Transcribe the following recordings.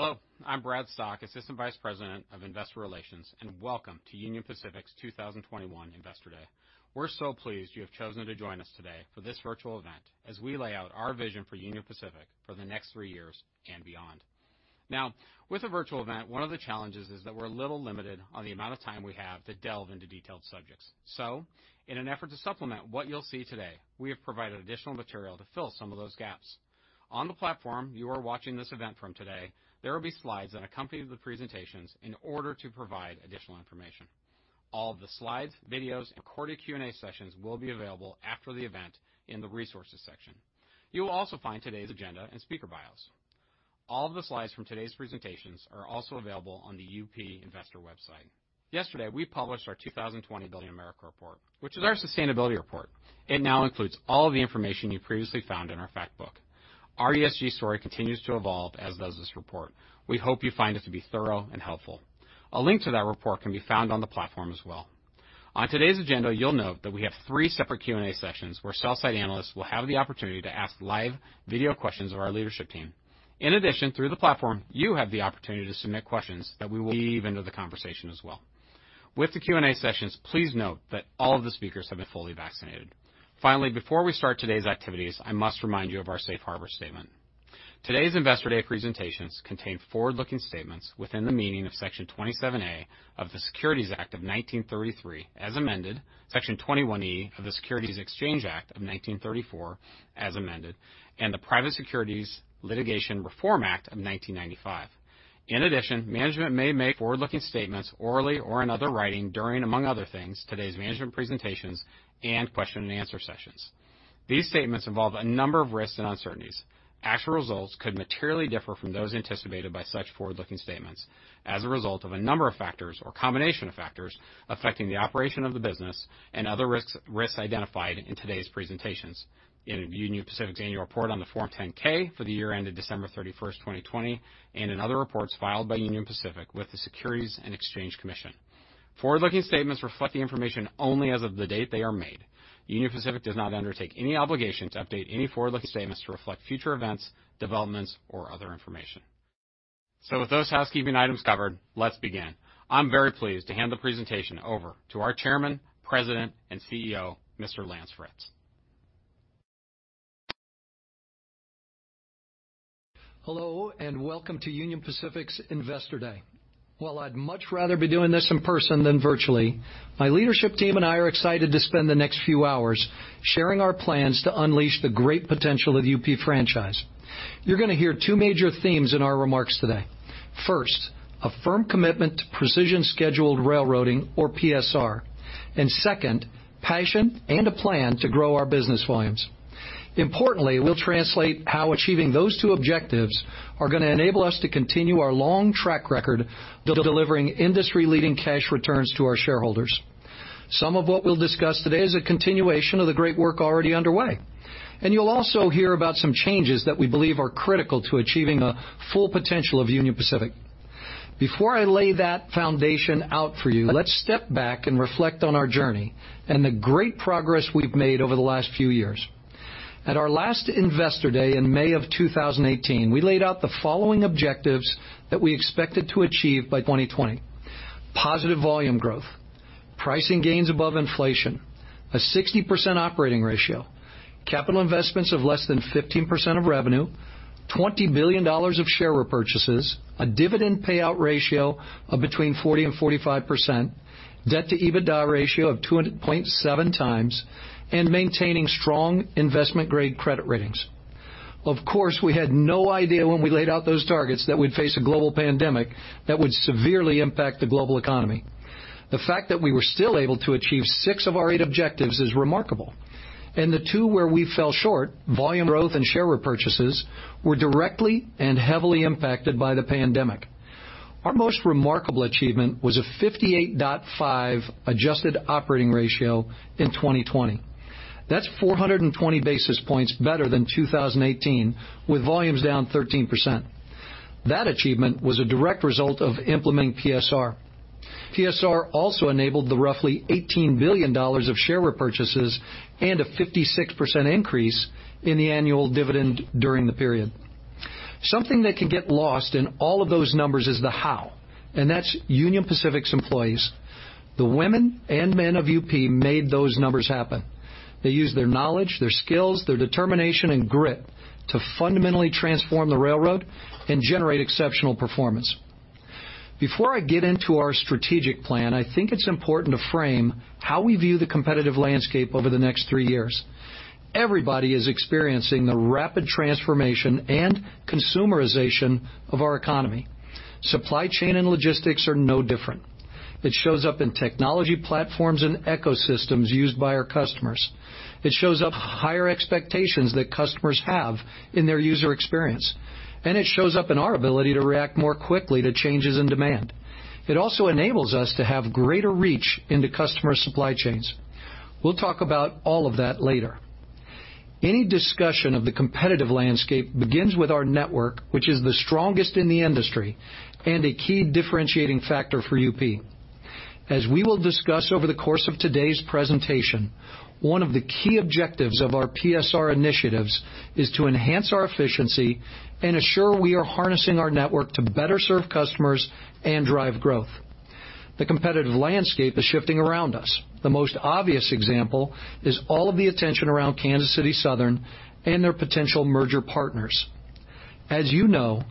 Hello, I'm Brad Stock, Assistant Vice President of Investor Relations, and welcome to Union Pacific's 2021 Investor Day. We're so pleased you have chosen to join us today for this virtual event as we lay out our vision for Union Pacific for the next three years and beyond. Now, with a virtual event, one of the challenges is that we're a little limited on the amount of time we have to delve into detailed subjects. In an effort to supplement what you'll see today, we have provided additional material to fill some of those gaps. On the platform you are watching this event from today, there will be slides that accompany the presentations in order to provide additional information. All of the slides, videos, and recorded Q&A sessions will be available after the event in the Resources section. You will also find today's agenda and speaker bios. All of the slides from today's presentations are also available on the UP investor website. Yesterday, we published our 2020 Building America Report, which is our sustainability report. It now includes all of the information you previously found in our fact book. Our ESG story continues to evolve, as does this report. We hope you find it to be thorough and helpful. A link to that report can be found on the platform as well. On today's agenda, you'll note that we have three separate Q&A sessions where sell-side analysts will have the opportunity to ask live video questions of our leadership team. In addition, through the platform, you have the opportunity to submit questions that we will weave into the conversation as well. With the Q&A sessions, please note that all of the speakers have been fully vaccinated. Finally, before we start today's activities, I must remind you of our safe harbor statement. Today's Investor Day presentations contain forward-looking statements within the meaning of Section 27A of the Securities Act of 1933, as amended, Section 21E of the Securities Exchange Act of 1934, as amended, and the Private Securities Litigation Reform Act of 1995. In addition, management may make forward-looking statements orally or in other writing during, among other things, today's management presentations and question and answer sessions. These statements involve a number of risks and uncertainties. Actual results could materially differ from those anticipated by such forward-looking statements as a result of a number of factors or combination of factors affecting the operation of the business and other risks identified in today's presentations, in Union Pacific's annual report on the Form 10-K for the year ended December 31st, 2020, and in other reports filed by Union Pacific with the Securities and Exchange Commission. Forward-looking statements reflect the information only as of the date they are made. Union Pacific does not undertake any obligation to update any forward-looking statements to reflect future events, developments, or other information. With those housekeeping items covered, let's begin. I'm very pleased to hand the presentation over to our Chairman, President, and CEO, Mr. Lance Fritz. Hello, welcome to Union Pacific's Investor Day. While I'd much rather be doing this in person than virtually, my leadership team and I are excited to spend the next few hours sharing our plans to unleash the great potential of the UP franchise. You're going to hear two major themes in our remarks today. First, a firm commitment to precision scheduled railroading or PSR, and second, passion and a plan to grow our business volumes. Importantly, we'll translate how achieving those two objectives are going to enable us to continue our long track record of delivering industry-leading cash returns to our shareholders. Some of what we'll discuss today is a continuation of the great work already underway, and you'll also hear about some changes that we believe are critical to achieving the full potential of Union Pacific. Before I lay that foundation out for you, let's step back and reflect on our journey and the great progress we've made over the last few years. At our last Investor Day in May of 2018, we laid out the following objectives that we expected to achieve by 2020. Positive volume growth, pricing gains above inflation, a 60% operating ratio, capital investments of less than 15% of revenue, $20 billion of share repurchases, a dividend payout ratio of between 40% and 45%, debt to EBITDA ratio of 2.7x, and maintaining strong investment-grade credit ratings. Of course, we had no idea when we laid out those targets that we'd face a global pandemic that would severely impact the global economy. The fact that we were still able to achieve six of our eight objectives is remarkable. The two where we fell short, volume growth and share repurchases, were directly and heavily impacted by the pandemic. Our most remarkable achievement was a 58.5 adjusted operating ratio in 2020. That is 420 basis points better than 2018 with volumes down 13%. That achievement was a direct result of implementing PSR. PSR also enabled the roughly $18 billion of share repurchases and a 56% increase in the annual dividend during the period. Something that can get lost in all of those numbers is the how, and that is Union Pacific's employees. The women and men of UP made those numbers happen. They used their knowledge, their skills, their determination, and grit to fundamentally transform the railroad and generate exceptional performance. Before I get into our strategic plan, I think it is important to frame how we view the competitive landscape over the next three years. Everybody is experiencing the rapid transformation and consumerization of our economy. Supply chain and logistics are no different. It shows up in technology platforms and ecosystems used by our customers. It shows up higher expectations that customers have in their user experience. It shows up in our ability to react more quickly to changes in demand. It also enables us to have greater reach into customer supply chains. We'll talk about all of that later. Any discussion of the competitive landscape begins with our network, which is the strongest in the industry and a key differentiating factor for UP. As we will discuss over the course of today's presentation, one of the key objectives of our PSR initiatives is to enhance our efficiency and assure we are harnessing our network to better serve customers and drive growth. The competitive landscape is shifting around us. The most obvious example is all of the attention around Kansas City Southern and their potential merger partners. As you know,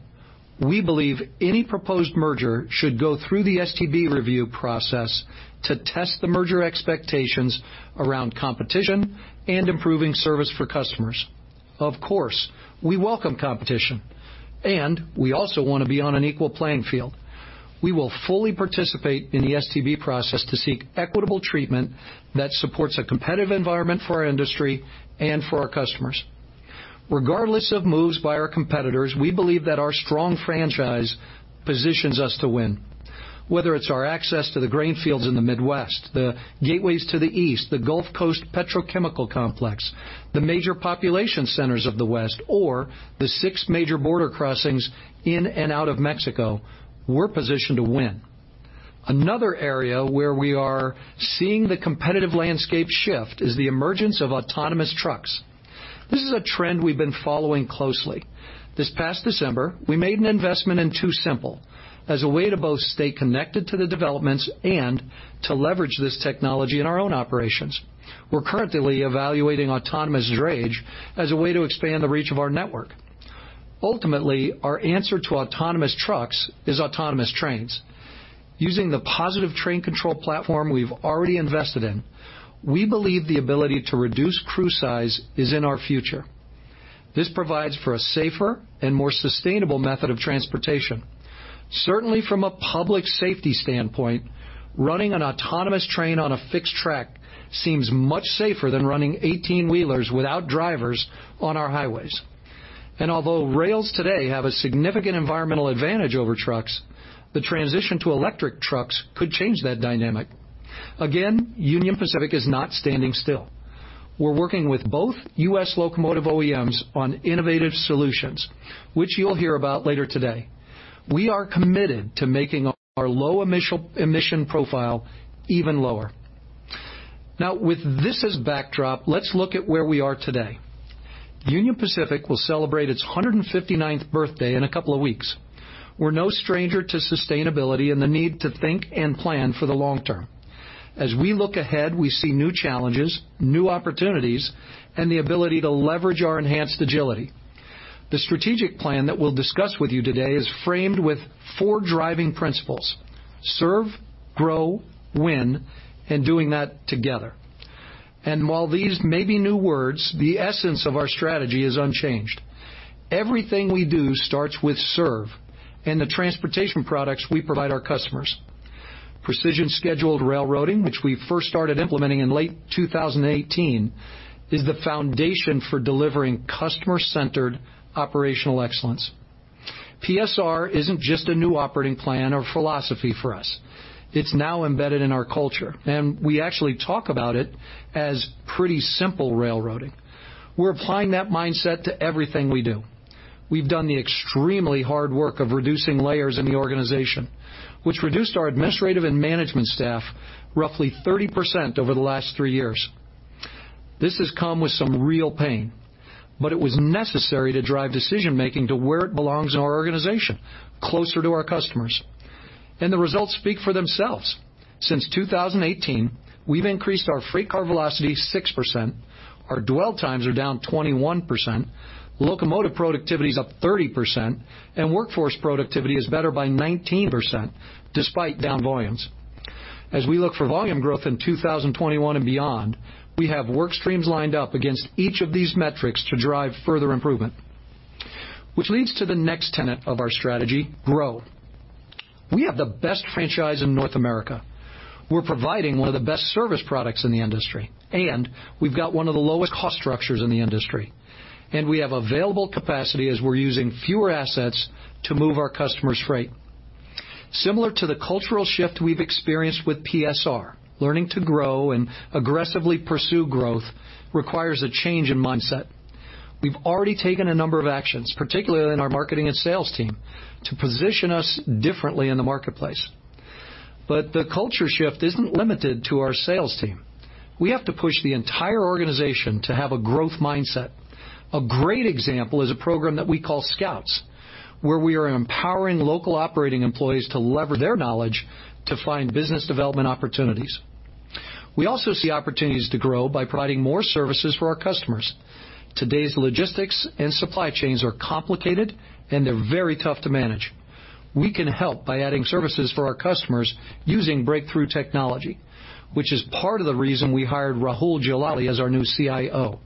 we believe any proposed merger should go through the STB review process to test the merger expectations around competition and improving service for customers. Of course, we welcome competition, and we also want to be on an equal playing field. We will fully participate in the STB process to seek equitable treatment that supports a competitive environment for our industry and for our customers. Regardless of moves by our competitors, we believe that our strong franchise positions us to win. Whether it's our access to the grain fields in the Midwest, the gateways to the East, the Gulf Coast petrochemical complex, the major population centers of the West, or the six major border crossings in and out of Mexico, we're positioned to win. Another area where we are seeing the competitive landscape shift is the emergence of autonomous trucks. This is a trend we've been following closely. This past December, we made an investment in TuSimple as a way to both stay connected to the developments and to leverage this technology in our own operations. We're currently evaluating autonomous drayage as a way to expand the reach of our network. Ultimately, our answer to autonomous trucks is autonomous trains. Using the positive train control platform we've already invested in, we believe the ability to reduce crew size is in our future. This provides for a safer and more sustainable method of transportation. Certainly from a public safety standpoint, running an autonomous train on a fixed track seems much safer than running 18-wheelers without drivers on our highways. Although rails today have a significant environmental advantage over trucks, the transition to electric trucks could change that dynamic. Again, Union Pacific is not standing still. We're working with both U.S. locomotive OEMs on innovative solutions, which you'll hear about later today. We are committed to making our low-emission profile even lower. Now, with this as backdrop, let's look at where we are today. Union Pacific will celebrate its 159th birthday in a couple of weeks. We're no stranger to sustainability and the need to think and plan for the long term. As we look ahead, we see new challenges, new opportunities, and the ability to leverage our enhanced agility. The strategic plan that we'll discuss with you today is framed with four driving principles. serve, grow, win, and doing that together. while these may be new words, the essence of our strategy is unchanged. Everything we do starts with serve and the transportation products we provide our customers. Precision Scheduled Railroading, which we first started implementing in late 2018, is the foundation for delivering customer-centered operational excellence. PSR isn't just a new operating plan or philosophy for us. It's now embedded in our culture, and we actually talk about it as Pretty Simple Railroading. We're applying that mindset to everything we do. We've done the extremely hard work of reducing layers in the organization, which reduced our administrative and management staff roughly 30% over the last three years. This has come with some real pain, but it was necessary to drive decision-making to where it belongs in our organization, closer to our customers. The results speak for themselves. Since 2018, we've increased our freight car velocity 6%, our dwell times are down 21%, locomotive productivity is up 30%, and workforce productivity is better by 19%, despite down volumes. As we look for volume growth in 2021 and beyond, we have work streams lined up against each of these metrics to drive further improvement, which leads to the next tenet of our strategy, grow. We have the best franchise in North America. We're providing one of the best service products in the industry, and we've got one of the lowest cost structures in the industry, and we have available capacity as we're using fewer assets to move our customers' freight. Similar to the cultural shift we've experienced with PSR, learning to grow and aggressively pursue growth requires a change in mindset. We've already taken a number of actions, particularly in our marketing and sales team, to position us differently in the marketplace. The culture shift isn't limited to our sales team. We have to push the entire organization to have a growth mindset. A great example is a program that we call Scouts, where we are empowering local operating employees to leverage their knowledge to find business development opportunities. We also see opportunities to grow by providing more services for our customers. Today's logistics and supply chains are complicated, and they're very tough to manage. We can help by adding services for our customers using breakthrough technology, which is part of the reason we hired Rahul Jalali as our new CIO.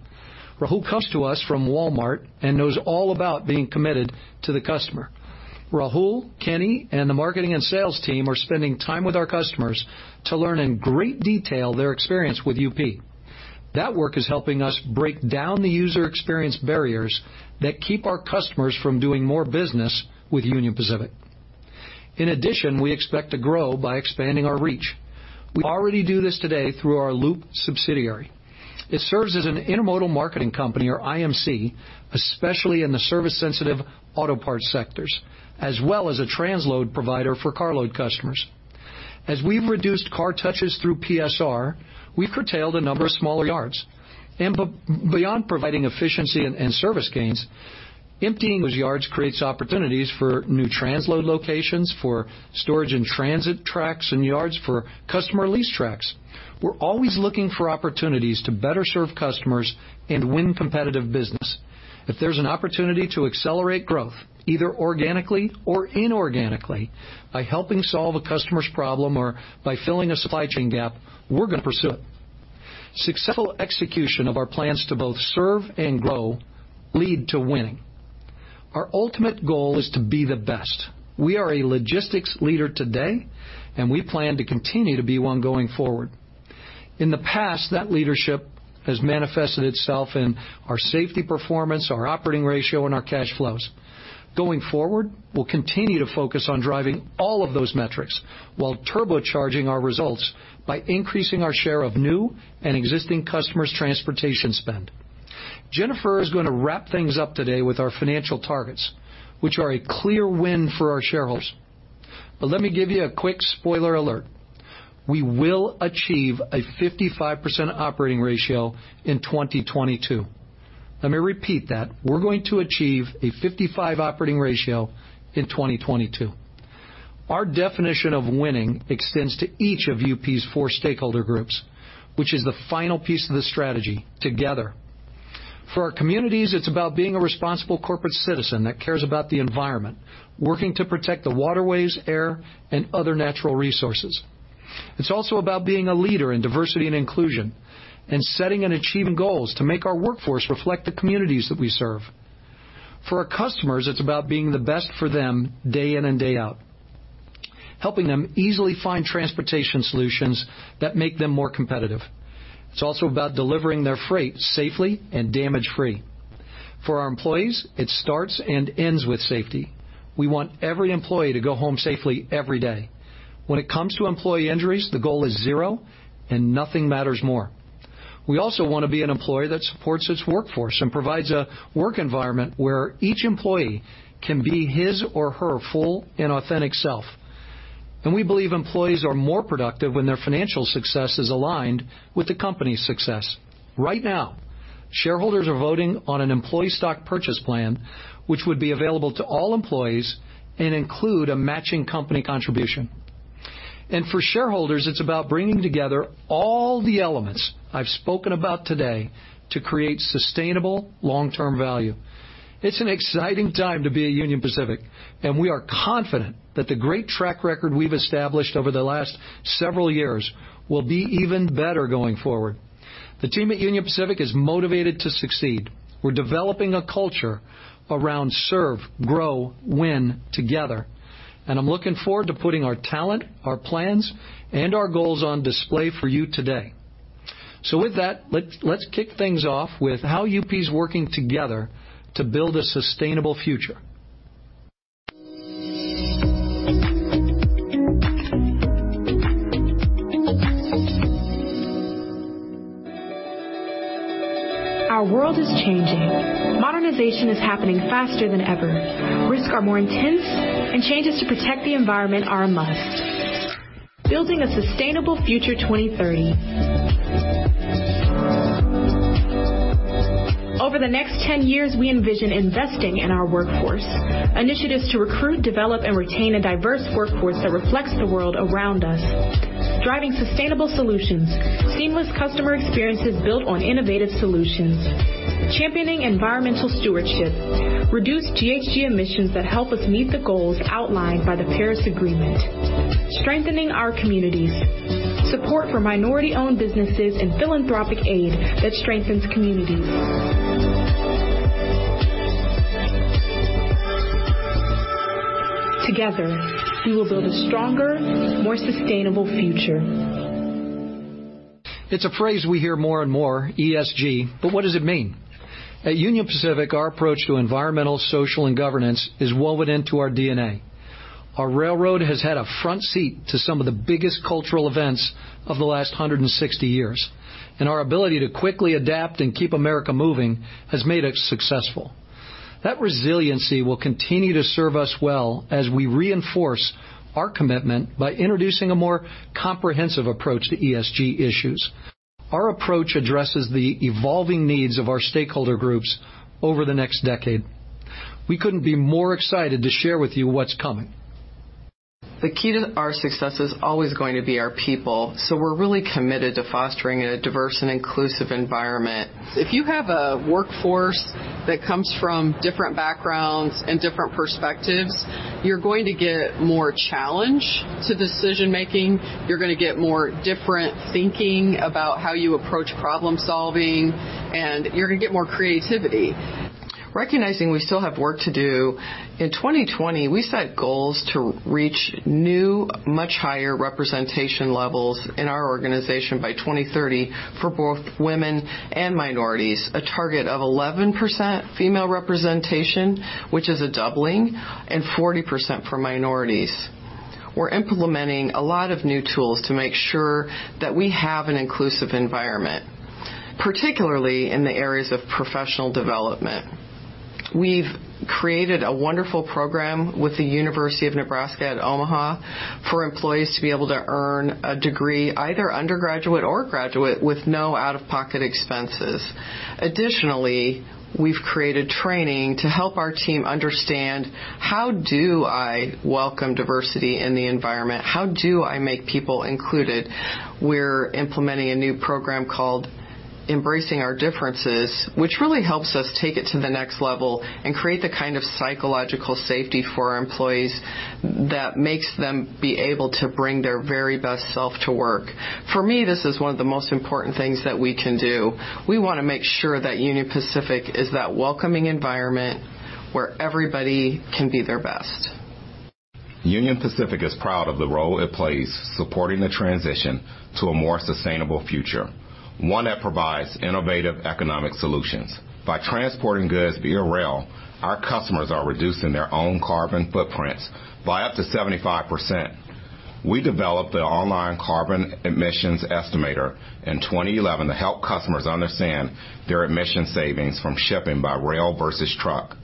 Rahul comes to us from Walmart and knows all about being committed to the customer. Rahul, Kenny, and the marketing and sales team are spending time with our customers to learn in great detail their experience with UP. That work is helping us break down the user experience barriers that keep our customers from doing more business with Union Pacific. In addition, we expect to grow by expanding our reach. We already do this today through our Loup subsidiary. It serves as an intermodal marketing company or IMC, especially in the service-sensitive auto parts sectors, as well as a transload provider for carload customers. As we've reduced car touches through PSR, we've curtailed a number of smaller yards. Beyond providing efficiency and service gains, emptying those yards creates opportunities for new transload locations, for storage in transit tracks and yards, for customer lease tracks. We're always looking for opportunities to better serve customers and win competitive business. If there's an opportunity to accelerate growth, either organically or inorganically, by helping solve a customer's problem or by filling a supply chain gap, we're going to pursue it. Successful execution of our plans to both serve and grow lead to winning. Our ultimate goal is to be the best. We are a logistics leader today, and we plan to continue to be one going forward. In the past, that leadership has manifested itself in our safety performance, our operating ratio, and our cash flows. Going forward, we'll continue to focus on driving all of those metrics while turbocharging our results by increasing our share of new and existing customers' transportation spend. Jennifer is going to wrap things up today with our financial targets, which are a clear win for our shareholders. Let me give you a quick spoiler alert. We will achieve a 55% operating ratio in 2022. Let me repeat that. We're going to achieve a 55 operating ratio in 2022. Our definition of winning extends to each of UP's four stakeholder groups, which is the final piece of the strategy together. For our communities, it's about being a responsible corporate citizen that cares about the environment, working to protect the waterways, air, and other natural resources. It's also about being a leader in diversity and inclusion and setting and achieving goals to make our workforce reflect the communities that we serve. For our customers, it's about being the best for them day in and day out, helping them easily find transportation solutions that make them more competitive. It's also about delivering their freight safely and damage-free. For our employees, it starts and ends with safety. We want every employee to go home safely every day. When it comes to employee injuries, the goal is zero, and nothing matters more. We also want to be an employer that supports its workforce and provides a work environment where each employee can be his or her full and authentic self. We believe employees are more productive when their financial success is aligned with the company's success. Right now, shareholders are voting on an employee stock purchase plan, which would be available to all employees and include a matching company contribution. For shareholders, it's about bringing together all the elements I've spoken about today to create sustainable long-term value. It's an exciting time to be at Union Pacific, and we are confident that the great track record we've established over the last several years will be even better going forward. The team at Union Pacific is motivated to succeed. We're developing a culture around serve, grow, win together, and I'm looking forward to putting our talent, our plans, and our goals on display for you today. With that, let's kick things off with how UP's working together to build a sustainable future. Our world is changing. Modernization is happening faster than ever. Risks are more intense, and changes to protect the environment are a must. Building a sustainable future 2030. Over the next 10 years, we envision investing in our workforce. Initiatives to recruit, develop, and retain a diverse workforce that reflects the world around us. Driving sustainable solutions. Seamless customer experiences built on innovative solutions. Championing environmental stewardship. Reduce GHG emissions that help us meet the goals outlined by the Paris Agreement. Strengthening our communities. Support for minority-owned businesses and philanthropic aid that strengthens communities. Together, we will build a stronger, more sustainable future. It's a phrase we hear more and more, ESG, but what does it mean? At Union Pacific, our approach to environmental, social, and governance is woven into our DNA. Our railroad has had a front seat to some of the biggest cultural events of the last 160 years, and our ability to quickly adapt and keep America moving has made us successful. That resiliency will continue to serve us well as we reinforce our commitment by introducing a more comprehensive approach to ESG issues. Our approach addresses the evolving needs of our stakeholder groups over the next decade. We couldn't be more excited to share with you what's coming. The key to our success is always going to be our people, so we're really committed to fostering a diverse and inclusive environment. If you have a workforce that comes from different backgrounds and different perspectives, you're going to get more challenge to decision-making, you're going to get more different thinking about how you approach problem-solving, and you're going to get more creativity. Recognizing we still have work to do, in 2020, we set goals to reach new, much higher representation levels in our organization by 2030 for both women and minorities. A target of 11% female representation, which is a doubling, and 40% for minorities. We're implementing a lot of new tools to make sure that we have an inclusive environment. Particularly in the areas of professional development. We've created a wonderful program with the University of Nebraska at Omaha for employees to be able to earn a degree, either undergraduate or graduate, with no out-of-pocket expenses. Additionally, we've created training to help our team understand, how do I welcome diversity in the environment? How do I make people included? We're implementing a new program called Embracing Our Differences, which really helps us take it to the next level and create the kind of psychological safety for our employees that makes them be able to bring their very best self to work. For me, this is one of the most important things that we can do. We want to make sure that Union Pacific is that welcoming environment where everybody can be their best. Union Pacific is proud of the role it plays supporting the transition to a more sustainable future, one that provides innovative economic solutions. By transporting goods via rail, our customers are reducing their own carbon footprints by up to 75%. We developed the online carbon emissions estimator in 2011 to help customers understand their emission savings from shipping by rail versus truck.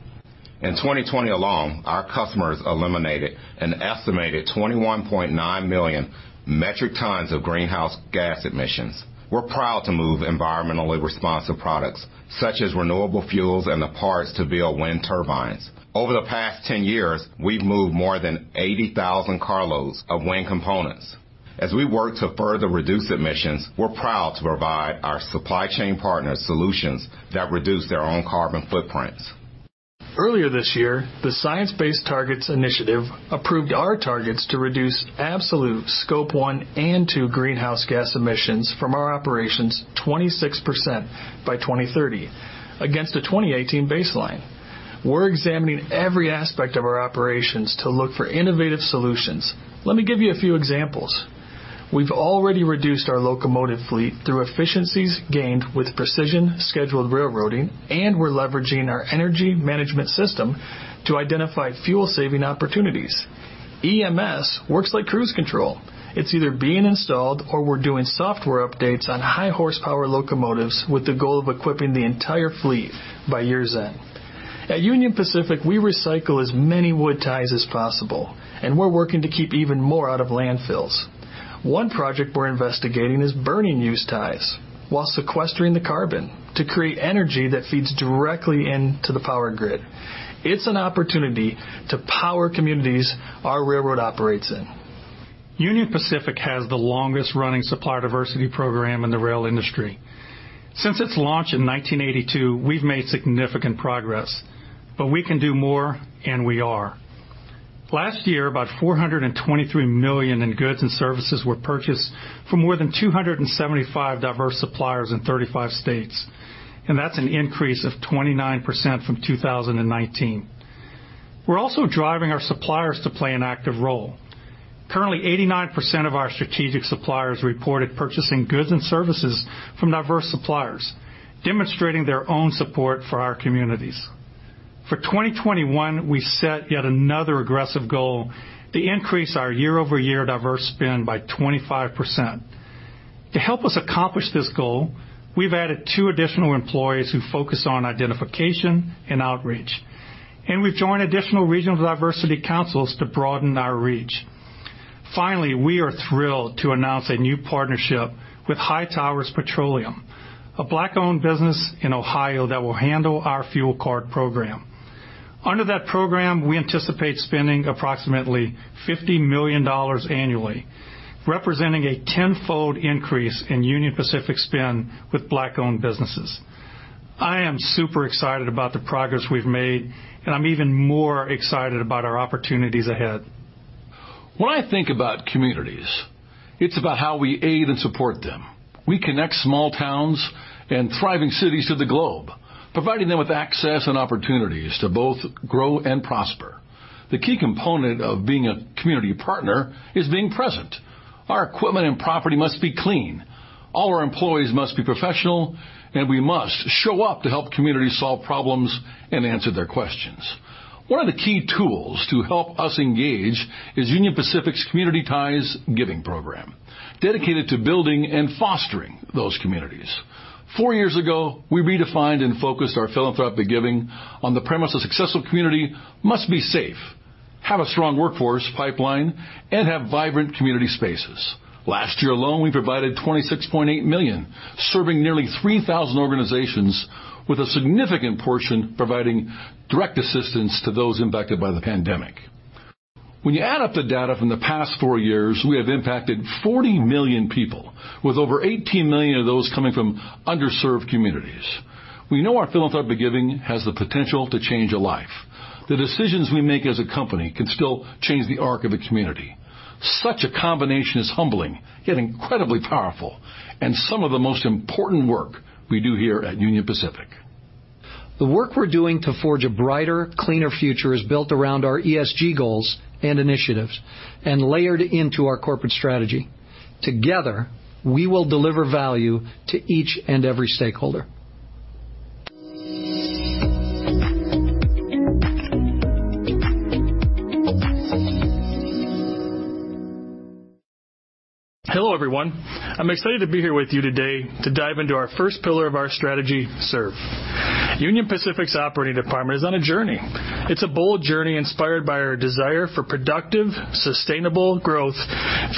In 2020 alone, our customers eliminated an estimated 21.9 million metric tons of greenhouse gas emissions. We're proud to move environmentally responsible products, such as renewable fuels and the parts to build wind turbines. Over the past 10 years, we've moved more than 80,000 carloads of wind components. As we work to further reduce emissions, we're proud to provide our supply chain partners solutions that reduce their own carbon footprints. Earlier this year, the Science Based Targets initiative approved our targets to reduce absolute scope one and two greenhouse gas emissions from our operations 26% by 2030 against a 2018 baseline. We're examining every aspect of our operations to look for innovative solutions. Let me give you a few examples. We've already reduced our locomotive fleet through efficiencies gained with precision scheduled railroading, and we're leveraging our energy management system to identify fuel-saving opportunities. EMS works like cruise control. It's either being installed or we're doing software updates on high-horsepower locomotives with the goal of equipping the entire fleet by year's end. At Union Pacific, we recycle as many wood ties as possible, and we're working to keep even more out of landfills. One project we're investigating is burning used ties while sequestering the carbon to create energy that feeds directly into the power grid. It's an opportunity to power communities our railroad operates in. Union Pacific has the longest-running supplier diversity program in the rail industry. Since its launch in 1982, we've made significant progress, but we can do more, and we are. Last year, about $423 million in goods and services were purchased from more than 275 diverse suppliers in 35 states, and that's an increase of 29% from 2019. We're also driving our suppliers to play an active role. Currently, 89% of our strategic suppliers reported purchasing goods and services from diverse suppliers, demonstrating their own support for our communities. For 2021, we set yet another aggressive goal to increase our year-over-year diverse spend by 25%. To help us accomplish this goal, we've added two additional employees who focus on identification and outreach, and we've joined additional regional diversity councils to broaden our reach. Finally, we are thrilled to announce a new partnership with Hightowers Petroleum Co., a Black-owned business in Ohio that will handle our fuel card program. Under that program, we anticipate spending approximately $50 million annually, representing a tenfold increase in Union Pacific spend with Black-owned businesses. I am super excited about the progress we've made, and I'm even more excited about our opportunities ahead. When I think about communities, it's about how we aid and support them. We connect small towns and thriving cities to the globe, providing them with access and opportunities to both grow and prosper. The key component of being a community partner is being present. Our equipment and property must be clean. All our employees must be professional, and we must show up to help communities solve problems and answer their questions. One of the key tools to help us engage is Union Pacific's Community Ties Giving Program, dedicated to building and fostering those communities. Four years ago, we redefined and focused our philanthropic giving on the premise a successful community must be safe, have a strong workforce pipeline, and have vibrant community spaces. Last year alone, we provided $26.8 million, serving nearly 3,000 organizations with a significant portion providing direct assistance to those impacted by the pandemic. When you add up the data from the past four years, we have impacted 40 million people with over 18 million of those coming from underserved communities. We know our philanthropic giving has the potential to change a life. The decisions we make as a company can still change the arc of a community. Such a combination is humbling, yet incredibly powerful and some of the most important work we do here at Union Pacific. The work we're doing to forge a brighter, cleaner future is built around our ESG goals and initiatives and layered into our corporate strategy. Together, we will deliver value to each and every stakeholder. Hello, everyone. I'm excited to be here with you today to dive into our first pillar of our strategy, serve. Union Pacific's operating department is on a journey. It's a bold journey inspired by our desire for productive, sustainable growth,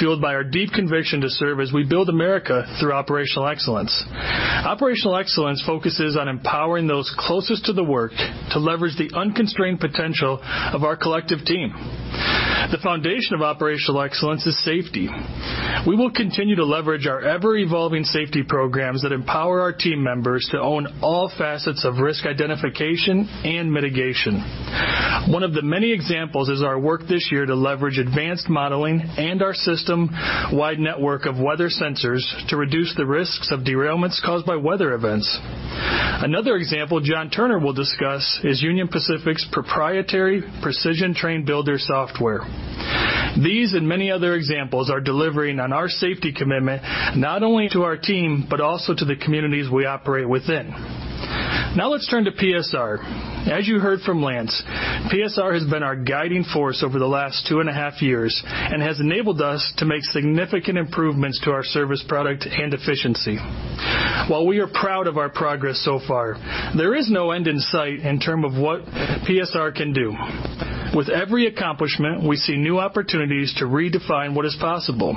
fueled by our deep conviction to serve as we build America through operational excellence. Operational excellence focuses on empowering those closest to the work to leverage the unconstrained potential of our collective team. The foundation of operational excellence is safety. We will continue to leverage our ever-evolving safety programs that empower our team members to own all facets of risk identification and mitigation. One of the many examples is our work this year to leverage advanced modeling and our system-wide network of weather sensors to reduce the risks of derailments caused by weather events. Another example John Turner will discuss is Union Pacific's proprietary Precision Train Builder software. These and many other examples are delivering on our safety commitment, not only to our team, but also to the communities we operate within. Now let's turn to PSR. As you heard from Lance, PSR has been our guiding force over the last two and a half years and has enabled us to make significant improvements to our service product and efficiency. While we are proud of our progress so far, there is no end in sight in terms of what PSR can do. With every accomplishment, we see new opportunities to redefine what is possible.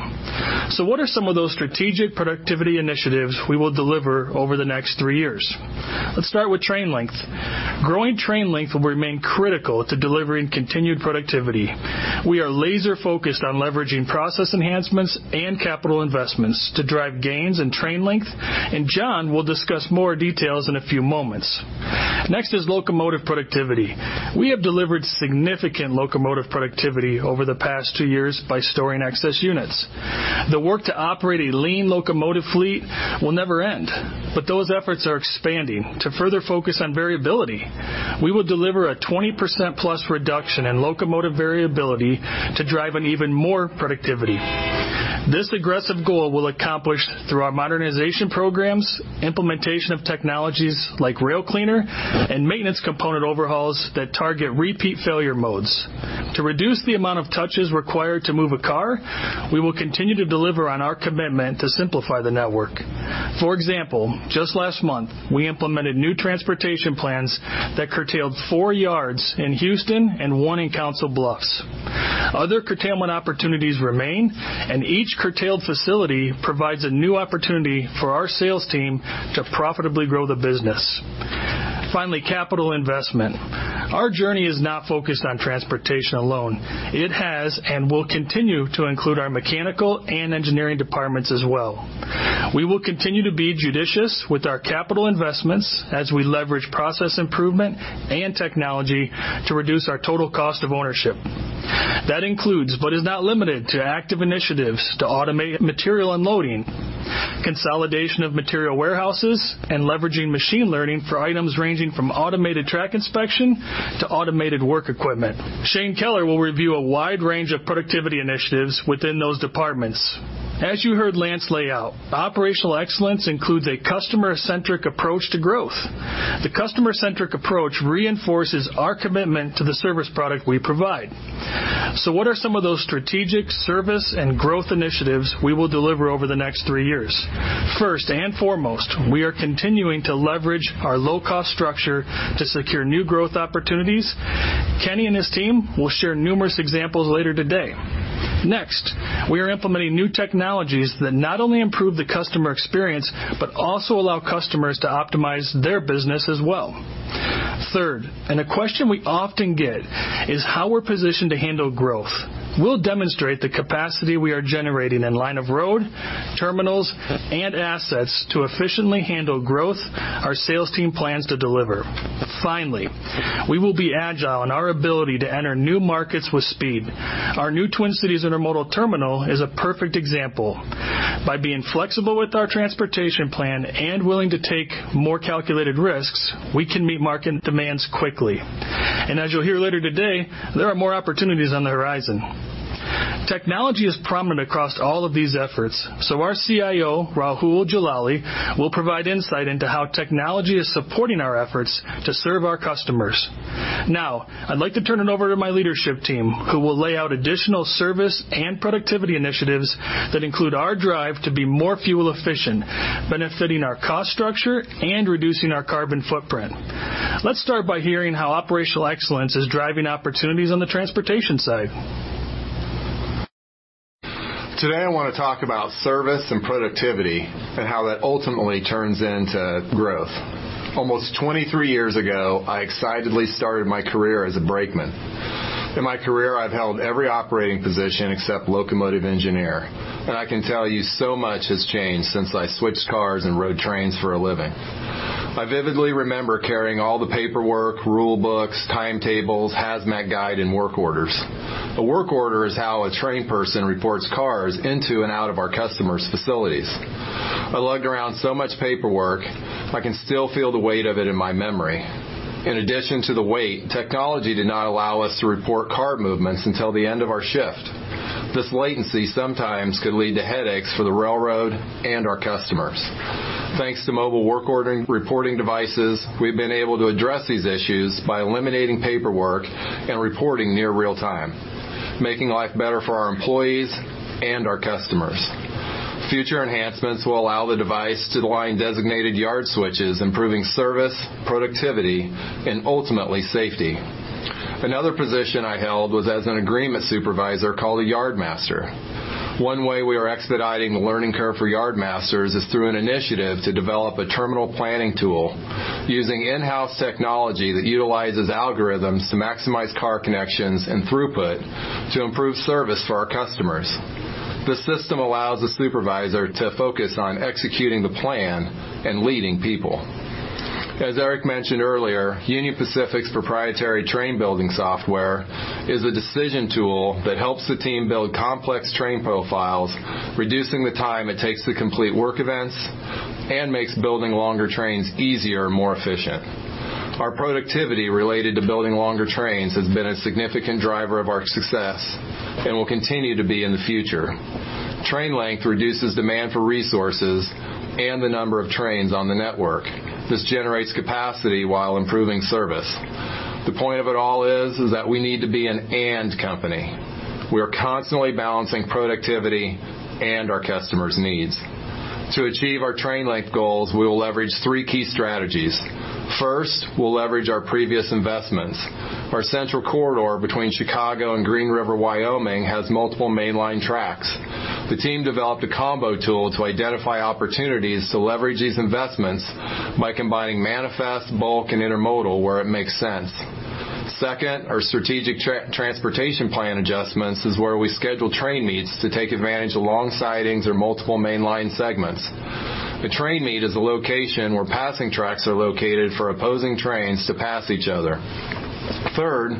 What are some of those strategic productivity initiatives we will deliver over the next three years? Let's start with train length. Growing train length will remain critical to delivering continued productivity. We are laser-focused on leveraging process enhancements and capital investments to drive gains in train length, and John will discuss more details in a few moments. Next is locomotive productivity. We have delivered significant locomotive productivity over the past two years by storing excess units. The work to operate a lean locomotive fleet will never end, but those efforts are expanding to further focus on variability. We will deliver a 20%+ reduction in locomotive variability to drive an even more productivity. This aggressive goal we'll accomplish through our modernization programs, implementation of technologies like rail cleaner, and maintenance component overhauls that target repeat failure modes. To reduce the amount of touches required to move a car, we will continue to deliver on our commitment to simplify the network. For example, just last month, we implemented new transportation plans that curtailed four yards in Houston and one in Council Bluffs. Other curtailment opportunities remain, and each curtailed facility provides a new opportunity for our sales team to profitably grow the business. Finally, capital investment. Our journey is not focused on transportation alone. It has, and will continue to include our mechanical and engineering departments as well. We will continue to be judicious with our capital investments as we leverage process improvement and technology to reduce our total cost of ownership. That includes, but is not limited to active initiatives to automate material unloading, consolidation of material warehouses, and leveraging machine learning for items ranging from automated track inspection to automated work equipment. Shane Keller will review a wide range of productivity initiatives within those departments. As you heard Lance lay out, operational excellence includes a customer-centric approach to growth. The customer-centric approach reinforces our commitment to the service product we provide. what are some of those strategic service and growth initiatives we will deliver over the next three years? First and foremost, we are continuing to leverage our low-cost structure to secure new growth opportunities. Kenny and his team will share numerous examples later today. Next, we are implementing new technologies that not only improve the customer experience, but also allow customers to optimize their business as well. Third, and a question we often get is how we're positioned to handle growth. We'll demonstrate the capacity we are generating in line of road, terminals, and assets to efficiently handle growth our sales team plans to deliver. Finally, we will be agile in our ability to enter new markets with speed. Our new Twin Cities Intermodal Terminal is a perfect example. By being flexible with our transportation plan and willing to take more calculated risks, we can meet market demands quickly. As you'll hear later today, there are more opportunities on the horizon. Technology is prominent across all of these efforts, so our CIO, Rahul Jalali, will provide insight into how technology is supporting our efforts to serve our customers. Now, I'd like to turn it over to my leadership team, who will lay out additional service and productivity initiatives that include our drive to be more fuel efficient, benefiting our cost structure and reducing our carbon footprint. Let's start by hearing how operational excellence is driving opportunities on the transportation side. Today, I want to talk about service and productivity and how that ultimately turns into growth. Almost 23 years ago, I excitedly started my career as a brakeman. In my career, I've held every operating position except locomotive engineer, and I can tell you so much has changed since I switched cars and rode trains for a living. I vividly remember carrying all the paperwork, rule books, timetables, hazmat guide, and work orders. A work order is how a train person reports cars into and out of our customer's facilities. I lugged around so much paperwork, I can still feel the weight of it in my memory. In addition to the weight, technology did not allow us to report car movements until the end of our shift. This latency sometimes could lead to headaches for the railroad and our customers. Thanks to mobile work order and reporting devices, we've been able to address these issues by eliminating paperwork and reporting near real-time, making life better for our employees and our customers. Future enhancements will allow the device to align designated yard switches, improving service, productivity, and ultimately safety. Another position I held was as an agreement supervisor called a yard master. One way we are expediting the learning curve for yard masters is through an initiative to develop a terminal planning tool using in-house technology that utilizes algorithms to maximize car connections and throughput to improve service for our customers. The system allows the supervisor to focus on executing the plan and leading people. As Eric mentioned earlier, Union Pacific's proprietary train-building software is a decision tool that helps the team build complex train profiles, reducing the time it takes to complete work events and makes building longer trains easier and more efficient. Our productivity related to building longer trains has been a significant driver of our success and will continue to be in the future. Train length reduces demand for resources and the number of trains on the network. This generates capacity while improving service. The point of it all is that we need to be an and company. We are constantly balancing productivity and our customers' needs. To achieve our train length goals, we will leverage three key strategies. First, we'll leverage our previous investments. Our central corridor between Chicago and Green River, Wyoming, has multiple mainline tracks. The team developed a combo tool to identify opportunities to leverage these investments by combining manifest, bulk, and intermodal where it makes sense. Second, our strategic transportation plan adjustments is where we schedule train meets to take advantage of long sidings or multiple mainline segments. A train meet is a location where passing tracks are located for opposing trains to pass each other. Third,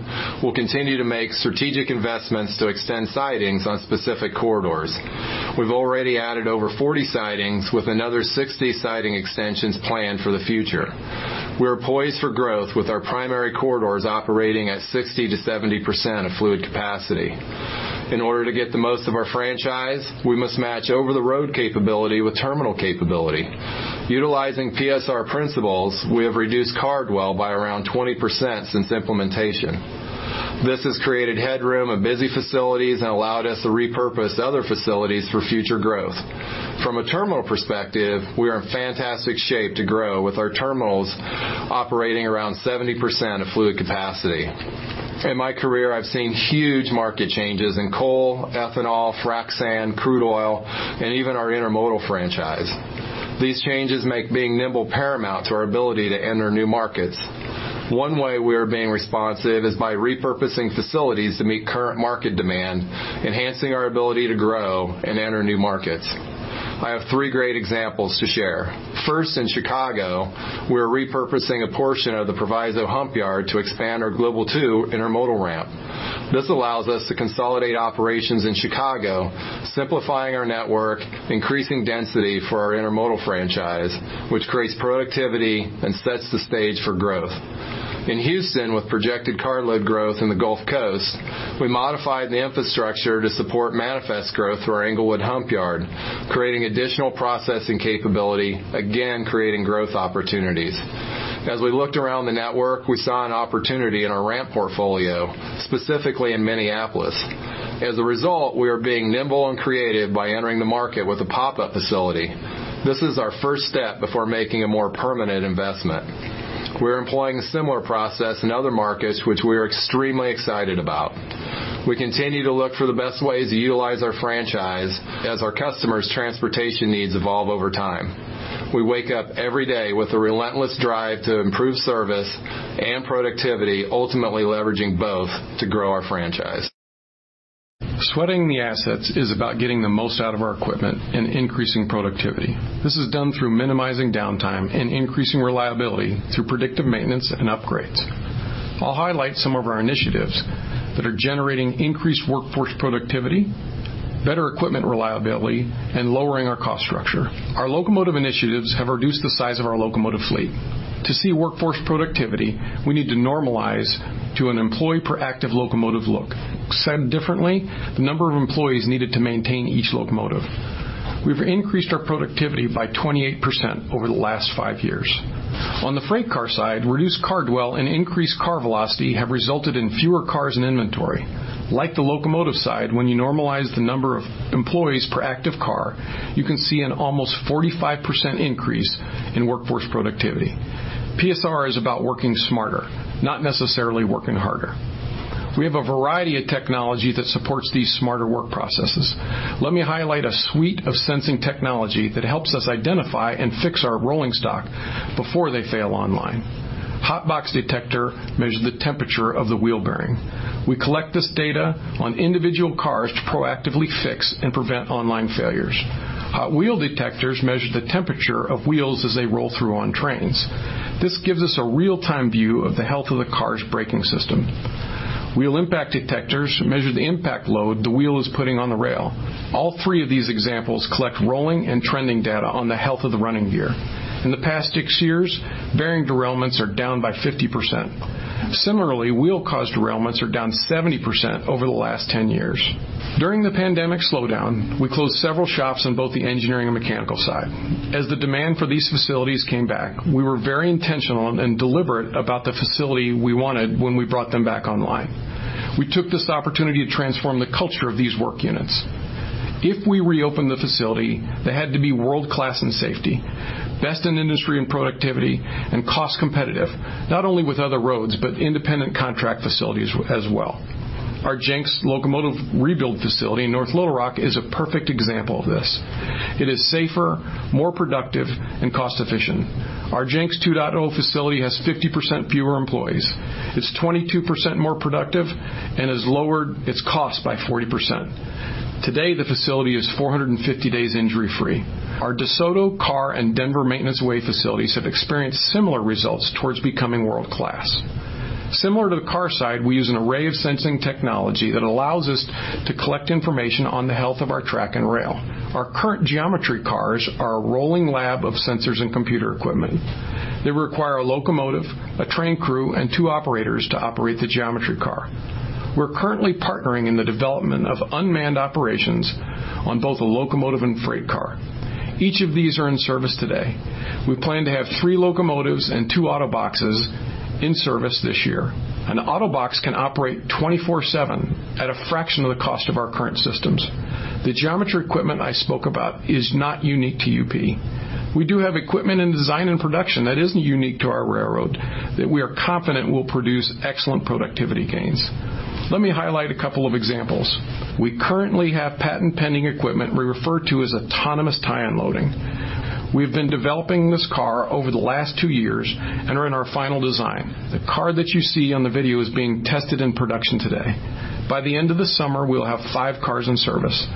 we'll continue to make strategic investments to extend sidings on specific corridors. We've already added over 40 sidings with another 60 siding extensions planned for the future. We are poised for growth with our primary corridors operating at 60%-70% of fluid capacity. In order to get the most of our franchise, we must match over-the-road capability with terminal capability. Utilizing PSR principles, we have reduced car dwell by around 20% since implementation. This has created headroom at busy facilities and allowed us to repurpose other facilities for future growth. From a terminal perspective, we are in fantastic shape to grow with our terminals operating around 70% of fluid capacity. In my career, I've seen huge market changes in coal, ethanol, frac sand, crude oil, and even our intermodal franchise. These changes make being nimble paramount to our ability to enter new markets. One way we are being responsive is by repurposing facilities to meet current market demand, enhancing our ability to grow and enter new markets. I have three great examples to share. First, in Chicago, we are repurposing a portion of the Proviso hump yard to expand our Global II intermodal ramp. This allows us to consolidate operations in Chicago, simplifying our network, increasing density for our intermodal franchise, which creates productivity and sets the stage for growth. In Houston, with projected carload growth in the Gulf Coast, we modified the infrastructure to support manifest growth through our Englewood hump yard, creating additional processing capability, again, creating growth opportunities. As we looked around the network, we saw an opportunity in our ramp portfolio, specifically in Minneapolis. As a result, we are being nimble and creative by entering the market with a pop-up facility. This is our first step before making a more permanent investment. We're employing a similar process in other markets, which we are extremely excited about. We continue to look for the best ways to utilize our franchise as our customers' transportation needs evolve over time. We wake up every day with a relentless drive to improve service and productivity, ultimately leveraging both to grow our franchise. Sweating the assets is about getting the most out of our equipment and increasing productivity. This is done through minimizing downtime and increasing reliability through predictive maintenance and upgrades. I'll highlight some of our initiatives that are generating increased workforce productivity, better equipment reliability, and lowering our cost structure. Our locomotive initiatives have reduced the size of our locomotive fleet. To see workforce productivity, we need to normalize to an employee-per-active-locomotive look. Said differently, the number of employees needed to maintain each locomotive. We've increased our productivity by 28% over the last five years. On the freight car side, reduced car dwell and increased car velocity have resulted in fewer cars in inventory. Like the locomotive side, when you normalize the number of employees per active car, you can see an almost 45% increase in workforce productivity. PSR is about working smarter, not necessarily working harder. We have a variety of technology that supports these smarter work processes. Let me highlight a suite of sensing technology that helps us identify and fix our rolling stock before they fail online. Hot box detector measures the temperature of the wheel bearing. We collect this data on individual cars to proactively fix and prevent online failures. Hot wheel detectors measure the temperature of wheels as they roll through on trains. This gives us a real-time view of the health of the car's braking system. Wheel impact detectors measure the impact load the wheel is putting on the rail. All three of these examples collect rolling and trending data on the health of the running gear. In the past six years, bearing derailments are down by 50%. Similarly, wheel cause derailments are down 70% over the last 10 years. During the pandemic slowdown, we closed several shops on both the engineering and mechanical side. As the demand for these facilities came back, we were very intentional and deliberate about the facility we wanted when we brought them back online. We took this opportunity to transform the culture of these work units. If we reopen the facility, they had to be world-class in safety, best in industry and productivity, and cost competitive, not only with other roads, but independent contract facilities as well. Our Jenks locomotive rebuild facility in North Little Rock is a perfect example of this. It is safer, more productive, and cost efficient. Our Jenks 2.0 facility has 50% fewer employees. It's 22% more productive and has lowered its cost by 40%. Today, the facility is 450 days injury-free. Our DeSoto car and Denver maintenance way facilities have experienced similar results towards becoming world-class. Similar to the car side, we use an array of sensing technology that allows us to collect information on the health of our track and rail. Our current geometry cars are a rolling lab of sensors and computer equipment. They require a locomotive, a train crew, and two operators to operate the geometry car. We're currently partnering in the development of unmanned operations on both a locomotive and freight car. Each of these are in service today. We plan to have three locomotives and two AutoBoxes in service this year. An AutoBox can operate 24/7 at a fraction of the cost of our current systems. The geometry equipment I spoke about is not unique to UP. We do have equipment in design and production that isn't unique to our railroad that we are confident will produce excellent productivity gains. Let me highlight a couple of examples. We currently have patent-pending equipment we refer to as autonomous tie unloading. We've been developing this car over the last two years and are in our final design. The car that you see on the video is being tested in production today. By the end of the summer, we'll have five cars in service.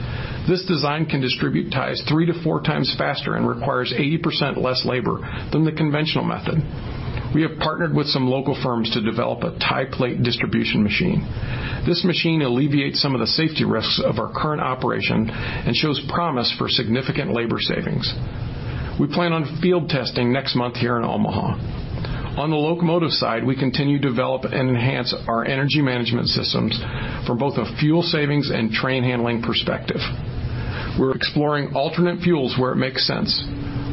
This design can distribute ties three to 4x faster and requires 80% less labor than the conventional method. We have partnered with some local firms to develop a tie plate distribution machine. This machine alleviates some of the safety risks of our current operation and shows promise for significant labor savings. We plan on field testing next month here in Omaha. On the locomotive side, we continue to develop and enhance our energy management systems for both a fuel savings and train handling perspective. We're exploring alternate fuels where it makes sense.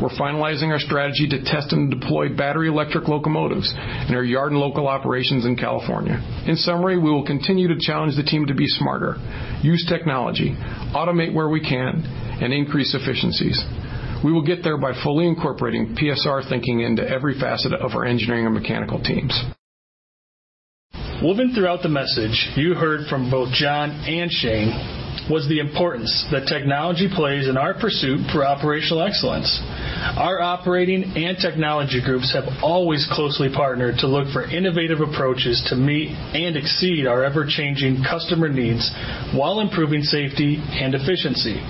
We're finalizing our strategy to test and deploy battery electric locomotives in our yard and local operations in California. In summary, we will continue to challenge the team to be smarter, use technology, automate where we can, and increase efficiencies. We will get there by fully incorporating PSR thinking into every facet of our engineering and mechanical teams. Woven throughout the message you heard from both John and Shane was the importance that technology plays in our pursuit for operational excellence. Our operating and technology groups have always closely partnered to look for innovative approaches to meet and exceed our ever-changing customer needs while improving safety and efficiency.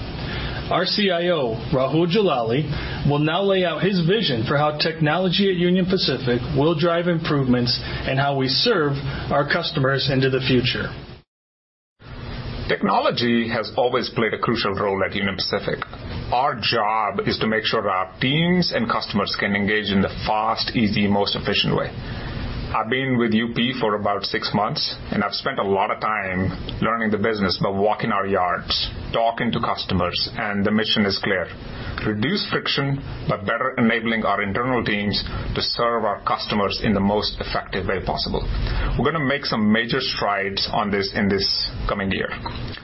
Our CIO, Rahul Jalali, will now lay out his vision for how technology at Union Pacific will drive improvements and how we serve our customers into the future. Technology has always played a crucial role at Union Pacific. Our job is to make sure our teams and customers can engage in the fast, easy, most efficient way. I've been with UP for about six months, and I've spent a lot of time learning the business by walking our yards, talking to customers, and the mission is clear. Reduce friction by better enabling our internal teams to serve our customers in the most effective way possible. We're going to make some major strides on this in this coming year.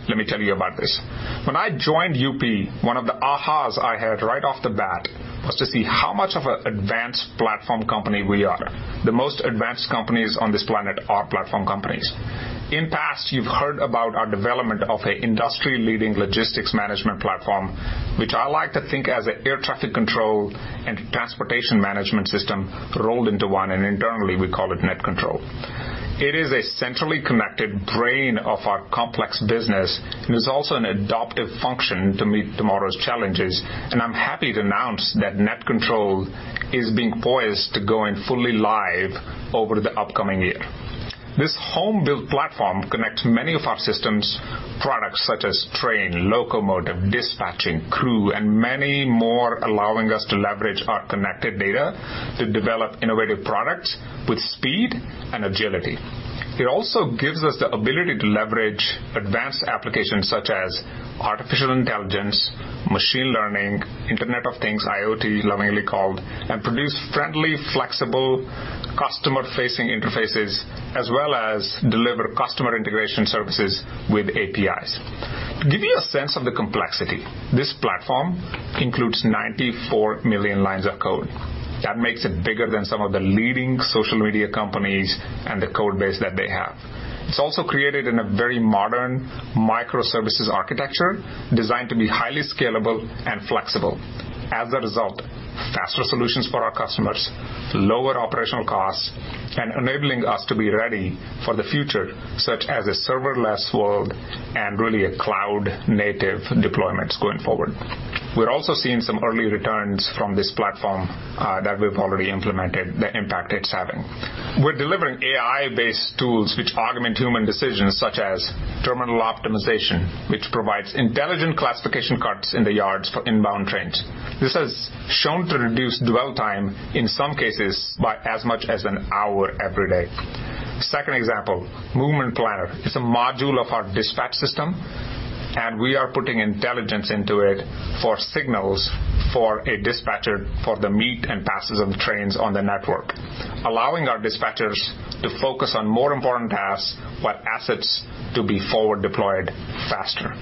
Let me tell you about this. When I joined UP, one of the ahas I had right off the bat was to see how much of an advanced platform company we are. The most advanced companies on this planet are platform companies. In the past, you've heard about our development of an industry-leading logistics management platform, which I like to think as an air traffic control and transportation management system rolled into one, and internally we call it NetControl. It is a centrally connected brain of our complex business and is also an adaptive function to meet tomorrow's challenges, and I'm happy to announce that NetControl is being poised to go in fully live over the upcoming year. This home-built platform connects many of our systems products such as train, locomotive, dispatching, crew, and many more, allowing us to leverage our connected data to develop innovative products with speed and agility. It also gives us the ability to leverage advanced applications such as artificial intelligence, machine learning, Internet of Things, IoT, lovingly called, and produce friendly, flexible, customer-facing interfaces as well as deliver customer integration services with APIs. To give you a sense of the complexity, this platform includes 94 million lines of code. That makes it bigger than some of the leading social media companies and the code base that they have. It's also created in a very modern microservices architecture designed to be highly scalable and flexible. As a result, faster solutions for our customers, lower operational costs, and enabling us to be ready for the future, such as a serverless world and really a cloud-native deployments going forward. We're also seeing some early returns from this platform, that we've already implemented, the impact it's having. We're delivering AI-based tools which augment human decisions such as terminal optimization, which provides intelligent classification cuts in the yards for inbound trains. This has shown to reduce dwell time, in some cases, by as much as an hour every day. Second example, Movement Planner. It's a module of our dispatch system. We are putting intelligence into it for signals for a dispatcher for the meet and passes of trains on the network, allowing our dispatchers to focus on more important tasks while assets to be forward deployed faster.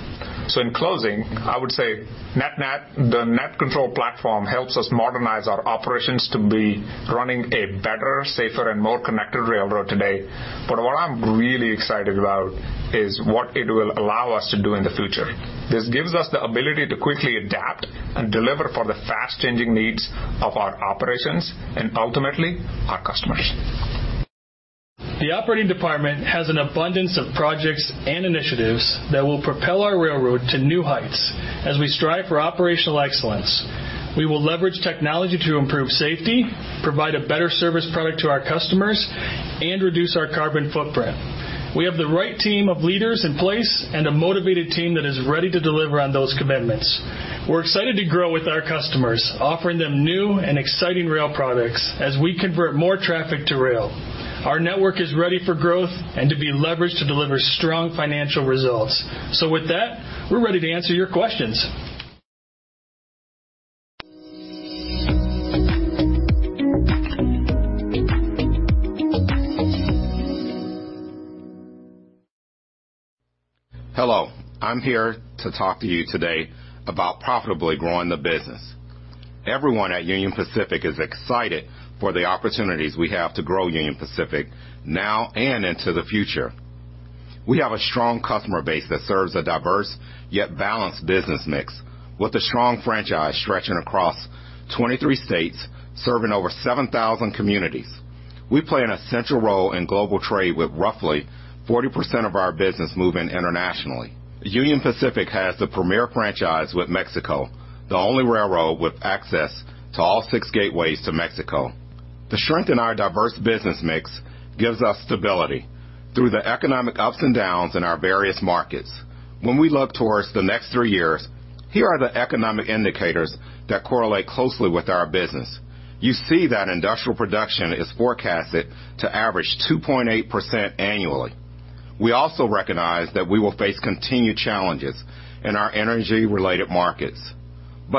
In closing, I would say the NetControl platform helps us modernize our operations to be running a better, safer, and more connected railroad today. What I'm really excited about is what it will allow us to do in the future. This gives us the ability to quickly adapt and deliver for the fast-changing needs of our operations and ultimately, our customers. The operating department has an abundance of projects and initiatives that will propel our railroad to new heights as we strive for operational excellence. We will leverage technology to improve safety, provide a better service product to our customers, and reduce our carbon footprint. We have the right team of leaders in place and a motivated team that is ready to deliver on those commitments. We're excited to grow with our customers, offering them new and exciting rail products as we convert more traffic to rail. Our network is ready for growth and to be leveraged to deliver strong financial results. with that, we're ready to answer your questions. Hello. I'm here to talk to you today about profitably growing the business. Everyone at Union Pacific is excited for the opportunities we have to grow Union Pacific now and into the future. We have a strong customer base that serves a diverse, yet balanced business mix, with a strong franchise stretching across 23 states, serving over 7,000 communities. We play an essential role in global trade with roughly 40% of our business moving internationally. Union Pacific has the premier franchise with Mexico, the only railroad with access to all six gateways to Mexico. The strength in our diverse business mix gives us stability through the economic ups and downs in our various markets. When we look towards the next three years, here are the economic indicators that correlate closely with our business. You see that industrial production is forecasted to average 2.8% annually. We also recognize that we will face continued challenges in our energy-related markets.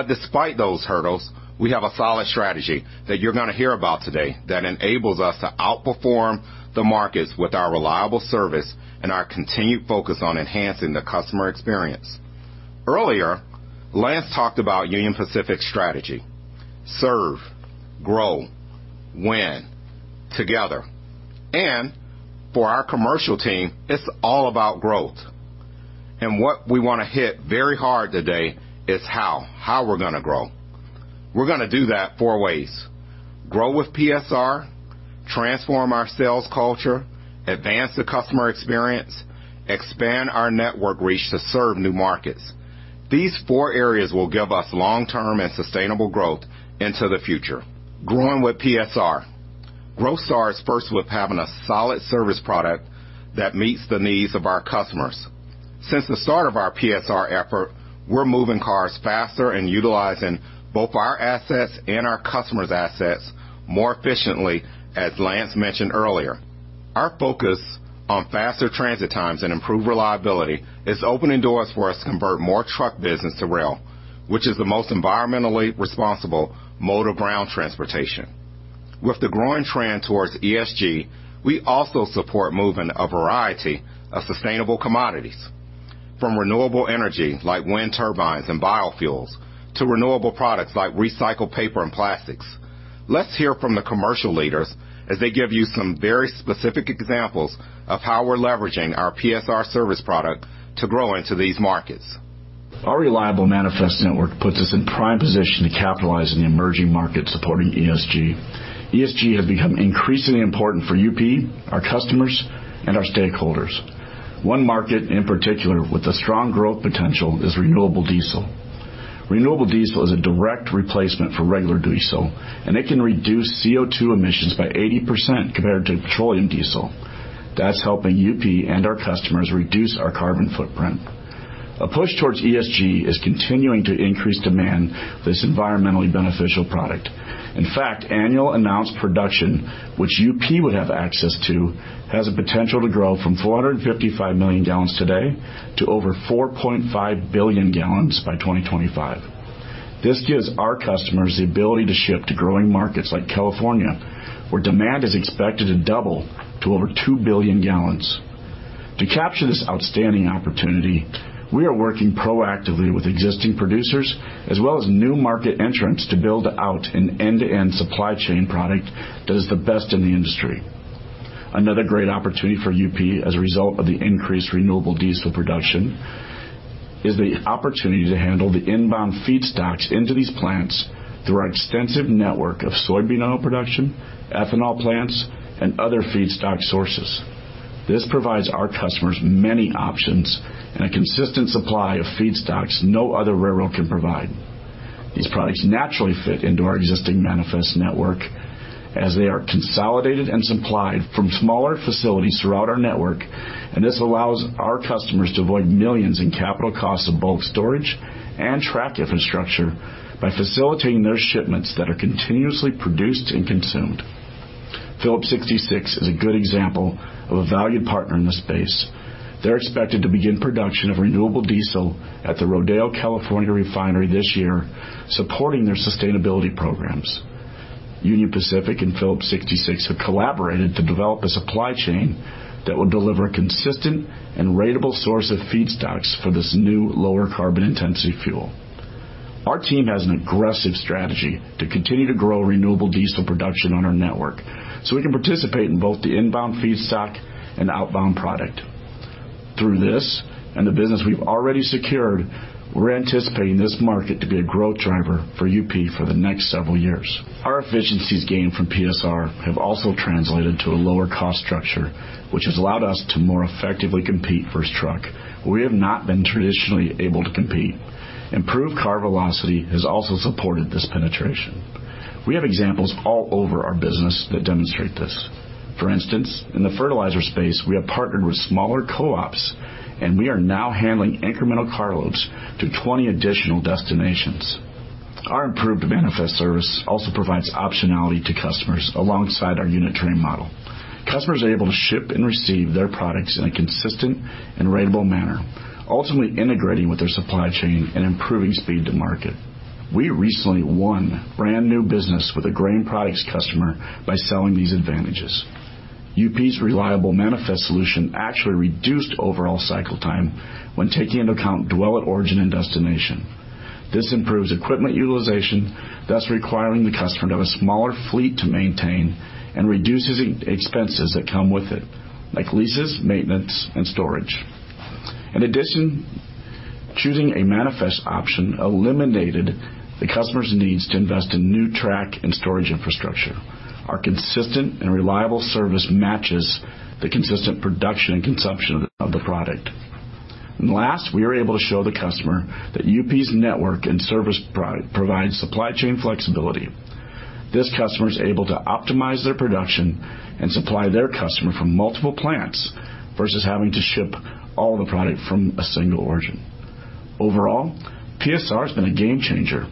Despite those hurdles, we have a solid strategy that you're going to hear about today that enables us to outperform the markets with our reliable service and our continued focus on enhancing the customer experience. Earlier, Lance talked about Union Pacific's strategy. Serve, grow, win together. For our commercial team, it's all about growth. What we want to hit very hard today is how. How we're going to grow. We're going to do that four ways. Grow with PSR, transform our sales culture, advance the customer experience, expand our network reach to serve new markets. These four areas will give us long-term and sustainable growth into the future. Growing with PSR. Growth starts first with having a solid service product that meets the needs of our customers. Since the start of our PSR effort, we're moving cars faster and utilizing both our assets and our customers' assets more efficiently, as Lance mentioned earlier. Our focus on faster transit times and improved reliability is opening doors for us to convert more truck business to rail, which is the most environmentally responsible mode of ground transportation. With the growing trend towards ESG, we also support moving a variety of sustainable commodities, from renewable energy like wind turbines and biofuels, to renewable products like recycled paper and plastics. Let's hear from the commercial leaders as they give you some very specific examples of how we're leveraging our PSR service product to grow into these markets. Our reliable manifest network puts us in prime position to capitalize on the emerging market supporting ESG. ESG has become increasingly important for UP, our customers, and our stakeholders. One market in particular with a strong growth potential is renewable diesel. Renewable diesel is a direct replacement for regular diesel, and it can reduce CO2 emissions by 80% compared to petroleum diesel. That's helping UP and our customers reduce our carbon footprint. A push towards ESG is continuing to increase demand for this environmentally beneficial product. In fact, annual announced production, which UP would have access to, has the potential to grow from 455 million gallons today to over 4.5 billion gallons by 2025. This gives our customers the ability to ship to growing markets like California, where demand is expected to double to over two billion gallons. To capture this outstanding opportunity, we are working proactively with existing producers as well as new market entrants to build out an end-to-end supply chain product that is the best in the industry. Another great opportunity for UP as a result of the increased renewable diesel production is the opportunity to handle the inbound feedstocks into these plants through our extensive network of soybean oil production, ethanol plants, and other feedstock sources. This provides our customers many options and a consistent supply of feedstocks no other railroad can provide. These products naturally fit into our existing manifest network as they are consolidated and supplied from smaller facilities throughout our network, and this allows our customers to avoid millions in capital costs of bulk storage and track infrastructure by facilitating those shipments that are continuously produced and consumed. Phillips 66 is a good example of a valued partner in this space. They're expected to begin production of renewable diesel at the Rodeo California refinery this year, supporting their sustainability programs. Union Pacific and Phillips 66 have collaborated to develop a supply chain that will deliver a consistent and ratable source of feedstocks for this new lower carbon intensity fuel. Our team has an aggressive strategy to continue to grow renewable diesel production on our network so we can participate in both the inbound feedstock and outbound product. Through this and the business we've already secured, we're anticipating this market to be a growth driver for UP for the next several years. Our efficiencies gained from PSR have also translated to a lower cost structure, which has allowed us to more effectively compete versus truck, where we have not been traditionally able to compete. Improved car velocity has also supported this penetration. We have examples all over our business that demonstrate this. For instance, in the fertilizer space, we have partnered with smaller co-ops, and we are now handling incremental carloads to 20 additional destinations. Our improved manifest service also provides optionality to customers alongside our unit train model. Customers are able to ship and receive their products in a consistent and ratable manner, ultimately integrating with their supply chain and improving speed to market. We recently won brand new business with a grain products customer by selling these advantages. UP's reliable manifest solution actually reduced overall cycle time when taking into account dwell at origin and destination. This improves equipment utilization, thus requiring the customer to have a smaller fleet to maintain and reduces expenses that come with it, like leases, maintenance, and storage. In addition, choosing a manifest option eliminated the customer's needs to invest in new track and storage infrastructure. Our consistent and reliable service matches the consistent production and consumption of the product. last, we were able to show the customer that UP's network and service provide supply chain flexibility. This customer is able to optimize their production and supply their customer from multiple plants versus having to ship all the product from a single origin. Overall, PSR has been a game changer,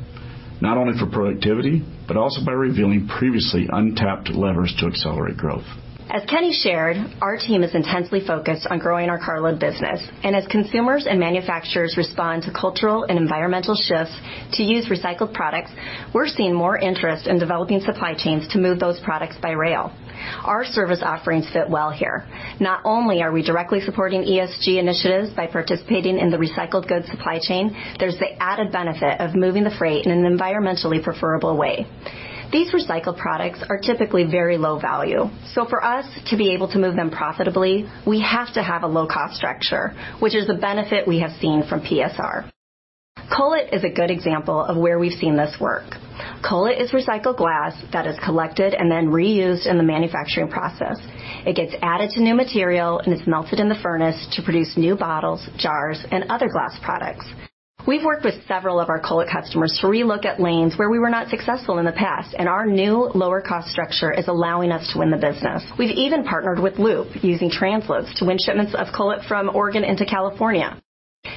not only for productivity, but also by revealing previously untapped levers to accelerate growth. As Kenny shared, our team is intensely focused on growing our carload business. As consumers and manufacturers respond to cultural and environmental shifts to use recycled products, we're seeing more interest in developing supply chains to move those products by rail. Our service offerings fit well here. Not only are we directly supporting ESG initiatives by participating in the recycled goods supply chain, there's the added benefit of moving the freight in an environmentally preferable way. These recycled products are typically very low value, so for us to be able to move them profitably, we have to have a low cost structure, which is a benefit we have seen from PSR. Cullet is a good example of where we've seen this work. Cullet is recycled glass that is collected and then reused in the manufacturing process. It gets added to new material and is melted in the furnace to produce new bottles, jars, and other glass products. We've worked with several of our cullet customers to relook at lanes where we were not successful in the past, and our new lower cost structure is allowing us to win the business. We've even partnered with Loup using transloads to win shipments of cullet from Oregon into California.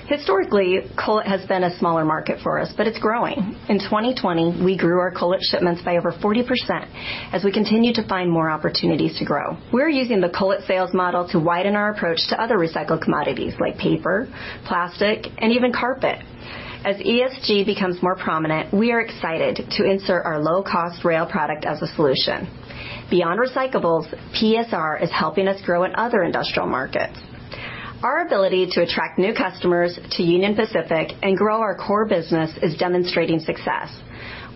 Historically, cullet has been a smaller market for us, but it's growing. In 2020, we grew our cullet shipments by over 40% as we continue to find more opportunities to grow. We're using the cullet sales model to widen our approach to other recycled commodities like paper, plastic, and even carpet. As ESG becomes more prominent, we are excited to insert our low-cost rail product as a solution. Beyond recyclables, PSR is helping us grow in other industrial markets. Our ability to attract new customers to Union Pacific and grow our core business is demonstrating success.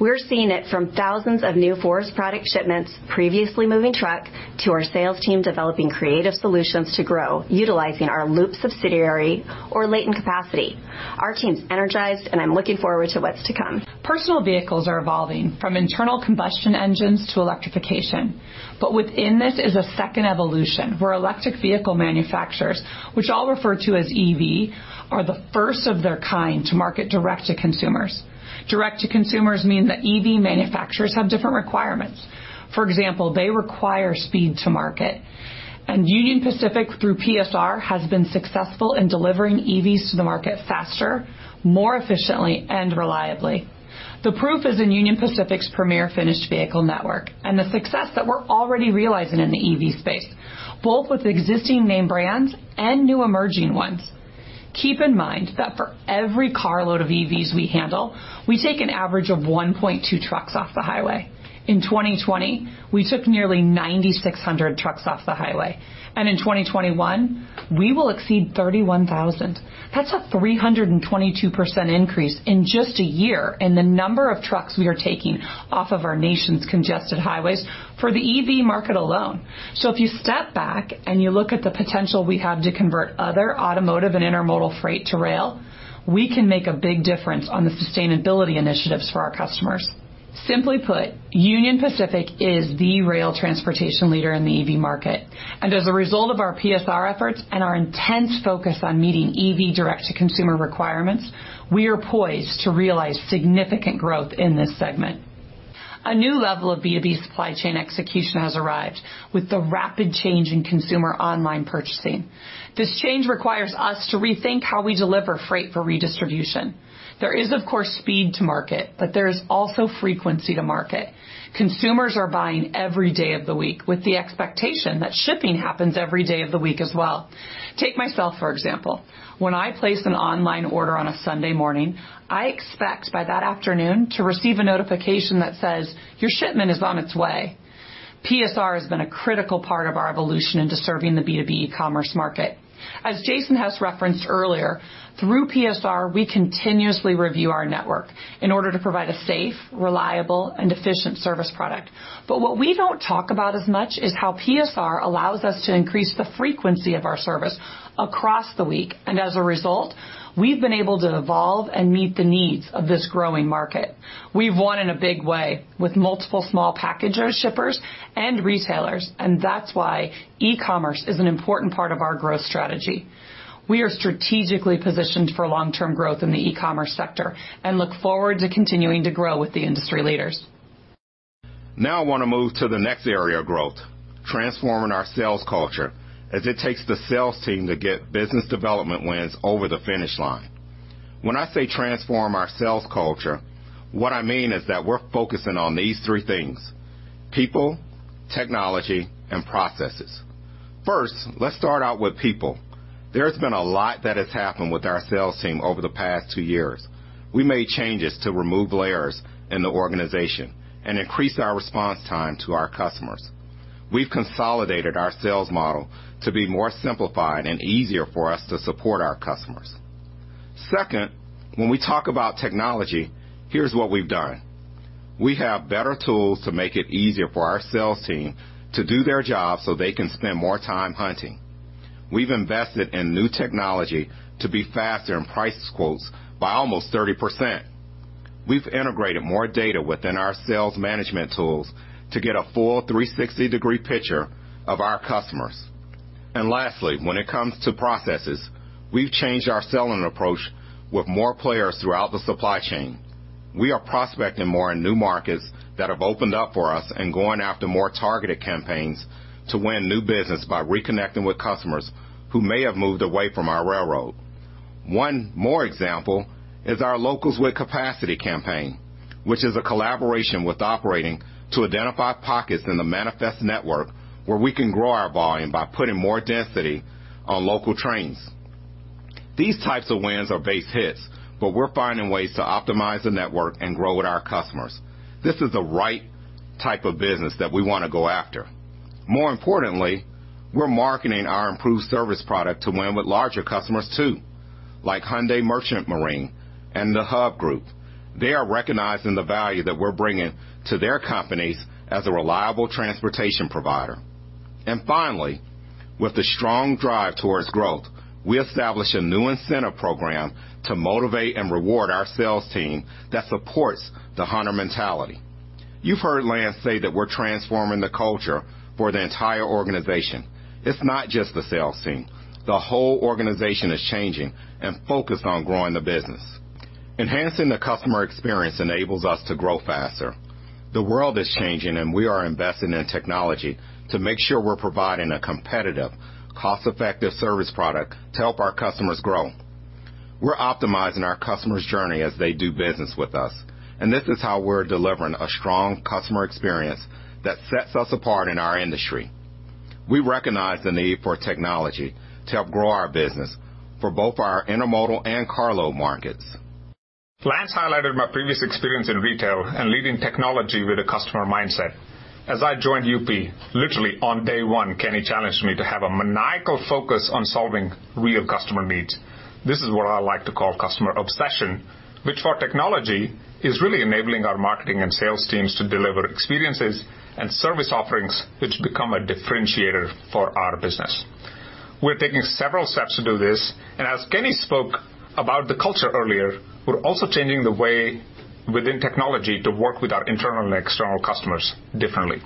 We're seeing it from thousands of new forest product shipments previously moving truck to our sales team developing creative solutions to grow utilizing our Loup subsidiary or latent capacity. Our team's energized, and I'm looking forward to what's to come. Personal vehicles are evolving from internal combustion engines to electrification. Within this is a second evolution where electric vehicle manufacturers, which I'll refer to as EV, are the first of their kind to market direct to consumers. Direct to consumers mean that EV manufacturers have different requirements. For example, they require speed to market. Union Pacific, through PSR, has been successful in delivering EVs to the market faster, more efficiently, and reliably. The proof is in Union Pacific's premier finished vehicle network and the success that we're already realizing in the EV space, both with existing name brands and new emerging ones. Keep in mind that for every carload of EVs we handle, we take an average of 1.2 trucks off the highway. In 2020, we took nearly 9,600 trucks off the highway, and in 2021, we will exceed 31,000. That's a 322% increase in just a year in the number of trucks we are taking off of our nation's congested highways for the EV market alone. If you step back and you look at the potential we have to convert other automotive and intermodal freight to rail, we can make a big difference on the sustainability initiatives for our customers. Simply put, Union Pacific is the rail transportation leader in the EV market. As a result of our PSR efforts and our intense focus on meeting EV direct-to-consumer requirements, we are poised to realize significant growth in this segment. A new level of B2B supply chain execution has arrived with the rapid change in consumer online purchasing. This change requires us to rethink how we deliver freight for redistribution. There is, of course, speed to market, but there is also frequency to market. Consumers are buying every day of the week with the expectation that shipping happens every day of the week as well. Take myself, for example. When I place an online order on a Sunday morning, I expect by that afternoon to receive a notification that says, "Your shipment is on its way." PSR has been a critical part of our evolution into serving the B2B e-commerce market. As Jason Hess referenced earlier, through PSR, we continuously review our network in order to provide a safe, reliable, and efficient service product. What we don't talk about as much is how PSR allows us to increase the frequency of our service across the week. As a result, we've been able to evolve and meet the needs of this growing market. We've won in a big way with multiple small packager shippers and retailers, and that's why e-commerce is an important part of our growth strategy. We are strategically positioned for long-term growth in the e-commerce sector and look forward to continuing to grow with the industry leaders. Now, I want to move to the next area of growth, transforming our sales culture, as it takes the sales team to get business development wins over the finish line. When I say transform our sales culture, what I mean is that we're focusing on these three things, people, technology, and processes. First, let's start out with people. There's been a lot that has happened with our sales team over the past two years. We made changes to remove layers in the organization and increase our response time to our customers. We've consolidated our sales model to be more simplified and easier for us to support our customers. Second, when we talk about technology, here's what we've done. We have better tools to make it easier for our sales team to do their jobs so they can spend more time hunting. We've invested in new technology to be faster in price quotes by almost 30%. We've integrated more data within our sales management tools to get a full 360-degree picture of our customers. Lastly, when it comes to processes, we've changed our selling approach with more players throughout the supply chain. We are prospecting more in new markets that have opened up for us and going after more targeted campaigns to win new business by reconnecting with customers who may have moved away from our railroad. One more example is our Locals with Capacity campaign, which is a collaboration with operating to identify pockets in the manifest network where we can grow our volume by putting more density on local trains. These types of wins are base hits, but we're finding ways to optimize the network and grow with our customers. This is the right type of business that we want to go after. More importantly, we're marketing our improved service product to win with larger customers, too, like Hyundai Merchant Marine and The Hub Group. They are recognizing the value that we're bringing to their companies as a reliable transportation provider. Finally, with the strong drive towards growth, we established a new incentive program to motivate and reward our sales team that supports the hunter mentality. You've heard Lance say that we're transforming the culture for the entire organization. It's not just the sales team. The whole organization is changing and focused on growing the business. Enhancing the customer experience enables us to grow faster. The world is changing, and we are investing in technology to make sure we're providing a competitive, cost-effective service product to help our customers grow. We're optimizing our customer's journey as they do business with us, and this is how we're delivering a strong customer experience that sets us apart in our industry. We recognize the need for technology to help grow our business for both our intermodal and carload markets. Lance highlighted my previous experience in retail and leading technology with a customer mindset. As I joined UP, literally on day one, Kenny challenged me to have a maniacal focus on solving real customer needs. This is what I like to call customer obsession, which for technology, is really enabling our marketing and sales teams to deliver experiences and service offerings which become a differentiator for our business. We're taking several steps to do this, and as Kenny spoke about the culture earlier, we're also changing the way within technology to work with our internal and external customers differently.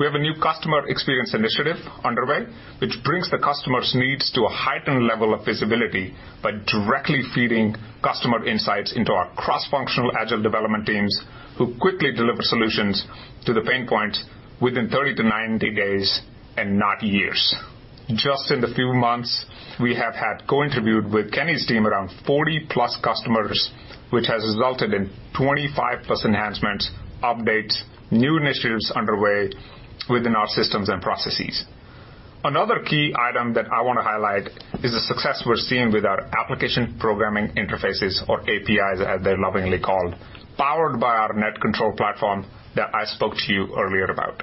We have a new customer experience initiative underway, which brings the customer's needs to a heightened level of visibility by directly feeding customer insights into our cross-functional agile development teams, who quickly deliver solutions to the pain points within 30 to 90 days, and not years. Just in the few months, we have had co-interviewed with Kenny's team around 40+ customers, which has resulted in 25+ enhancements, updates, new initiatives underway within our systems and processes. Another key item that I want to highlight is the success we're seeing with our application programming interfaces or APIs, as they're lovingly called, powered by our NetControl platform that I spoke to you earlier about.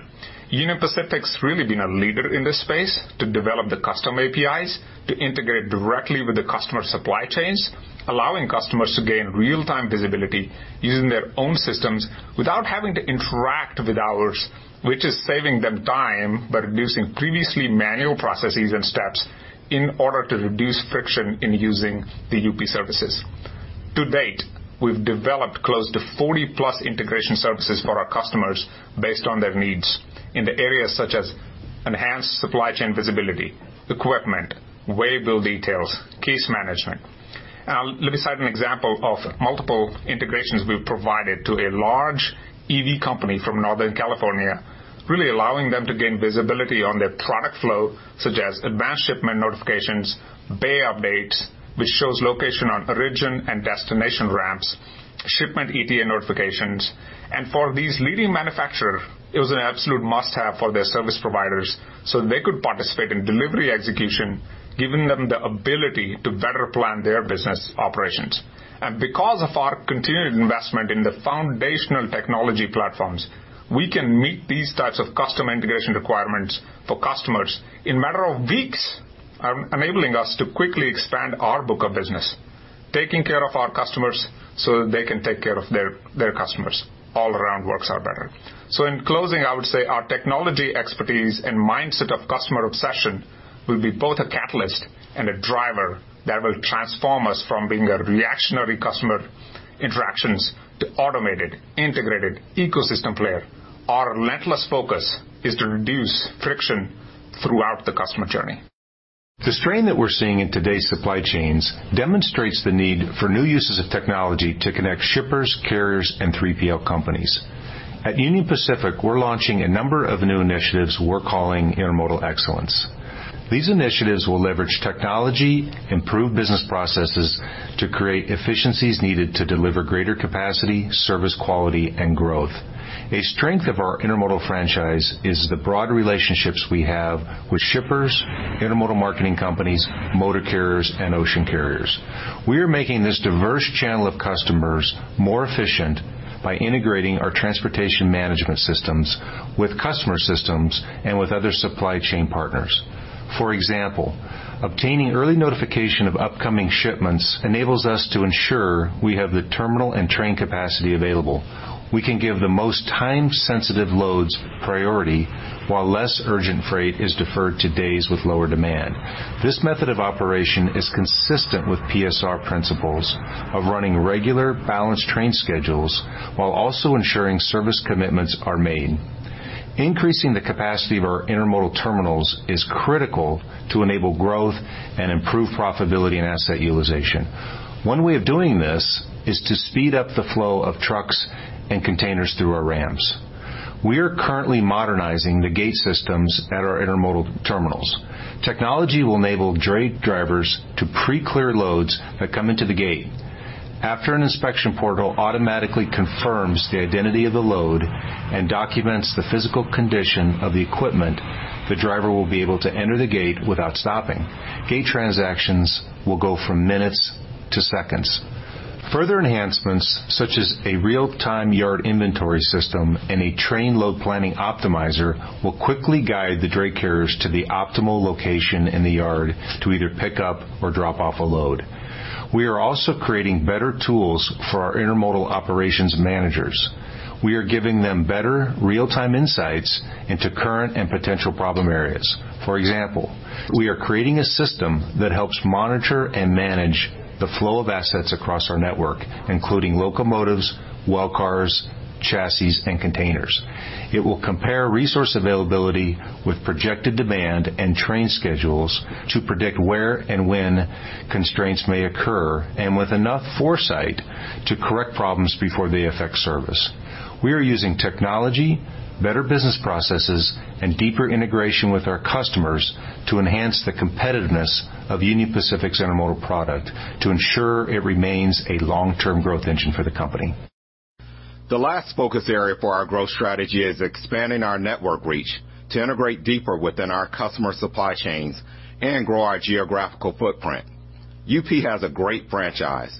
Union Pacific's really been a leader in this space to develop the custom APIs to integrate directly with the customer supply chains, allowing customers to gain real-time visibility using their own systems without having to interact with ours, which is saving them time by reducing previously manual processes and steps in order to reduce friction in using the UP services. To date, we've developed close to 40+ integration services for our customers based on their needs in the areas such as enhance supply chain visibility, equipment, waybill details, case management. Let me cite an example of multiple integrations we've provided to a large EV company from Northern California, really allowing them to gain visibility on their product flow, such as advanced shipment notifications, bay updates, which shows location on origin and destination ramps, shipment ETA notifications. For these leading manufacturer, it was an absolute must-have for their service providers so they could participate in delivery execution, giving them the ability to better plan their business operations. because of our continued investment in the foundational technology platforms, we can meet these types of custom integration requirements for customers in matter of weeks, enabling us to quickly expand our book of business, taking care of our customers so that they can take care of their customers. All around works are better. In closing, I would say our technology expertise and mindset of customer obsession will be both a catalyst and a driver that will transform us from being a reactionary customer interactions to automated, integrated ecosystem player. Our relentless focus is to reduce friction throughout the customer journey. The strain that we're seeing in today's supply chains demonstrates the need for new uses of technology to connect shippers, carriers, and 3PL companies. At Union Pacific, we're launching a number of new initiatives we're calling Intermodal Excellence. These initiatives will leverage technology, improve business processes to create efficiencies needed to deliver greater capacity, service quality, and growth. A strength of our intermodal franchise is the broad relationships we have with shippers, intermodal marketing companies, motor carriers, and ocean carriers. We are making this diverse channel of customers more efficient by integrating our transportation management systems with customer systems and with other supply chain partners. For example, obtaining early notification of upcoming shipments enables us to ensure we have the terminal and train capacity available. We can give the most time-sensitive loads priority, while less urgent freight is deferred to days with lower demand. This method of operation is consistent with PSR principles of running regular, balanced train schedules while also ensuring service commitments are made. Increasing the capacity of our intermodal terminals is critical to enable growth and improve profitability and asset utilization. One way of doing this is to speed up the flow of trucks and containers through our ramps. We are currently modernizing the gate systems at our intermodal terminals. Technology will enable dray drivers to pre-clear loads that come into the gate. After an inspection portal automatically confirms the identity of the load and documents the physical condition of the equipment, the driver will be able to enter the gate without stopping. Gate transactions will go from minutes to seconds. Further enhancements, such as a real-time yard inventory system and a train load planning optimizer, will quickly guide the dray carriers to the optimal location in the yard to either pick up or drop off a load. We are also creating better tools for our intermodal operations managers. We are giving them better real-time insights into current and potential problem areas. For example, we are creating a system that helps monitor and manage the flow of assets across our network, including locomotives, well cars, chassis, and containers. It will compare resource availability with projected demand and train schedules to predict where and when constraints may occur, and with enough foresight to correct problems before they affect service. We are using technology, better business processes, and deeper integration with our customers to enhance the competitiveness of Union Pacific's intermodal product to ensure it remains a long-term growth engine for the company. The last focus area for our growth strategy is expanding our network reach to integrate deeper within our customer supply chains and grow our geographical footprint. UP has a great franchise.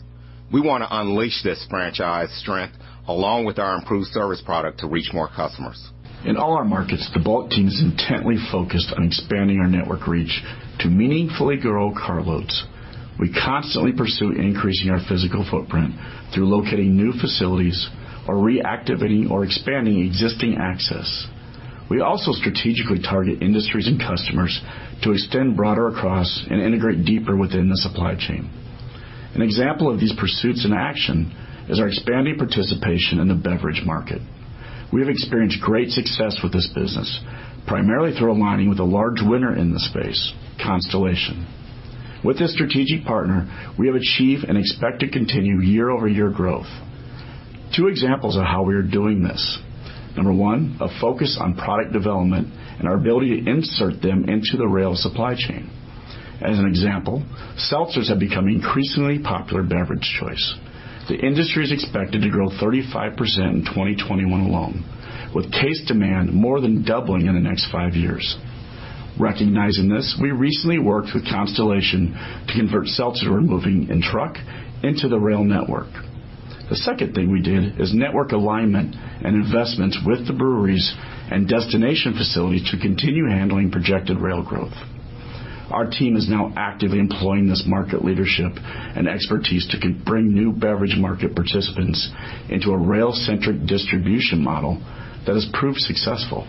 We want to unleash this franchise strength along with our improved service product to reach more customers. In all our markets, the bulk team is intently focused on expanding our network reach to meaningfully grow carloads. We constantly pursue increasing our physical footprint through locating new facilities or reactivating or expanding existing access. We also strategically target industries and customers to extend broader across and integrate deeper within the supply chain. An example of these pursuits in action is our expanding participation in the beverage market. We have experienced great success with this business, primarily through aligning with a large winner in the space, Constellation. With this strategic partner, we have achieved and expect to continue year-over-year growth. Two examples of how we are doing this. Number one, a focus on product development and our ability to insert them into the rail supply chain. As an example, seltzers have become increasingly popular beverage choice. The industry is expected to grow 35% in 2021 alone, with case demand more than doubling in the next five years. Recognizing this, we recently worked with Constellation to convert seltzer moving in truck into the rail network. The second thing we did is network alignment and investments with the breweries and destination facilities to continue handling projected rail growth. Our team is now actively employing this market leadership and expertise to bring new beverage market participants into a rail-centric distribution model that has proved successful.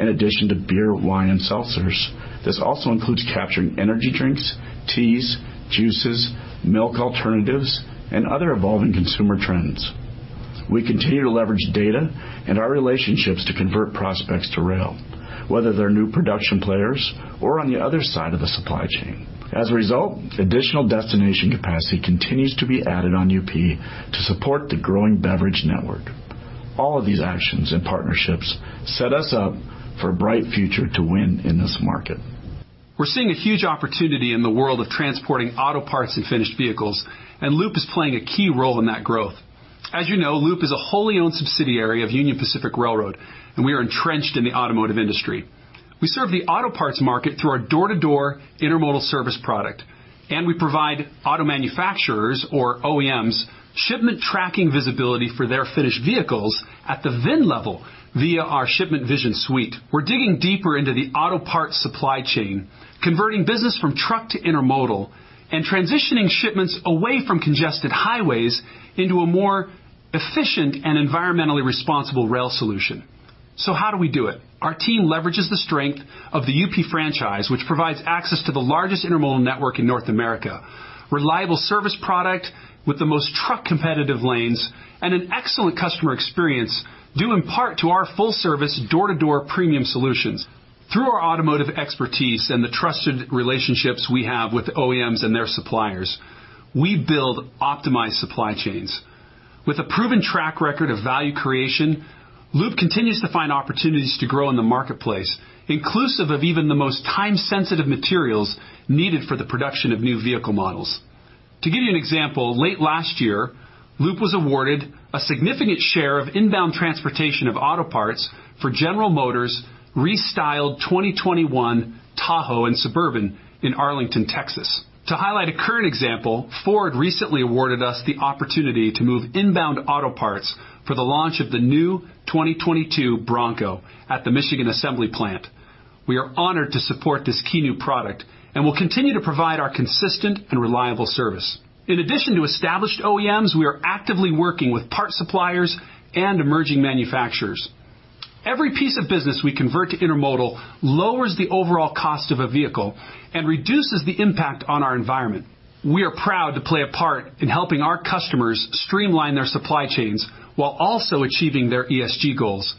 In addition to beer, wine, and seltzers, this also includes capturing energy drinks, teas, juices, milk alternatives, and other evolving consumer trends. We continue to leverage data and our relationships to convert prospects to rail, whether they're new production players or on the other side of the supply chain. As a result, additional destination capacity continues to be added on UP to support the growing beverage network. All of these actions and partnerships set us up for a bright future to win in this market. We're seeing a huge opportunity in the world of transporting auto parts and finished vehicles, and Loup is playing a key role in that growth. As you know, Loup is a wholly-owned subsidiary of Union Pacific Railroad, and we are entrenched in the automotive industry. We serve the auto parts market through our door-to-door intermodal service product, and we provide auto manufacturers or OEMs shipment tracking visibility for their finished vehicles at the VIN level via our ShipmentVision suite. We're digging deeper into the auto parts supply chain, converting business from truck to intermodal, and transitioning shipments away from congested highways into a more efficient and environmentally responsible rail solution. How do we do it? Our team leverages the strength of the UP franchise, which provides access to the largest intermodal network in North America, reliable service product with the most truck-competitive lanes, and an excellent customer experience due in part to our full-service door-to-door premium solutions. Through our automotive expertise and the trusted relationships we have with OEMs and their suppliers, we build optimized supply chains. With a proven track record of value creation, Loup continues to find opportunities to grow in the marketplace, inclusive of even the most time-sensitive materials needed for the production of new vehicle models. To give you an example, late last year, Loup was awarded a significant share of inbound transportation of auto parts for General Motors' restyled 2021 Tahoe and Suburban in Arlington, Texas. To highlight a current example, Ford recently awarded us the opportunity to move inbound auto parts for the launch of the new 2022 Bronco at the Michigan Assembly Plant. We are honored to support this key new product and will continue to provide our consistent and reliable service. In addition to established OEMs, we are actively working with parts suppliers and emerging manufacturers. Every piece of business we convert to intermodal lowers the overall cost of a vehicle and reduces the impact on our environment. We are proud to play a part in helping our customers streamline their supply chains while also achieving their ESG goals.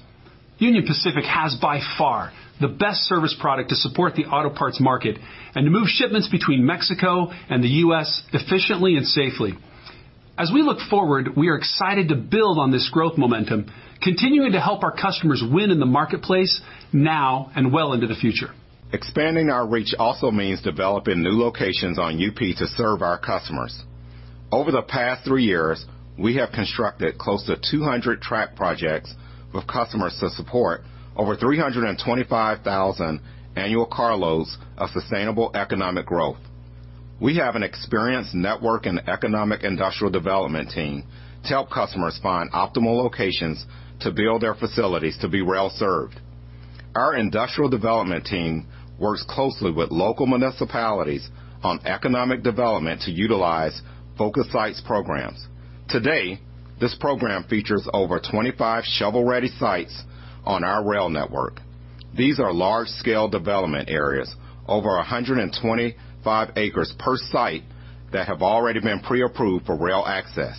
Union Pacific has by far the best service product to support the auto parts market and to move shipments between Mexico and the U.S. efficiently and safely. As we look forward, we are excited to build on this growth momentum, continuing to help our customers win in the marketplace now and well into the future. Expanding our reach also means developing new locations on UP to serve our customers. Over the past three years, we have constructed close to 200 track projects with customers to support over 325,000 annual carloads of sustainable economic growth. We have an experienced network and economic industrial development team to help customers find optimal locations to build their facilities to be rail-served. Our industrial development team works closely with local municipalities on economic development to utilize Focus Site programs. Today, this program features over 25 shovel-ready sites on our rail network. These are large-scale development areas, over 125 acres per site, that have already been pre-approved for rail access.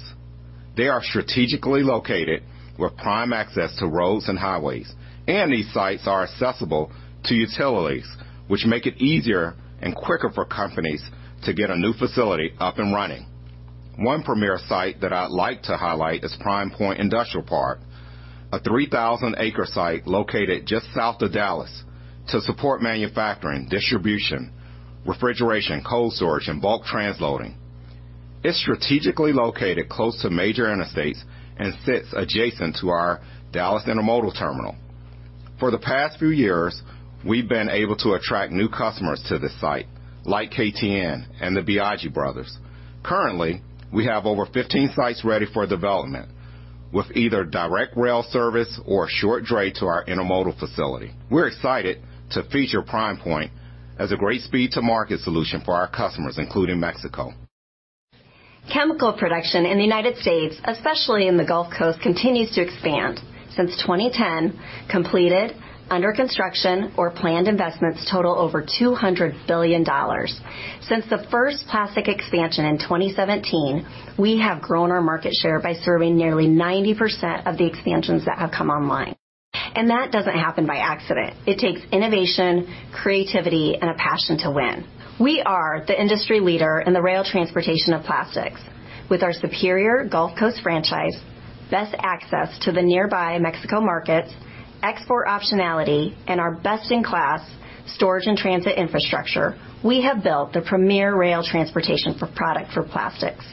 These sites are strategically located with prime access to roads and highways, and these sites are accessible to utilities, which make it easier and quicker for companies to get a new facility up and running. One premier site that I'd like to highlight is Prime Pointe Industrial Park, a 3,000-acre site located just south of Dallas to support manufacturing, distribution, refrigeration, cold storage, and bulk transloading. It's strategically located close to major interstates and sits adjacent to our Dallas intermodal terminal. For the past few years, we've been able to attract new customers to this site, like KTN and the Biagi Bros. Currently, we have over 15 sites ready for development with either direct rail service or short dray to our intermodal facility. We're excited to feature Prime Pointe as a great speed-to-market solution for our customers, including Mexico. Chemical production in the United States, especially in the Gulf Coast, continues to expand. Since 2010, completed, under construction, or planned investments total over $200 billion. Since the first plastic expansion in 2017, we have grown our market share by serving nearly 90% of the expansions that have come online, and that doesn't happen by accident. It takes innovation, creativity, and a passion to win. We are the industry leader in the rail transportation of plastics. With our superior Gulf Coast franchise, best access to the nearby Mexico markets, export optionality, and our best-in-class storage and transit infrastructure, we have built the premier rail transportation for product for plastics.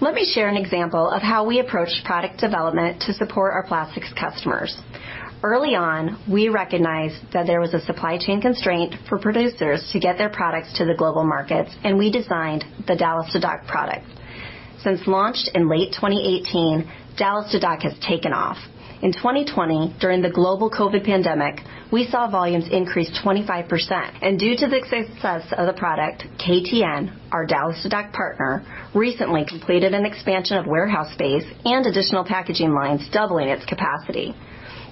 Let me share an example of how we approach product development to support our plastics customers. Early on, we recognized that there was a supply chain constraint for producers to get their products to the global markets. We designed the Dallas to Dock product. Since launch in late 2018, Dallas to Dock has taken off. In 2020, during the global COVID pandemic, we saw volumes increase 25%. Due to the success of the product, KTN, our Dallas to Dock partner, recently completed an expansion of warehouse space and additional packaging lines, doubling its capacity.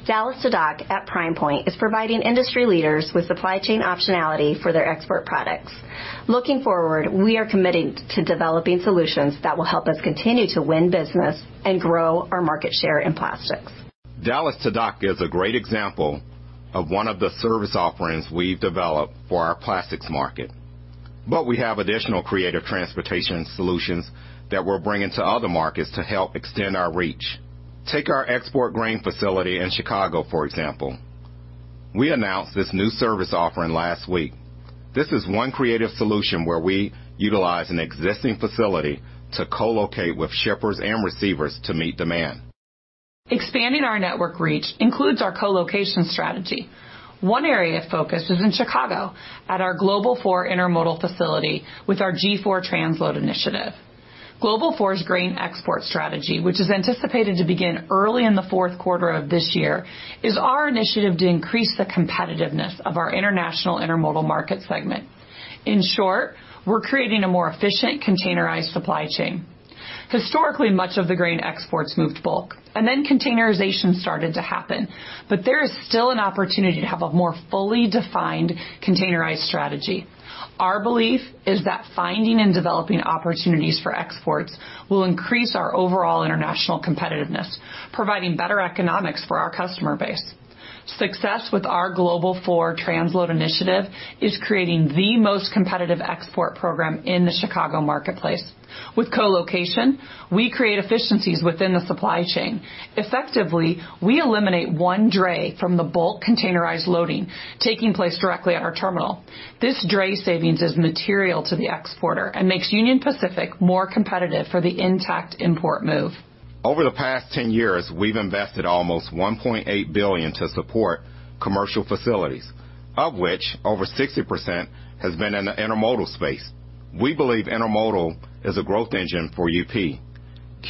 Dallas to Dock at Prime Pointe is providing industry leaders with supply chain optionality for their export products. Looking forward, we are committed to developing solutions that will help us continue to win business and grow our market share in plastics. Dallas to Dock is a great example of one of the service offerings we've developed for our plastics market, but we have additional creative transportation solutions that we're bringing to other markets to help extend our reach. Take our export grain facility in Chicago, for example. We announced this new service offering last week. This is one creative solution where we utilize an existing facility to co-locate with shippers and receivers to meet demand. Expanding our network reach includes our co-location strategy. One area of focus is in Chicago at our Global IV intermodal facility with our G4 transload initiative. Global IV's grain export strategy, which is anticipated to begin early in the fourth quarter of this year, is our initiative to increase the competitiveness of our international intermodal market segment. In short, we're creating a more efficient containerized supply chain. Historically, much of the grain exports moved bulk, and then containerization started to happen. There is still an opportunity to have a more fully defined containerized strategy. Our belief is that finding and developing opportunities for exports will increase our overall international competitiveness, providing better economics for our customer base. Success with our Global IV transload initiative is creating the most competitive export program in the Chicago marketplace. With co-location, we create efficiencies within the supply chain. Effectively, we eliminate one dray from the bulk containerized loading taking place directly at our terminal. This dray savings is material to the exporter and makes Union Pacific more competitive for the intact import move. Over the past 10 years, we've invested almost $1.8 billion to support commercial facilities, of which over 60% has been in the intermodal space. We believe intermodal is a growth engine for UP.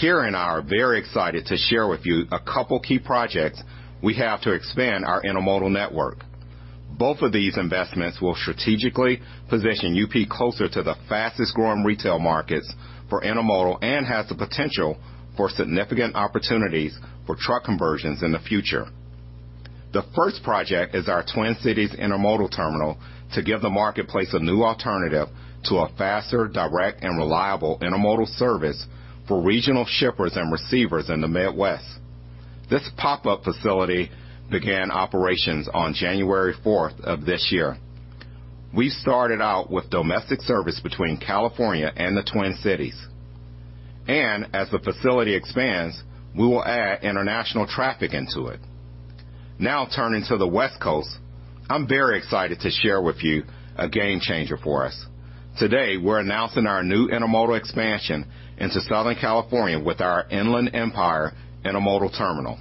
Kari and I are very excited to share with you a couple key projects we have to expand our intermodal network. Both of these investments will strategically position UP closer to the fastest-growing retail markets for intermodal and has the potential for significant opportunities for truck conversions in the future. The first project is our Twin Cities Intermodal Terminal to give the marketplace a new alternative to a faster, direct, and reliable intermodal service for regional shippers and receivers in the Midwest. This pop-up facility began operations on January 4th of this year. We started out with domestic service between California and the Twin Cities. as the facility expands, we will add international traffic into it. Now turning to the West Coast, I'm very excited to share with you a game-changer for us. Today, we're announcing our new intermodal expansion into Southern California with our Inland Empire Intermodal Terminal.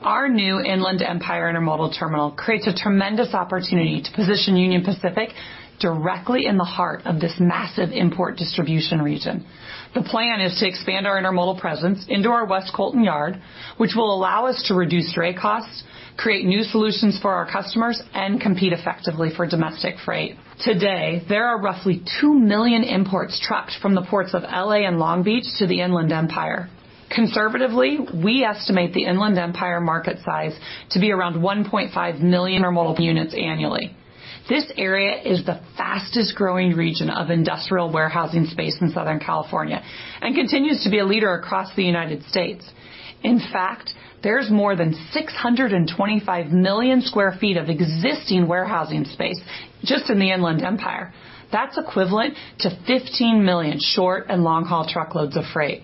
Our new Inland Empire Intermodal Terminal creates a tremendous opportunity to position Union Pacific directly in the heart of this massive import distribution region. The plan is to expand our intermodal presence into our West Colton yard, which will allow us to reduce dray costs, create new solutions for our customers, and compete effectively for domestic freight. Today, there are roughly 2 million imports trucked from the ports of L.A. and Long Beach to the Inland Empire. Conservatively, we estimate the Inland Empire market size to be around 1.5 million intermodal units annually. This area is the fastest-growing region of industrial warehousing space in Southern California and continues to be a leader across the United States. In fact, there's more than 625 million sq ft of existing warehousing space just in the Inland Empire. That's equivalent to 15 million short and long-haul truckloads of freight.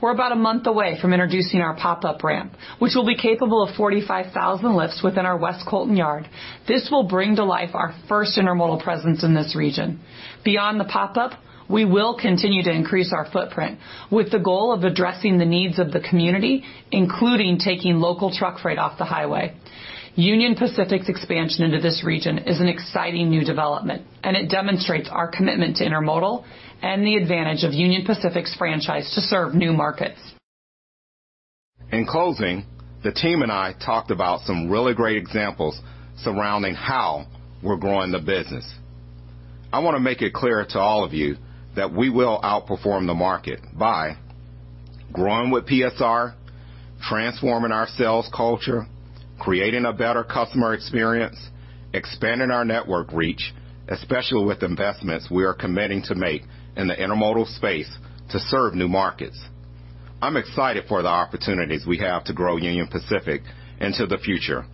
We're about a month away from introducing our pop-up ramp, which will be capable of 45,000 lifts within our West Colton yard. This will bring to life our first intermodal presence in this region. Beyond the pop-up, we will continue to increase our footprint with the goal of addressing the needs of the community, including taking local truck freight off the highway. Union Pacific's expansion into this region is an exciting new development, and it demonstrates our commitment to intermodal and the advantage of Union Pacific's franchise to serve new markets. In closing, the team and I talked about some really great examples surrounding how we're growing the business. I want to make it clear to all of you that we will outperform the market by growing with PSR, transforming our sales culture, creating a better customer experience, expanding our network reach, especially with investments we are committing to make in the intermodal space to serve new markets. I'm excited for the opportunities we have to grow Union Pacific into the future.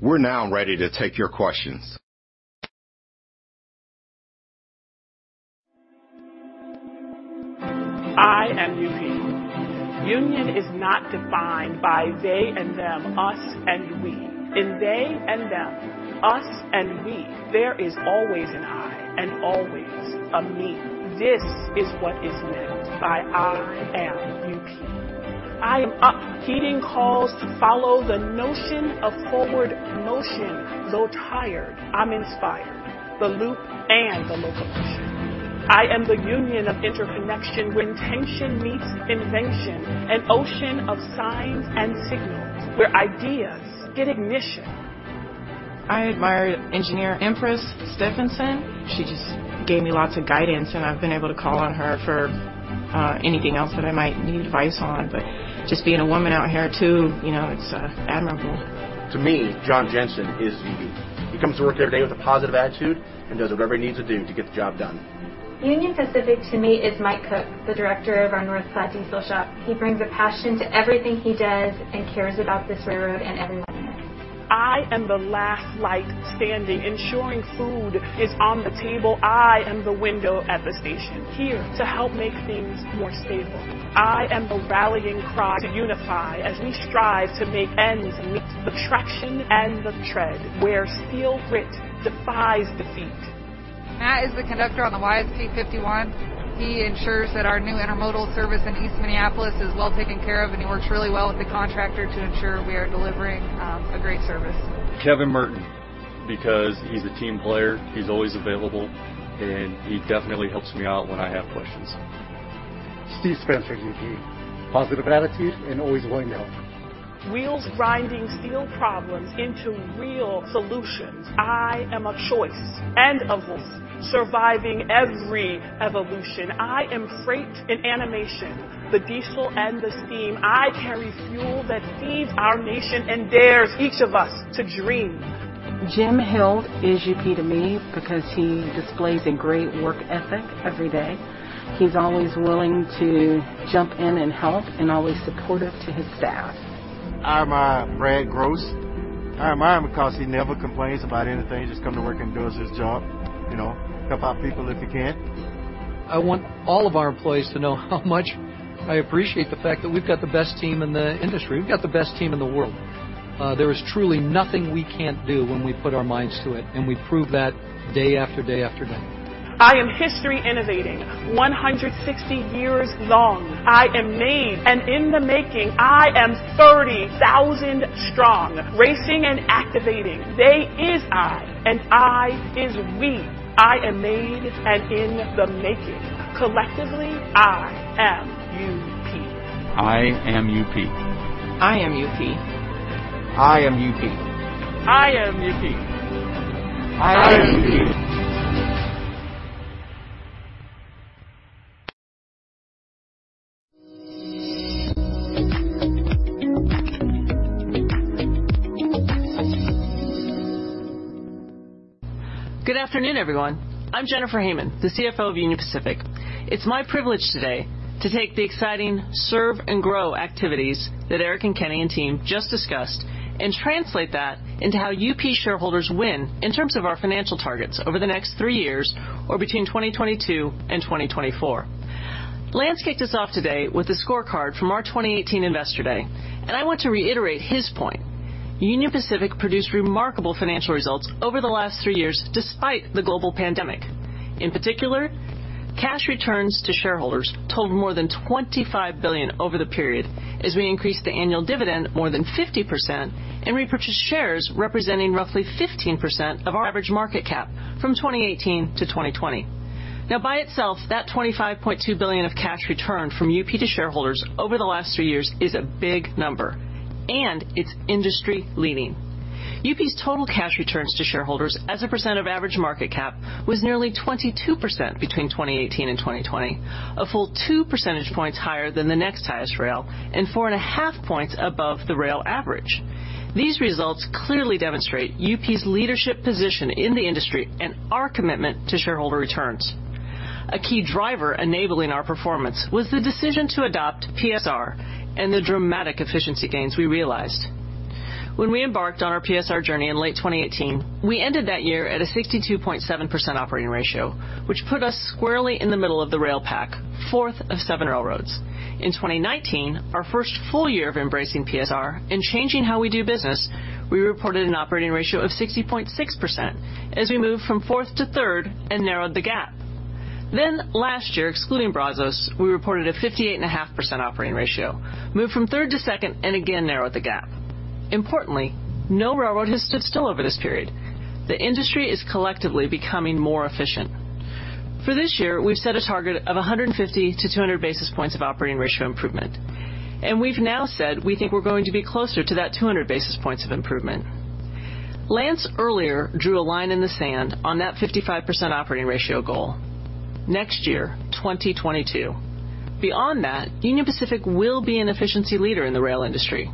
We're now ready to take your questions. I am UP. Union is not defined by they and them, us and we. In they and them, us and we, there is always an I and always a me. This is what is meant by I am UP. I am up, heeding calls to follow the notion of forward motion, though tired, I'm inspired, the loop and the locomotion. I am the union of interconnection where tension meets invention, an ocean of signs and signals where ideas get ignition. I admire Engineer Empress Stephenson. She just gave me lots of guidance, and I've been able to call on her for anything else that I might need advice on. Just being a woman out here, too, it's admirable. To me, Jon Jensen is the union. He comes to work every day with a positive attitude and does whatever he needs to do to get the job done. Union Pacific to me is Mike Cook, the director of our North Platte Diesel Shop. He brings a passion to everything he does and cares about this railroad and everyone in it. I am the last light standing, ensuring food is on the table. I am the window at the station, here to help make things more stable. I am the rallying cry to unify as we strive to make ends meet. The traction and the tread, where steel grit defies defeat. Matt is the conductor on the YSP51. He ensures that our new intermodal service in East Minneapolis is well taken care of, and he works really well with the contractor to ensure we are delivering a great service. Kevin Merton, because he's a team player, he's always available, and he definitely helps me out when I have questions. Steve Spencer, UP. Positive attitude and always willing to help. Wheels grinding steel problems into real solutions. I am a choice and a voice, surviving every evolution. I am freight and animation, the diesel and the steam. I carry fuel that feeds our nation and dares each of us to dream. Jim Hill is UP to me because he displays a great work ethic every day. He's always willing to jump in and help and always supportive to his staff. I admire Brad Groce. I admire him because he never complains about anything, he just comes to work and does his job. Help out people if he can. I want all of our employees to know how much I appreciate the fact that we've got the best team in the industry. We've got the best team in the world. There is truly nothing we can't do when we put our minds to it, and we prove that day after day after day. I am history innovating, 160 years long. I am made and in the making. I am 30,000 strong, racing and activating. They is I, and I is we. I am made and in the making. Collectively, I am UP. I am UP. I am UP. I am UP. I am UP. I am UP. I am UP. Good afternoon, everyone. I'm Jennifer Hamann, the CFO of Union Pacific. It's my privilege today to take the exciting Serve and Grow activities that Eric and Kenny and team just discussed and translate that into how UP shareholders win in terms of our financial targets over the next three years, or between 2022 and 2024. Lance kicked us off today with a scorecard from our 2018 Investor Day, and I want to reiterate his point. Union Pacific produced remarkable financial results over the last three years, despite the global pandemic. In particular, cash returns to shareholders totaled more than $25 billion over the period as we increased the annual dividend more than 50% and repurchased shares representing roughly 15% of our average market cap from 2018 to 2020. Now, by itself, that $25.2 billion of cash returned from UP to shareholders over the last three years is a big number, and it's industry-leading. UP's total cash returns to shareholders as a percent of average market cap was nearly 22% between 2018 and 2020, a full two percentage points higher than the next highest rail, and four and a half points above the rail average. These results clearly demonstrate UP's leadership position in the industry and our commitment to shareholder returns. A key driver enabling our performance was the decision to adopt PSR and the dramatic efficiency gains we realized. When we embarked on our PSR journey in late 2018, we ended that year at a 62.7% operating ratio, which put us squarely in the middle of the rail pack, fourth of seven railroads. In 2019, our first full year of embracing PSR and changing how we do business, we reported an operating ratio of 60.6% as we moved from fourth to third and narrowed the gap. Last year, excluding Brazos, we reported a 58.5% operating ratio, moved from third to second, and again narrowed the gap. Importantly, no railroad has stood still over this period. The industry is collectively becoming more efficient. For this year, we've set a target of 150-200 basis points of operating ratio improvement, and we've now said we think we're going to be closer to that 200 basis points of improvement. Lance earlier drew a line in the sand on that 55% operating ratio goal. Next year, 2022. Beyond that, Union Pacific will be an efficiency leader in the rail industry.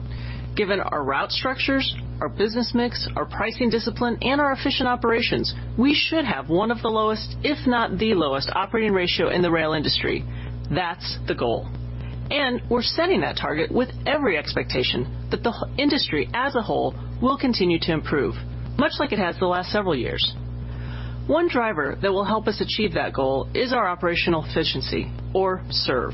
Given our route structures, our business mix, our pricing discipline, and our efficient operations, we should have one of the lowest, if not the lowest, operating ratio in the rail industry. That's the goal, and we're setting that target with every expectation that the industry as a whole will continue to improve, much like it has the last several years. One driver that will help us achieve that goal is our operational efficiency, or Serve.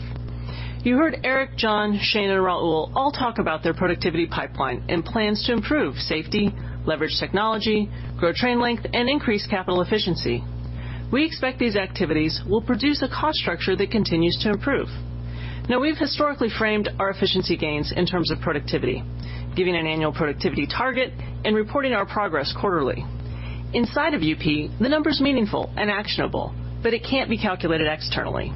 You heard Eric, Jon, Shane, and Rahul all talk about their productivity pipeline and plans to improve safety, leverage technology, grow train length, and increase capital efficiency. We expect these activities will produce a cost structure that continues to improve. Now, we've historically framed our efficiency gains in terms of productivity, giving an annual productivity target and reporting our progress quarterly. Inside of UP, the number's meaningful and actionable, but it can't be calculated externally.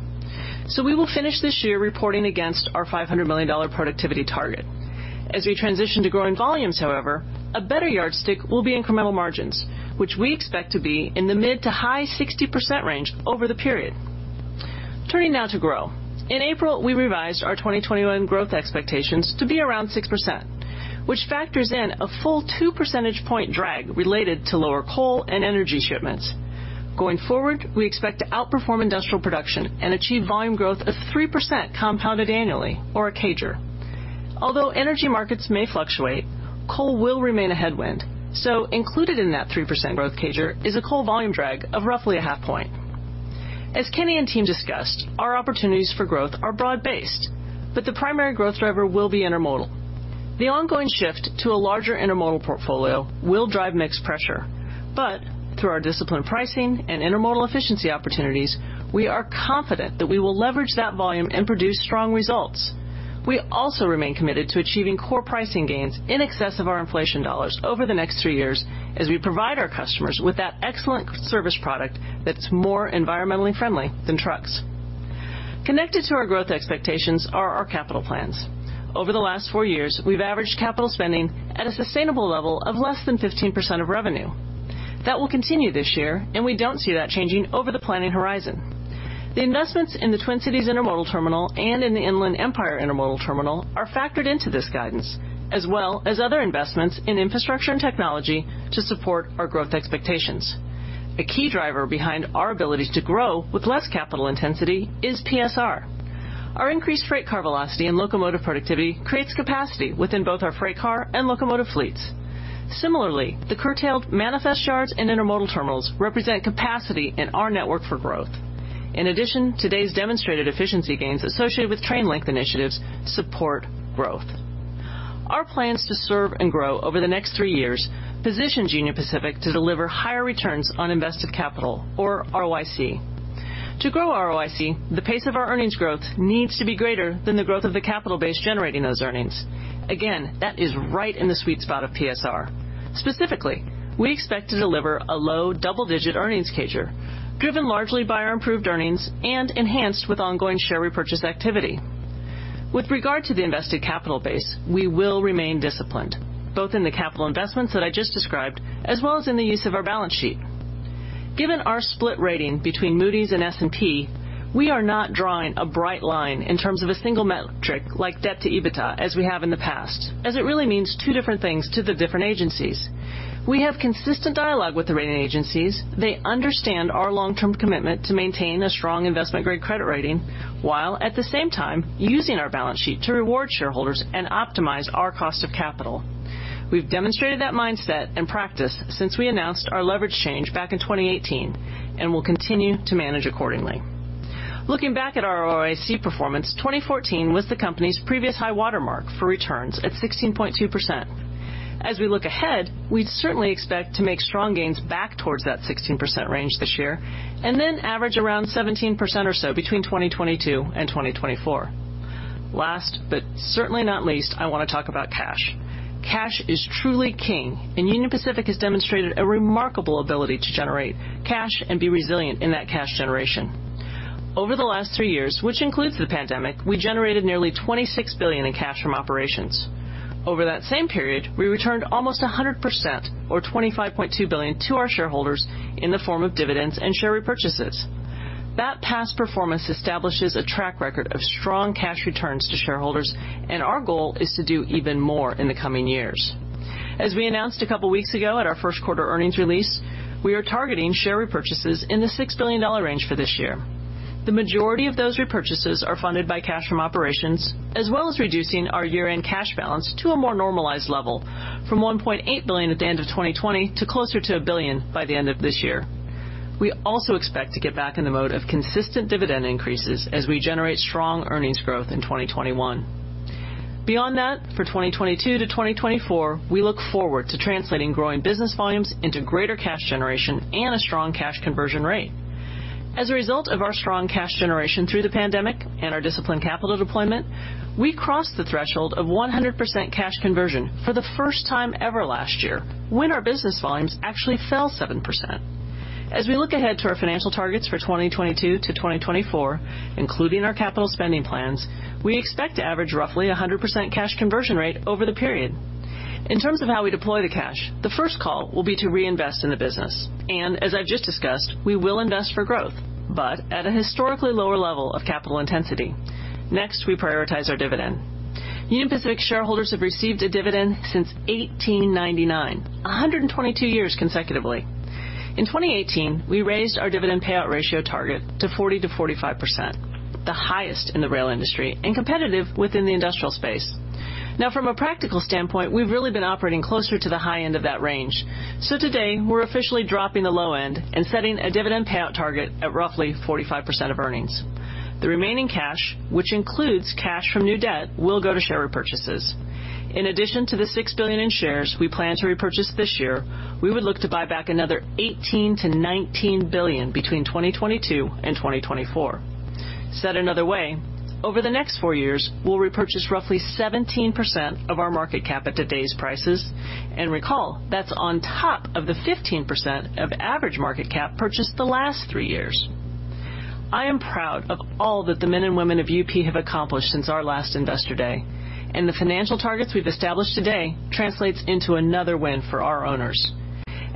We will finish this year reporting against our $500 million productivity target. As we transition to growing volumes, however, a better yardstick will be incremental margins, which we expect to be in the mid to high 60% range over the period. Turning now to grow. In April, we revised our 2021 growth expectations to be around 6%, which factors in a full two percentage point drag related to lower coal and energy shipments. Going forward, we expect to outperform industrial production and achieve volume growth of 3% compounded annually, or a CAGR. Although energy markets may fluctuate, coal will remain a headwind, so included in that 3% growth CAGR is a coal volume drag of roughly a half point. As Kenny and team discussed, our opportunities for growth are broad-based, but the primary growth driver will be intermodal. The ongoing shift to a larger intermodal portfolio will drive mixed pressure, but through our disciplined pricing and intermodal efficiency opportunities, we are confident that we will leverage that volume and produce strong results. We also remain committed to achieving core pricing gains in excess of our inflation dollars over the next three years as we provide our customers with that excellent service product that's more environmentally friendly than trucks. Connected to our growth expectations are our capital plans. Over the last four years, we've averaged capital spending at a sustainable level of less than 15% of revenue. That will continue this year, and we don't see that changing over the planning horizon. The investments in the Twin Cities Intermodal Terminal and in the Inland Empire Intermodal Terminal are factored into this guidance, as well as other investments in infrastructure and technology to support our growth expectations. A key driver behind our ability to grow with less capital intensity is PSR. Our increased freight car velocity and locomotive productivity creates capacity within both our freight car and locomotive fleets. Similarly, the curtailed manifest yards and intermodal terminals represent capacity in our network for growth. In addition, today's demonstrated efficiency gains associated with train length initiatives support growth. Our plans to serve and grow over the next three years position Union Pacific to deliver higher returns on invested capital, or ROIC. To grow ROIC, the pace of our earnings growth needs to be greater than the growth of the capital base generating those earnings. Again, that is right in the sweet spot of PSR. Specifically, we expect to deliver a low double-digit earnings CAGR, driven largely by our improved earnings and enhanced with ongoing share repurchase activity. With regard to the invested capital base, we will remain disciplined, both in the capital investments that I just described, as well as in the use of our balance sheet. Given our split rating between Moody's and S&P, we are not drawing a bright line in terms of a single metric like debt to EBITDA as we have in the past, as it really means two different things to the different agencies. We have consistent dialogue with the rating agencies. They understand our long-term commitment to maintain a strong investment-grade credit rating, while at the same time, using our balance sheet to reward shareholders and optimize our cost of capital. We've demonstrated that mindset and practice since we announced our leverage change back in 2018, and will continue to manage accordingly. Looking back at our ROIC performance, 2014 was the company's previous high-water mark for returns at 16.2%. As we look ahead, we'd certainly expect to make strong gains back towards that 16% range this year, and then average around 17% or so between 2022 and 2024. Last, but certainly not least, I want to talk about cash. Cash is truly king, and Union Pacific has demonstrated a remarkable ability to generate cash and be resilient in that cash generation. Over the last three years, which includes the pandemic, we generated nearly $26 billion in cash from operations. Over that same period, we returned almost 100%, or $25.2 billion to our shareholders in the form of dividends and share repurchases. That past performance establishes a track record of strong cash returns to shareholders, and our goal is to do even more in the coming years. As we announced a couple of weeks ago at our first quarter earnings release, we are targeting share repurchases in the $6 billion range for this year. The majority of those repurchases are funded by cash from operations, as well as reducing our year-end cash balance to a more normalized level from $1.8 billion at the end of 2020 to closer to a billion by the end of this year. We also expect to get back in the mode of consistent dividend increases as we generate strong earnings growth in 2021. Beyond that, for 2022 to 2024, we look forward to translating growing business volumes into greater cash generation and a strong cash conversion rate. As a result of our strong cash generation through the pandemic and our disciplined capital deployment, we crossed the threshold of 100% cash conversion for the first time ever last year when our business volumes actually fell 7%. As we look ahead to our financial targets for 2022-2024, including our capital spending plans, we expect to average roughly 100% cash conversion rate over the period. In terms of how we deploy the cash, the first call will be to reinvest in the business, and as I've just discussed, we will invest for growth, but at a historically lower level of capital intensity. Next, we prioritize our dividend. Union Pacific shareholders have received a dividend since 1899, 122 years consecutively. In 2018, we raised our dividend payout ratio target to 40%-45%, the highest in the rail industry and competitive within the industrial space. Now, from a practical standpoint, we've really been operating closer to the high end of that range. Today, we're officially dropping the low end and setting a dividend payout target at roughly 45% of earnings. The remaining cash, which includes cash from new debt, will go to share repurchases. In addition to the $6 billion in shares we plan to repurchase this year, we would look to buy back another $18 billion-$19 billion between 2022 and 2024. Said another way, over the next four years, we'll repurchase roughly 17% of our market cap at today's prices, and recall, that's on top of the 15% of average market cap purchased the last three years. I am proud of all that the men and women of UP have accomplished since our last Investor Day, and the financial targets we've established today translates into another win for our owners.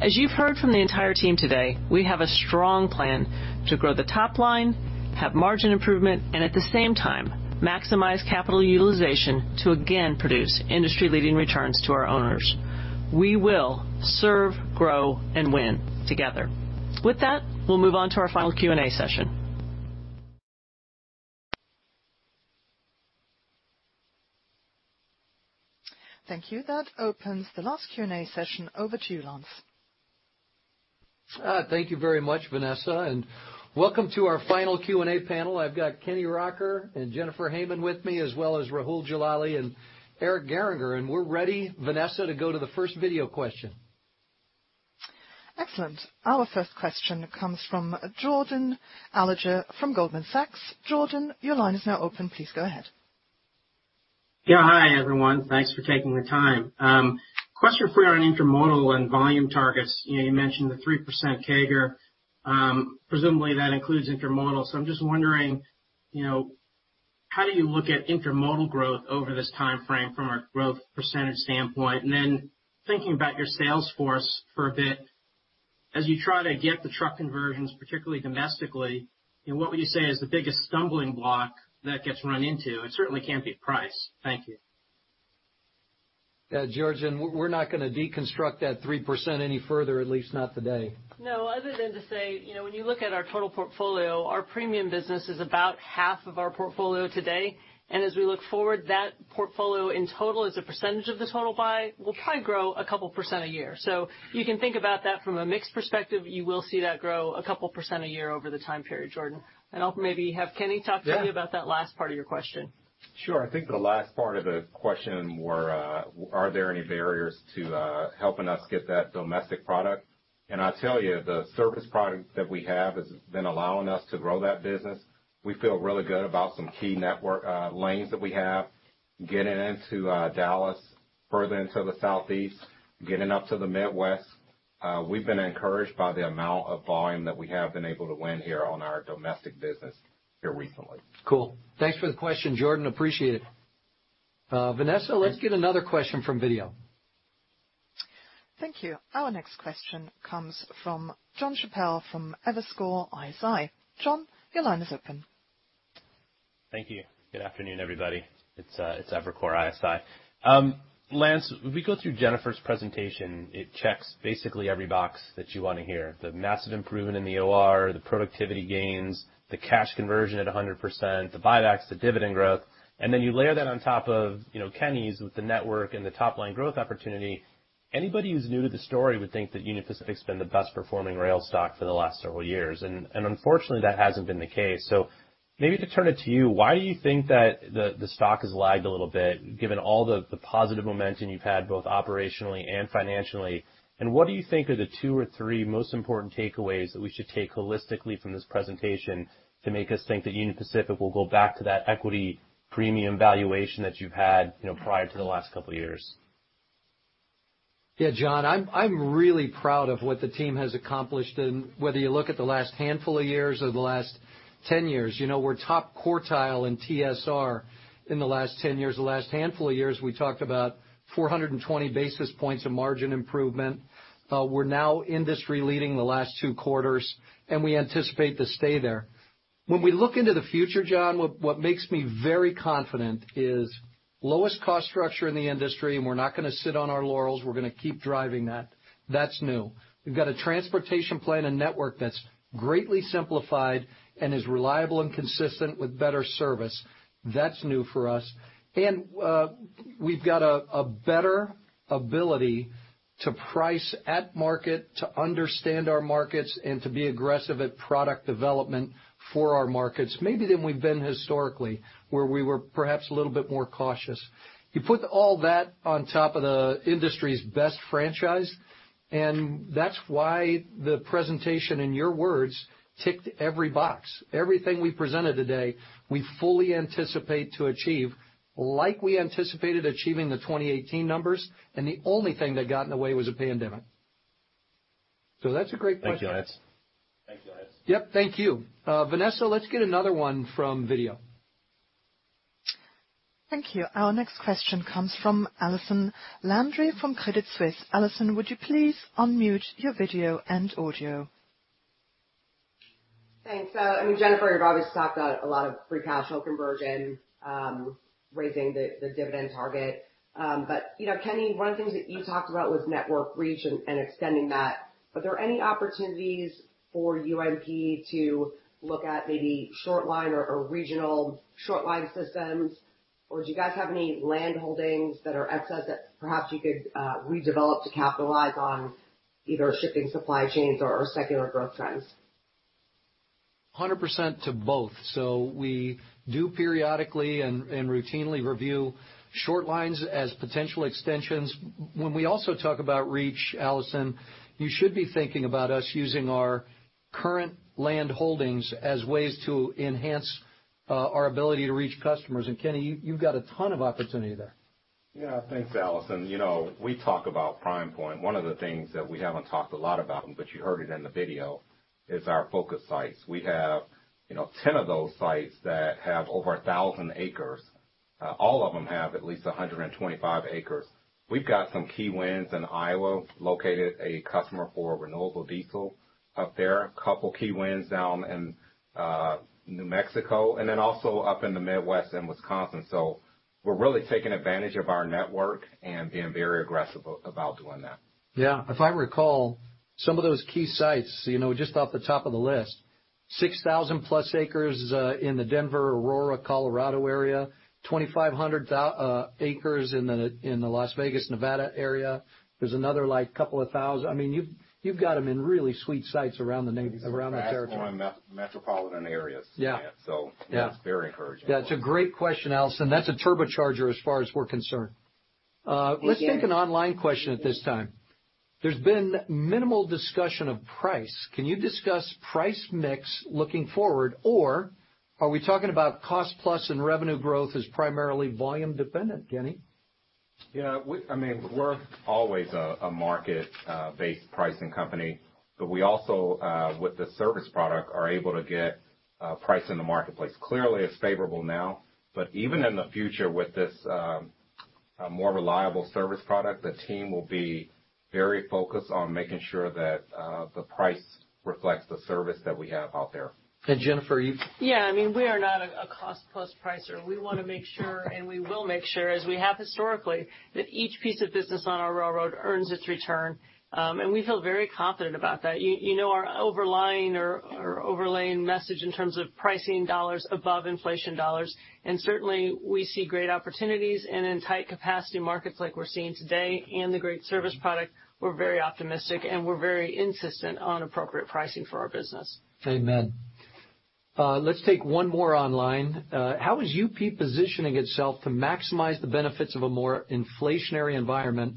As you've heard from the entire team today, we have a strong plan to grow the top line, have margin improvement, and at the same time, maximize capital utilization to again produce industry-leading returns to our owners. We will serve, grow, and win together. With that, we'll move on to our final Q&A session. Thank you. That opens the last Q&A session. Over to you, Lance. Thank you very much, Vanessa, and welcome to our final Q&A panel. I've got Kenny Rocker and Jennifer Hamann with me, as well as Rahul Jalali and Eric Gehringer. We're ready, Vanessa, to go to the first video question. Excellent. Our first question comes from Jordan Alliger from Goldman Sachs. Jordan, your line is now open. Please go ahead. Yeah. Hi, everyone. Thanks for taking the time. Question for you on intermodal and volume targets. You mentioned the 3% CAGR. Presumably, that includes intermodal. I'm just wondering, how do you look at intermodal growth over this timeframe from a growth percentage standpoint? Thinking about your sales force for a bit, as you try to get the truck conversions, particularly domestically, what would you say is the biggest stumbling block that gets run into? It certainly can't be price. Thank you. Yeah, Jordan, we're not going to deconstruct that 3% any further, at least not today. No, other than to say, when you look at our total portfolio, our premium business is about half of our portfolio today. As we look forward, that portfolio in total as a percentage of the total pie, will probably grow a couple % a year. You can think about that from a mix perspective. You will see that grow a couple % a year over the time period, Jordan. I'll maybe have Kenny talk to you about that last part of your question. Sure. I think the last part of the question, where are there any barriers to helping us get that domestic product? I'll tell you, the service product that we have has been allowing us to grow that business. We feel really good about some key network lanes that we have, getting into Dallas, further into the southeast, getting up to the Midwest. We've been encouraged by the amount of volume that we have been able to win here on our domestic business here recently. Cool. Thanks for the question, Jordan. Appreciate it. Vanessa, let's get another question from video. Thank you. Our next question comes from Jon Chappell from Evercore ISI. Jon, your line is open. Thank you. Good afternoon, everybody. It's Evercore ISI. Lance, when we go through Jennifer's presentation, it checks basically every box that you want to hear, the massive improvement in the OR, the productivity gains, the cash conversion at 100%, the buybacks, the dividend growth. You layer that on top of Kenny's with the network and the top-line growth opportunity. Anybody who's new to the story would think that Union Pacific's been the best performing rail stock for the last several years. Unfortunately, that hasn't been the case. Maybe to turn it to you, why do you think that the stock has lagged a little bit, given all the positive momentum you've had, both operationally and financially? What do you think are the two or three most important takeaways that we should take holistically from this presentation to make us think that Union Pacific will go back to that equity premium valuation that you've had prior to the last couple of years? Yeah, Jon, I'm really proud of what the team has accomplished, and whether you look at the last handful of years or the last 10 years. We're top quartile in TSR in the last 10 years. The last handful of years, we talked about 420 basis points of margin improvement. We're now industry leading the last two quarters, and we anticipate to stay there. When we look into the future, Jon, what makes me very confident is lowest cost structure in the industry, and we're not going to sit on our laurels. We're going to keep driving that. That's new. We've got a transportation plan and network that's greatly simplified and is reliable and consistent with better service. That's new for us. we've got a better ability to price at market, to understand our markets, and to be aggressive at product development for our markets, maybe than we've been historically, where we were perhaps a little bit more cautious. You put all that on top of the industry's best franchise, and that's why the presentation, in your words, ticked every box. Everything we presented today, we fully anticipate to achieve, like we anticipated achieving the 2018 numbers, and the only thing that got in the way was a pandemic. that's a great point. Thank you, guys. Yep, thank you. Vanessa, let's get another one from video. Thank you. Our next question comes from Allison Landry from Credit Suisse. Allison, would you please unmute your video and audio? Thanks. Jennifer, you've obviously talked about a lot of free cash flow conversion, raising the dividend target. Kenny, one of the things that you talked about was network reach and extending that. Are there any opportunities for UP to look at maybe short line or regional short line systems? Do you guys have any land holdings that are excess that perhaps you could redevelop to capitalize on either shipping supply chains or secular growth trends? 100% to both. We do periodically and routinely review short lines as potential extensions. When we also talk about reach, Allison, you should be thinking about us using our current land holdings as ways to enhance our ability to reach customers. Kenny, you've got a ton of opportunity there. Yeah. Thanks, Allison. We talk about Prime Pointe. One of the things that we haven't talked a lot about, but you heard it in the video, is our Focus Sites. We have 10 of those sites that have over 1,000 acres. All of them have at least 125 acres. We've got some key wins in Iowa, located a customer for renewable diesel up there. A couple of key wins down in New Mexico, and then also up in the Midwest in Wisconsin. we're really taking advantage of our network and being very aggressive about doing that. Yeah. If I recall, some of those key sites, just off the top of the list, 6,000+ acres in the Denver-Aurora, Colorado area, 2,500 acres in the Las Vegas, Nevada area. There's another couple of thousand. You've got them in really sweet sites around the territory. Class I metropolitan areas. Yeah. That's very encouraging. That's a great question, Allison. That's a turbocharger as far as we're concerned. Thank you. Let's take an online question at this time. There's been minimal discussion of price. Can you discuss price mix looking forward? are we talking about cost plus and revenue growth as primarily volume dependent, Kenny? Yeah. We're always a market-based pricing company, but we also, with the service product, are able to get price in the marketplace. Clearly, it's favorable now, but even in the future with this more reliable service product, the team will be very focused on making sure that the price reflects the service that we have out there. Jennifer, you? Yeah. We are not a cost-plus pricer. We want to make sure, and we will make sure, as we have historically, that each piece of business on our railroad earns its return. We feel very confident about that. Our overlying or overlaying message in terms of pricing dollars above inflation dollars, and certainly we see great opportunities and in tight capacity markets like we're seeing today and a great service product, we're very optimistic and we're very insistent on appropriate pricing for our business. Amen. Let's take one more online. How is UP positioning itself to maximize the benefits of a more inflationary environment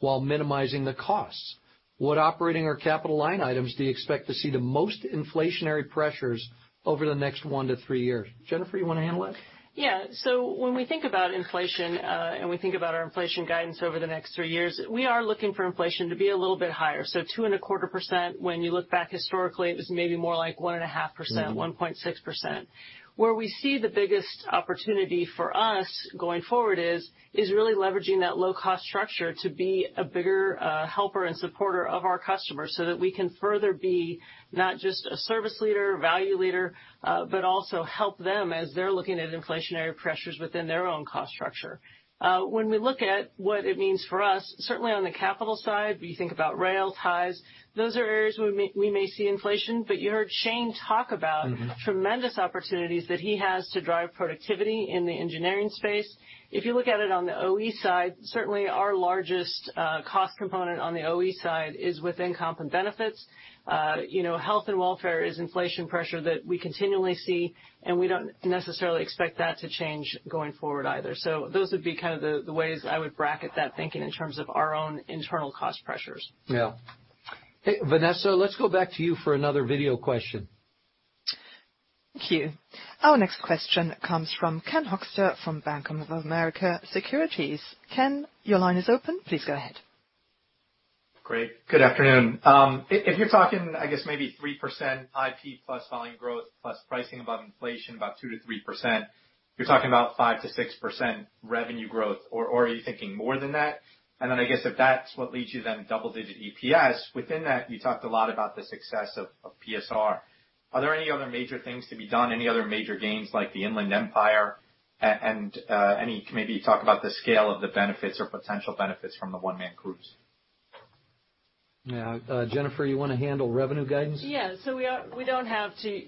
while minimizing the costs? What operating or capital line items do you expect to see the most inflationary pressures over the next one to three years? Jennifer, you want to handle that? Yeah. when we think about inflation, and we think about our inflation guidance over the next three years, we are looking for inflation to be a little bit higher. 2.25%, when you look back historically, it was maybe more like 1.5%, 1.6%. Where we see the biggest opportunity for us going forward is really leveraging that low-cost structure to be a bigger helper and supporter of our customers so that we can further be not just a service leader, value leader, but also help them as they're looking at inflationary pressures within their own cost structure. When we look at what it means for us, certainly on the capital side, you think about rail ties, those are areas where we may see inflation, but you heard Shane talk about tremendous opportunities that he has to drive productivity in the engineering space. If you look at it on the OE side, certainly our largest cost component on the OE side is within comp and benefits. Health and welfare is inflation pressure that we continually see, and we don't necessarily expect that to change going forward either. Those would be the ways I would bracket that thinking in terms of our own internal cost pressures. Yeah. Hey, Vanessa, let's go back to you for another video question. Thank you. Our next question comes from Ken Hoexter from Bank of America Securities. Ken, your line is open. Please go ahead. Great. Good afternoon. If you're talking, I guess maybe 3% IP plus volume growth, plus pricing above inflation, about 2%-3%, you're talking about 5%-6% revenue growth or are you thinking more than that? I guess if that's what leads you then double-digit EPS, within that, you talked a lot about the success of PSR. Are there any other major things to be done, any other major gains like the Inland Empire? Can maybe talk about the scale of the benefits or potential benefits from the one-man crews? Yeah. Jennifer, you want to handle revenue guidance? Yeah. To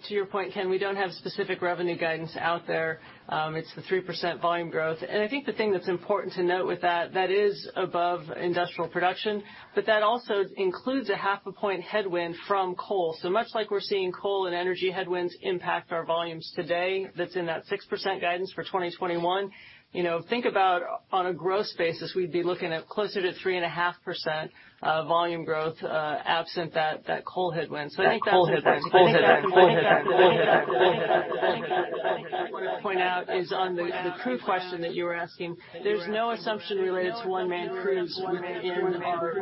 your point, Ken, we don't have specific revenue guidance out there. It's the 3% volume growth. I think the thing that's important to note with that is above industrial production, but that also includes a half a point headwind from coal. Much like we're seeing coal and energy headwinds impact our volumes today, that's in that 6% guidance for 2021. Think about on a growth basis, we'd be looking at closer to 3.5% volume growth absent that coal headwind. I think that coal headwind. I want to point out is on the crew question that you were asking, there's no assumption related to one-man crews within our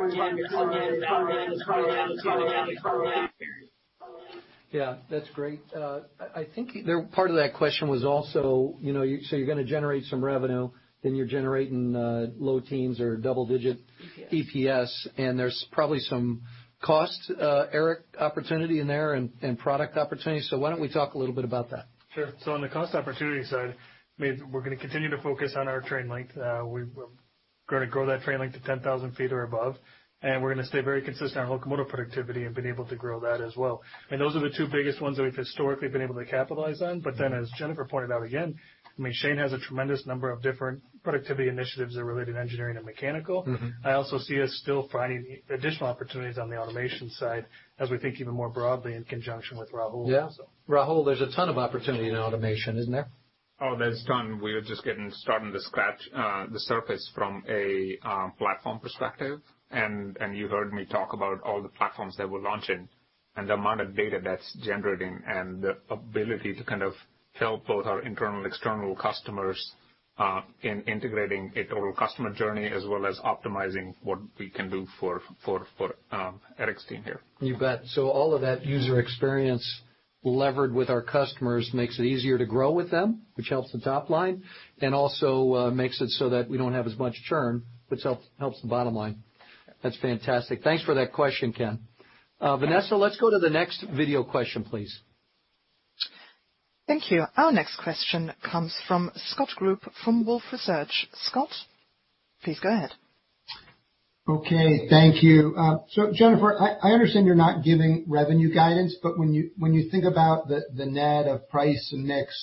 volumes going forward. Yeah, that's great. I think part of that question was also, so you're going to generate some revenue, then you're generating low teens or double-digit EPS, and there's probably some cost, Eric, opportunity in there and product opportunity. Why don't we talk a little bit about that? Sure. On the cost opportunity side, we're going to continue to focus on our train length. We're going to grow that train length to 10,000 feet or above, and we're going to stay very consistent on locomotive productivity and being able to grow that as well. Those are the two biggest ones that we've historically been able to capitalize on. As Jennifer pointed out, again, Shane has a tremendous number of different productivity initiatives that relate in engineering and mechanical. I also see us still finding additional opportunities on the automation side as we think even more broadly in conjunction with Rahul also. Yeah. Rahul, there's a ton of opportunity in automation, isn't there? Oh, there's a ton. We're just getting started to scratch the surface from a platform perspective, you heard me talk about all the platforms that we're launching. The amount of data that's generating and the ability to help both our internal and external customers in integrating a total customer journey, as well as optimizing what we can do for Eric's team here. You bet. All of that user experience levered with our customers makes it easier to grow with them, which helps the top line, and also makes it so that we don't have as much churn, which helps the bottom line. That's fantastic. Thanks for that question, Ken. Vanessa, let's go to the next video question, please. Thank you. Our next question comes from Scott Group from Wolfe Research. Scott, please go ahead. Okay. Thank you. Jennifer, I understand you're not giving revenue guidance, but when you think about the net of price and mix,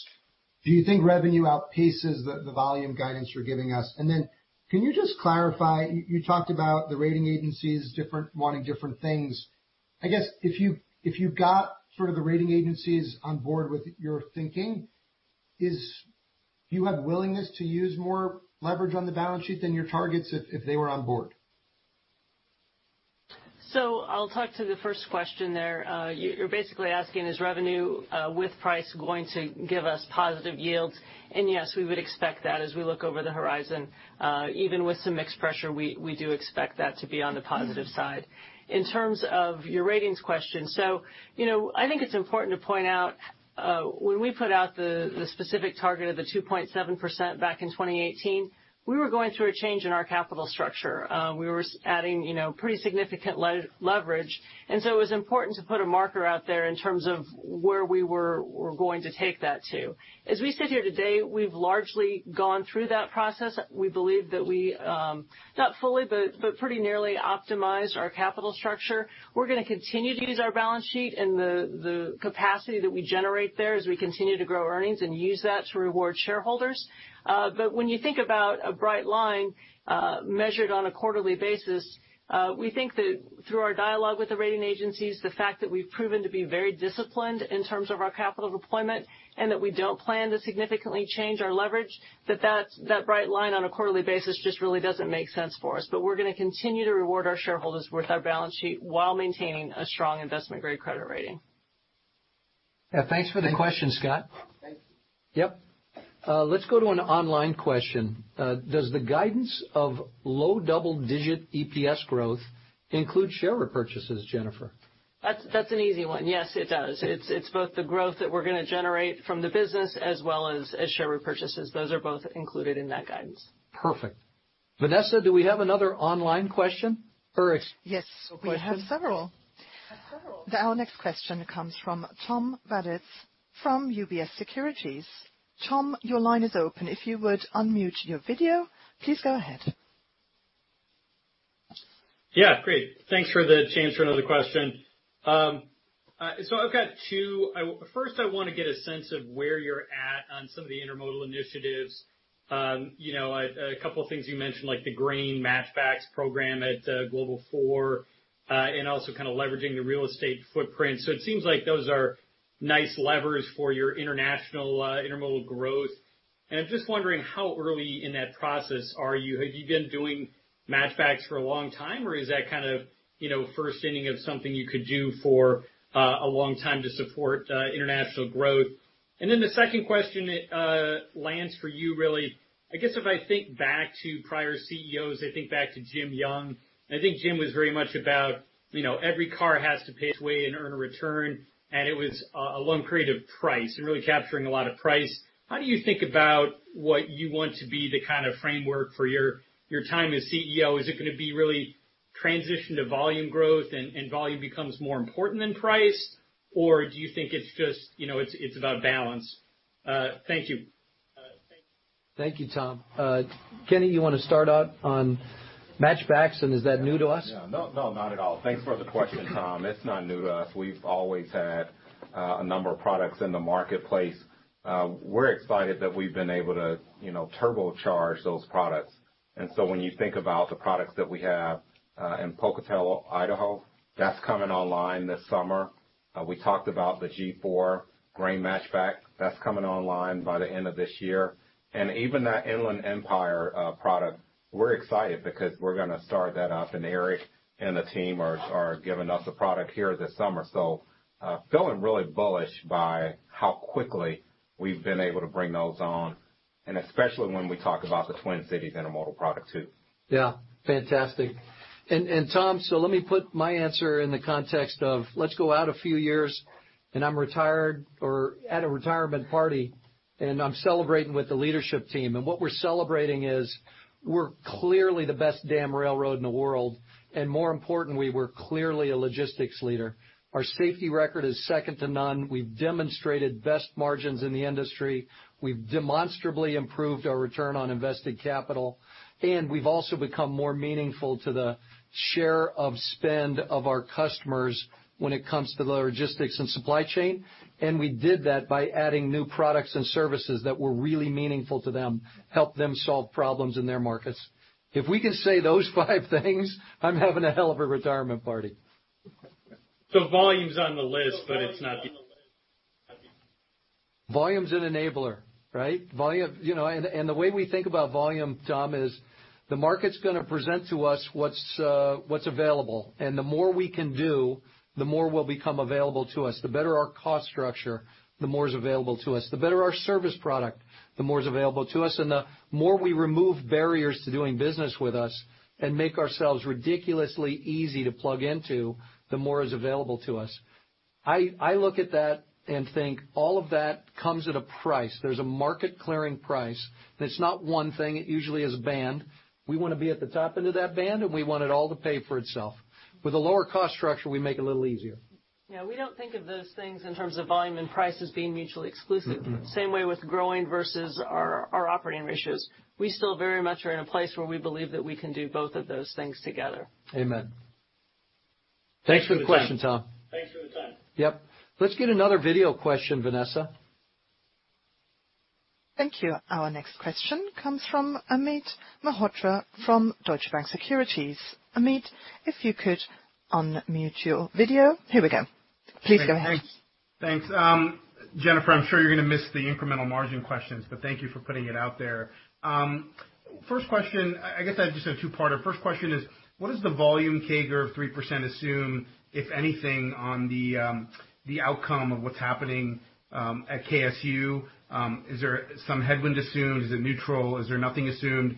do you think revenue outpaces the volume guidance you're giving us? Can you just clarify, you talked about the rating agencies wanting different things. I guess, if you've got sort of the rating agencies on board with your thinking, do you have willingness to use more leverage on the balance sheet than your targets if they were on board? I'll talk to the first question there. You're basically asking is revenue with price going to give us positive yields? Yes, we would expect that as we look over the horizon. Even with some mixed pressure, we do expect that to be on the positive side. In terms of your ratings question, I think it's important to point out when we put out the specific target of the 2.7% back in 2018, we were going through a change in our capital structure. We were adding pretty significant leverage, and so it was important to put a marker out there in terms of where we were going to take that to. As we sit here today, we've largely gone through that process. We believe that we, not fully, but pretty nearly optimized our capital structure. We're going to continue to use our balance sheet and the capacity that we generate there as we continue to grow earnings and use that to reward shareholders. When you think about a bright line measured on a quarterly basis, we think that through our dialogue with the rating agencies, the fact that we've proven to be very disciplined in terms of our capital deployment and that we don't plan to significantly change our leverage, that bright line on a quarterly basis just really doesn't make sense for us. We're going to continue to reward our shareholders with our balance sheet while maintaining a strong investment-grade credit rating. Yeah. Thanks for the question, Scott. Thank you. Yep. Let's go to an online question. Does the guidance of low double-digit EPS growth include share repurchases, Jennifer? That's an easy one. Yes, it does. It's both the growth that we're going to generate from the business as well as share repurchases. Those are both included in that guidance. Perfect. Vanessa, do we have another online question? Yes. We have several. Our next question comes from Tom Wadewitz from UBS Securities. Tom, your line is open. If you would unmute your video, please go ahead. Yeah, great. Thanks for the chance for another question. I've got two. First, I want to get a sense of where you're at on some of the intermodal initiatives. A couple of things you mentioned, like the grain match backs program at Global 4, and also kind of leveraging the real estate footprint. It seems like those are nice levers for your international intermodal growth. I'm just wondering how early in that process are you? Have you been doing match backs for a long time, or is that kind of first inning of something you could do for a long time to support international growth? The second question, Lance, for you really. I guess if I think back to prior CEOs, I think back to Jim Young. I think Jim was very much about every car has to pay its way and earn a return, and it was a long period of price and really capturing a lot of price. How do you think about what you want to be the kind of framework for your time as CEO? Is it going to be really transition to volume growth and volume becomes more important than price, or do you think it's about balance? Thank you. Thank you, Tom. Kenny, you want to start out on match backs, and is that new to us? No, not at all. Thanks for the question, Tom. It's not new to us. We've always had a number of products in the marketplace. We're excited that we've been able to turbocharge those products. When you think about the products that we have in Pocatello, Idaho, that's coming online this summer. We talked about the G4 grain match back that's coming online by the end of this year. Even that Inland Empire product, we're excited because we're going to start that up, and Eric and the team are giving us a product here this summer. Feeling really bullish by how quickly we've been able to bring those on, and especially when we talk about the Twin Cities intermodal product, too. Yeah. Fantastic. Tom, let me put my answer in the context of let's go out a few years and I'm retired or at a retirement party, and I'm celebrating with the leadership team, and what we're celebrating is we're clearly the best damn railroad in the world, and more importantly, we're clearly a logistics leader. Our safety record is second to none. We've demonstrated best margins in the industry. We've demonstrably improved our return on invested capital, and we've also become more meaningful to the share of spend of our customers when it comes to the logistics and supply chain. we did that by adding new products and services that were really meaningful to them, help them solve problems in their markets. If we can say those five things, I'm having a hell of a retirement party. Volume's on the list, but it's not? Volume is an enabler, right? The way we think about volume, Tom, is the market's going to present to us what's available, and the more we can do, the more will become available to us. The better our cost structure, the more is available to us. The better our service product, the more is available to us. The more we remove barriers to doing business with us and make ourselves ridiculously easy to plug into, the more is available to us. I look at that and think all of that comes at a price. There's a market clearing price, and it's not one thing, it usually is a band. We want to be at the top end of that band, and we want it all to pay for itself. With a lower cost structure, we make it a little easier. Yeah, we don't think of those things in terms of volume and prices being mutually exclusive. Same way with growing versus our operating ratios. We still very much are in a place where we believe that we can do both of those things together. Amen. Thanks for the question, Tom. Thanks for the time. Yep. Let's get another video question, Vanessa. Thank you. Our next question comes from Amit Mehrotra from Deutsche Bank Securities. Amit, if you could unmute your video. Here we go. Please go ahead. Thanks. Jennifer, I'm sure you're going to miss the incremental margin questions, but thank you for putting it out there. First question, I guess that's just a two-parter. First question is, what is the volume CAGR of 3% assume, if anything, on the outcome of what's happening at KSU? Is there some headwind assumed? Is it neutral? Is there nothing assumed?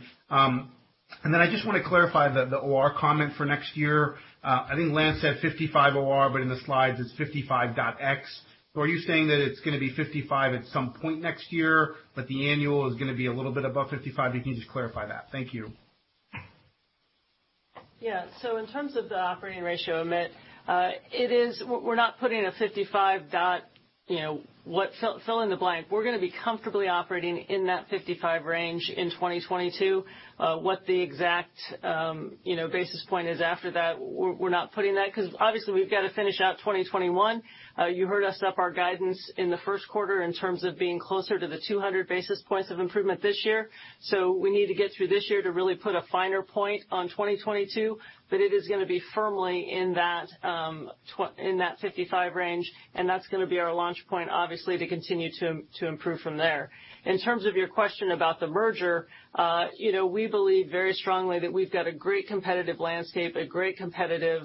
I just want to clarify the OR comment for next year. I think Lance said 55 OR, but in the slides it's 55.x. Are you saying that it's going to be 55 at some point next year, but the annual is going to be a little bit above 55? If you can just clarify that. Thank you. Yeah. In terms of the operating ratio, Amit, we're not putting a 55 dot, fill in the blank. We're going to be comfortably operating in that 55 range in 2022. What the exact basis point is after that, we're not putting that because obviously we've got to finish out 2021. You heard us up our guidance in the first quarter in terms of being closer to the 200 basis points of improvement this year. We need to get through this year to really put a finer point on 2022, but it is going to be firmly in that 55 range, and that's going to be our launch point, obviously, to continue to improve from there. In terms of your question about the merger, we believe very strongly that we've got a great competitive landscape, a great competitive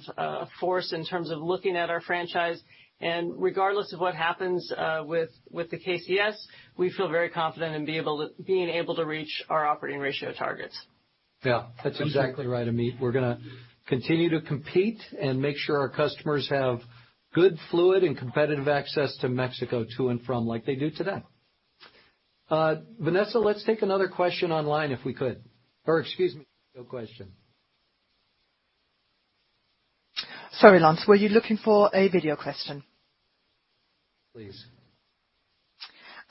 force in terms of looking at our franchise. Regardless of what happens with the KCS, we feel very confident in being able to reach our operating ratio targets. Yeah. That's exactly right, Amit. We're going to continue to compete and make sure our customers have good fluid and competitive access to Mexico to and from like they do today. Vanessa, let's take another question online if we could. Excuse me, no question. Sorry, Lance. Were you looking for a video question?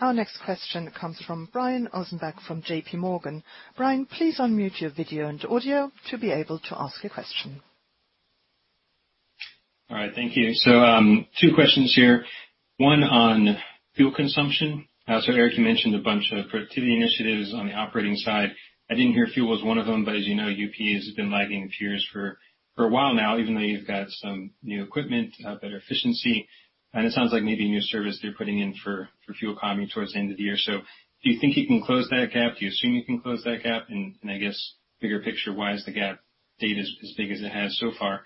Our next question comes from Brian Ossenbeck from JPMorgan. Brian, please unmute your video and audio to be able to ask a question. All right. Thank you. Two questions here. One on fuel consumption. Eric, you mentioned a bunch of productivity initiatives on the operating side. I didn't hear fuel as one of them, but as you know, UP has been lagging peers for a while now, even though you've got some new equipment, better efficiency, and it sounds like maybe a new service they're putting in for fuel economy towards the end of the year. Do you think you can close that gap? Do you assume you can close that gap? I guess bigger picture, why is the gap stayed as big as it has so far?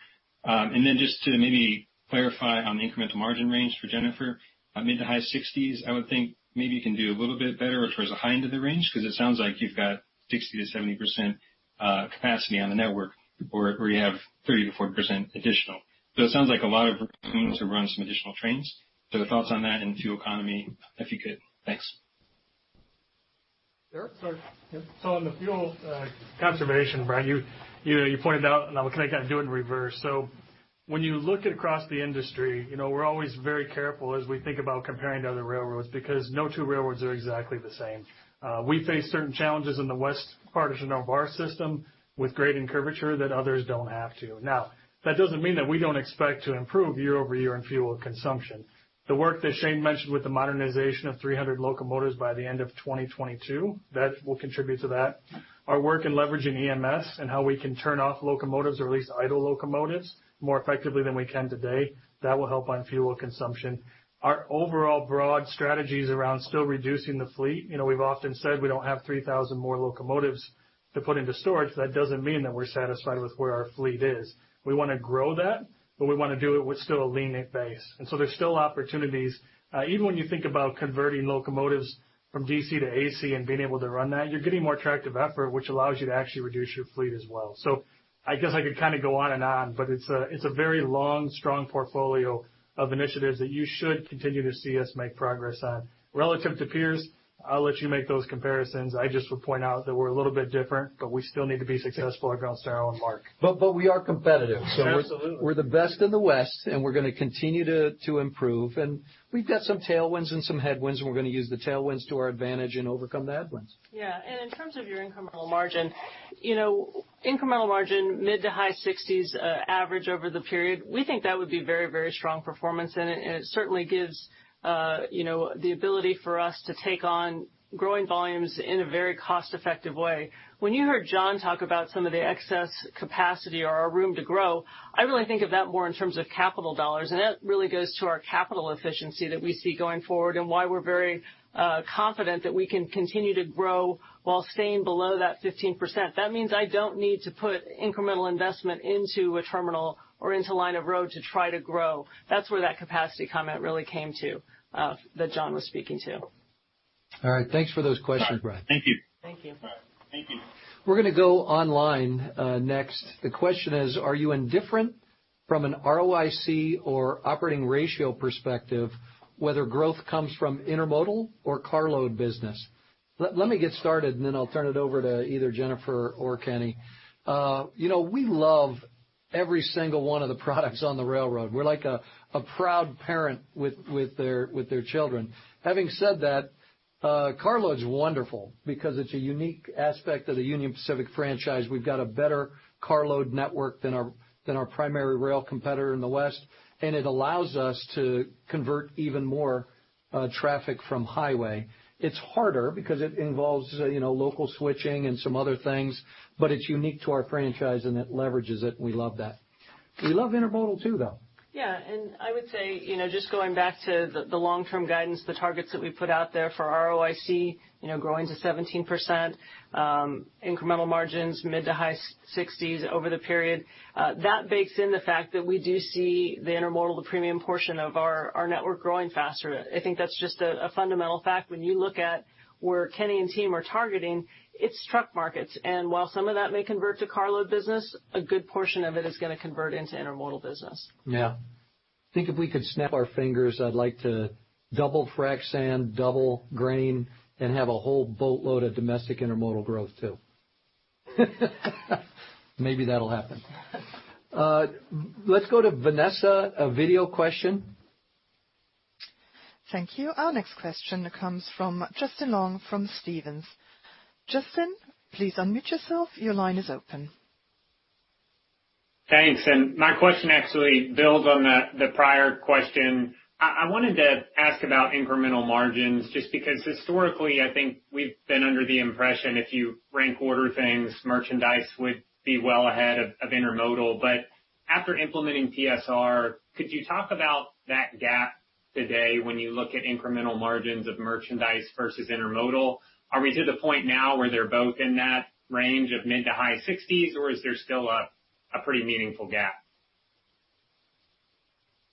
just to maybe clarify on the incremental margin range for Jennifer, mid to high 60s, I would think maybe you can do a little bit better towards the high end of the range because it sounds like you've got 60%-70% capacity on the network where you have 30%-40% additional. It sounds like a lot of room to run some additional trains. The thoughts on that and fuel economy if you could. Thanks. Eric, start. On the fuel conservation, Brian, you pointed out, and I can kind of do it in reverse. When you look across the industry, we're always very careful as we think about comparing to other railroads because no two railroads are exactly the same. We face certain challenges in the west part of our system with grade and curvature that others don't have to. Now, that doesn't mean that we don't expect to improve year-over-year in fuel consumption. The work that Shane mentioned with the modernization of 300 locomotives by the end of 2022, that will contribute to that. Our work in leveraging EMS and how we can turn off locomotives or at least idle locomotives more effectively than we can today, that will help on fuel consumption. Our overall broad strategies around still reducing the fleet. We've often said we don't have 3,000 more locomotives to put into storage. That doesn't mean that we're satisfied with where our fleet is. We want to grow that, but we want to do it with still a lean base. There's still opportunities. Even when you think about converting locomotives from DC to AC and being able to run that, you're getting more tractive effort, which allows you to actually reduce your fleet as well. I guess I could go on and on, but it's a very long, strong portfolio of initiatives that you should continue to see us make progress on. Relative to peers, I'll let you make those comparisons. I just would point out that we're a little bit different, but we still need to be successful regardless to our own mark. We are competitive. Absolutely. We're the best in the West, and we're going to continue to improve. We've got some tailwinds and some headwinds, and we're going to use the tailwinds to our advantage and overcome the headwinds. Yeah. In terms of your incremental margin, incremental margin mid to high 60s average over the period, we think that would be very strong performance, and it certainly gives the ability for us to take on growing volumes in a very cost-effective way. When you heard John talk about some of the excess capacity or our room to grow, I really think of that more in terms of capital dollars, and that really goes to our capital efficiency that we see going forward and why we're very confident that we can continue to grow while staying below that 15%. That means I don't need to put incremental investment into a terminal or into line of road to try to grow. That's where that capacity comment really came to, that John was speaking to. All right. Thanks for those questions, Brian. Thank you. Thank you. We're going to go online next. The question is, are you indifferent from an ROIC or operating ratio perspective, whether growth comes from intermodal or carload business? Let me get started and then I'll turn it over to either Jennifer or Kenny. We love every single one of the products on the railroad. We're like a proud parent with their children. Having said that, carload's wonderful because it's a unique aspect of the Union Pacific franchise. We've got a better carload network than our primary rail competitor in the West, and it allows us to convert even more traffic from highway. It's harder because it involves local switching and some other things, but it's unique to our franchise and it leverages it, and we love that. We love intermodal too, though. Yeah. I would say, just going back to the long-term guidance, the targets that we put out there for ROIC, growing to 17%, incremental margins, mid to high 60s over the period, that bakes in the fact that we do see the intermodal, the premium portion of our network growing faster. I think that's just a fundamental fact. When you look at where Kenny and team are targeting, it's truck markets. while some of that may convert to carload business, a good portion of it is going to convert into intermodal business. Yeah. I think if we could snap our fingers, I'd like to double frac sand, double grain, and have a whole boatload of domestic intermodal growth, too. Maybe that'll happen. Let's go to Vanessa, a video question. Thank you. Our next question comes from Justin Long from Stephens. Justin, please unmute yourself. Your line is open. Thanks, my question actually builds on the prior question. I wanted to ask about incremental margins just because historically, I think we've been under the impression if you rank order things, merchandise would be well ahead of intermodal. After implementing TSR, could you talk about that gap today when you look at incremental margins of merchandise versus intermodal? Are we to the point now where they're both in that range of mid to high 60s, or is there still a pretty meaningful gap?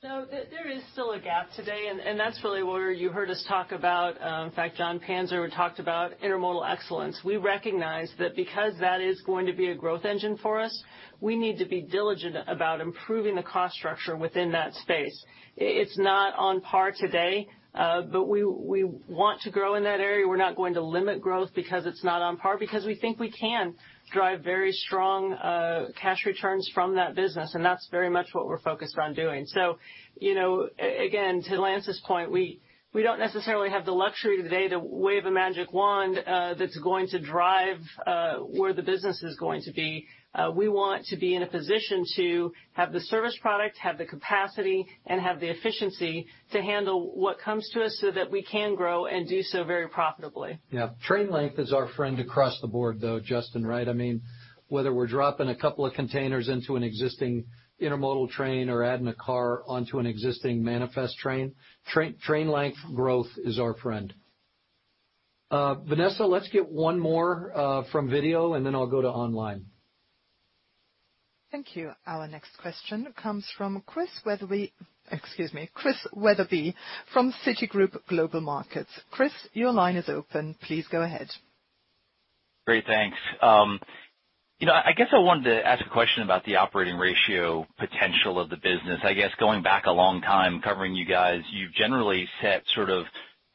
There is still a gap today, and that's really where you heard us talk about, in fact, Jon Panzer talked about Intermodal Excellence. We recognize that because that is going to be a growth engine for us, we need to be diligent about improving the cost structure within that space. It's not on par today, but we want to grow in that area. We're not going to limit growth because it's not on par because we think we can drive very strong cash returns from that business, and that's very much what we're focused on doing. Again, to Lance's point, we don't necessarily have the luxury today to wave a magic wand that's going to drive where the business is going to be. We want to be in a position to have the service product, have the capacity, and have the efficiency to handle what comes to us so that we can grow and do so very profitably. Yeah. Train length is our friend across the board, though, Justin, right? Whether we're dropping a couple of containers into an existing intermodal train or adding a car onto an existing manifest train length growth is our friend. Vanessa, let's get one more from video, and then I'll go to online. Thank you. Our next question comes from Chris Wetherbee from Citigroup Global Markets. Chris, your line is open. Please go ahead. Great, thanks. I guess I wanted to ask a question about the operating ratio potential of the business. I guess going back a long time, covering you guys, you've generally set sort of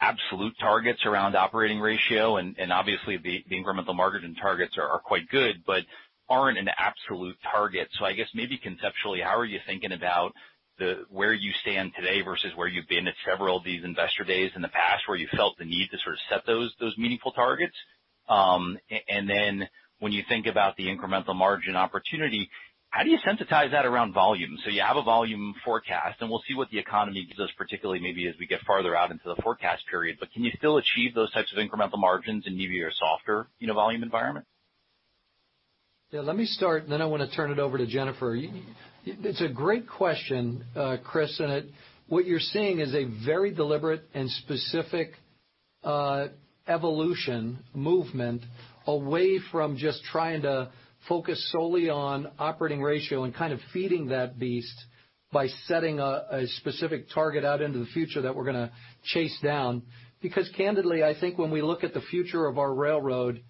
absolute targets around operating ratio, and obviously, the incremental margin targets are quite good, but aren't an absolute target. I guess maybe conceptually, how are you thinking about where you stand today versus where you've been at several of these investor days in the past where you felt the need to sort of set those meaningful targets? When you think about the incremental margin opportunity, how do you sensitize that around volume? You have a volume forecast, and we'll see what the economy gives us, particularly maybe as we get farther out into the forecast period. Can you still achieve those types of incremental margins and give you a softer volume environment? Yeah, let me start, and then I want to turn it over to Jennifer. It's a great question, Chris, and what you're seeing is a very deliberate and specific evolution movement away from just trying to focus solely on operating ratio and kind of feeding that beast by setting a specific target out into the future that we're going to chase down. Because candidly, I think when we look at the future of our railroad,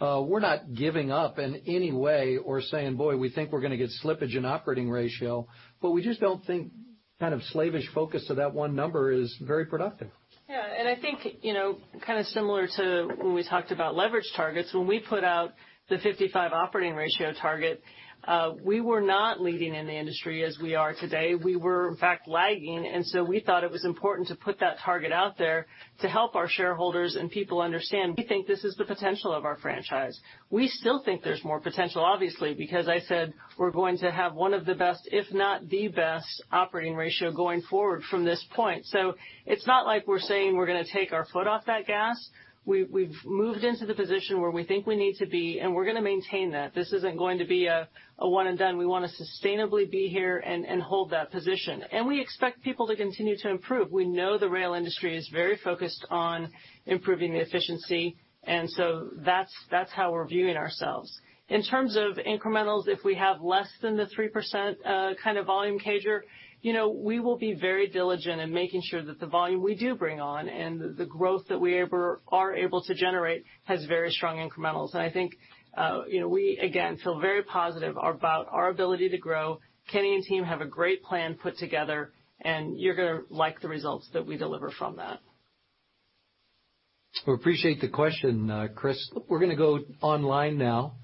we're not giving up in any way or saying, "Boy, we think we're going to get slippage in operating ratio," but we just don't think slavish focus to that one number is very productive. Yeah, I think, kind of similar to when we talked about leverage targets, when we put out the 55 operating ratio target, we were not leading in the industry as we are today. We were, in fact, lagging, and so we thought it was important to put that target out there to help our shareholders and people understand, we think this is the potential of our franchise. We still think there's more potential, obviously, because I said we're going to have one of the best, if not the best, operating ratio going forward from this point. It's not like we're saying we're going to take our foot off that gas. We've moved into the position where we think we need to be, and we're going to maintain that. This isn't going to be a one and done. We want to sustainably be here and hold that position. We expect people to continue to improve. We know the rail industry is very focused on improving the efficiency, and so that's how we're viewing ourselves. In terms of incrementals, if we have less than the 3% kind of volume CAGR, we will be very diligent in making sure that the volume we do bring on and the growth that we are able to generate has very strong incrementals. I think, we again, feel very positive about our ability to grow. Kenny and team have a great plan put together, and you're going to like the results that we deliver from that. We appreciate the question, Chris. We're going to go online now.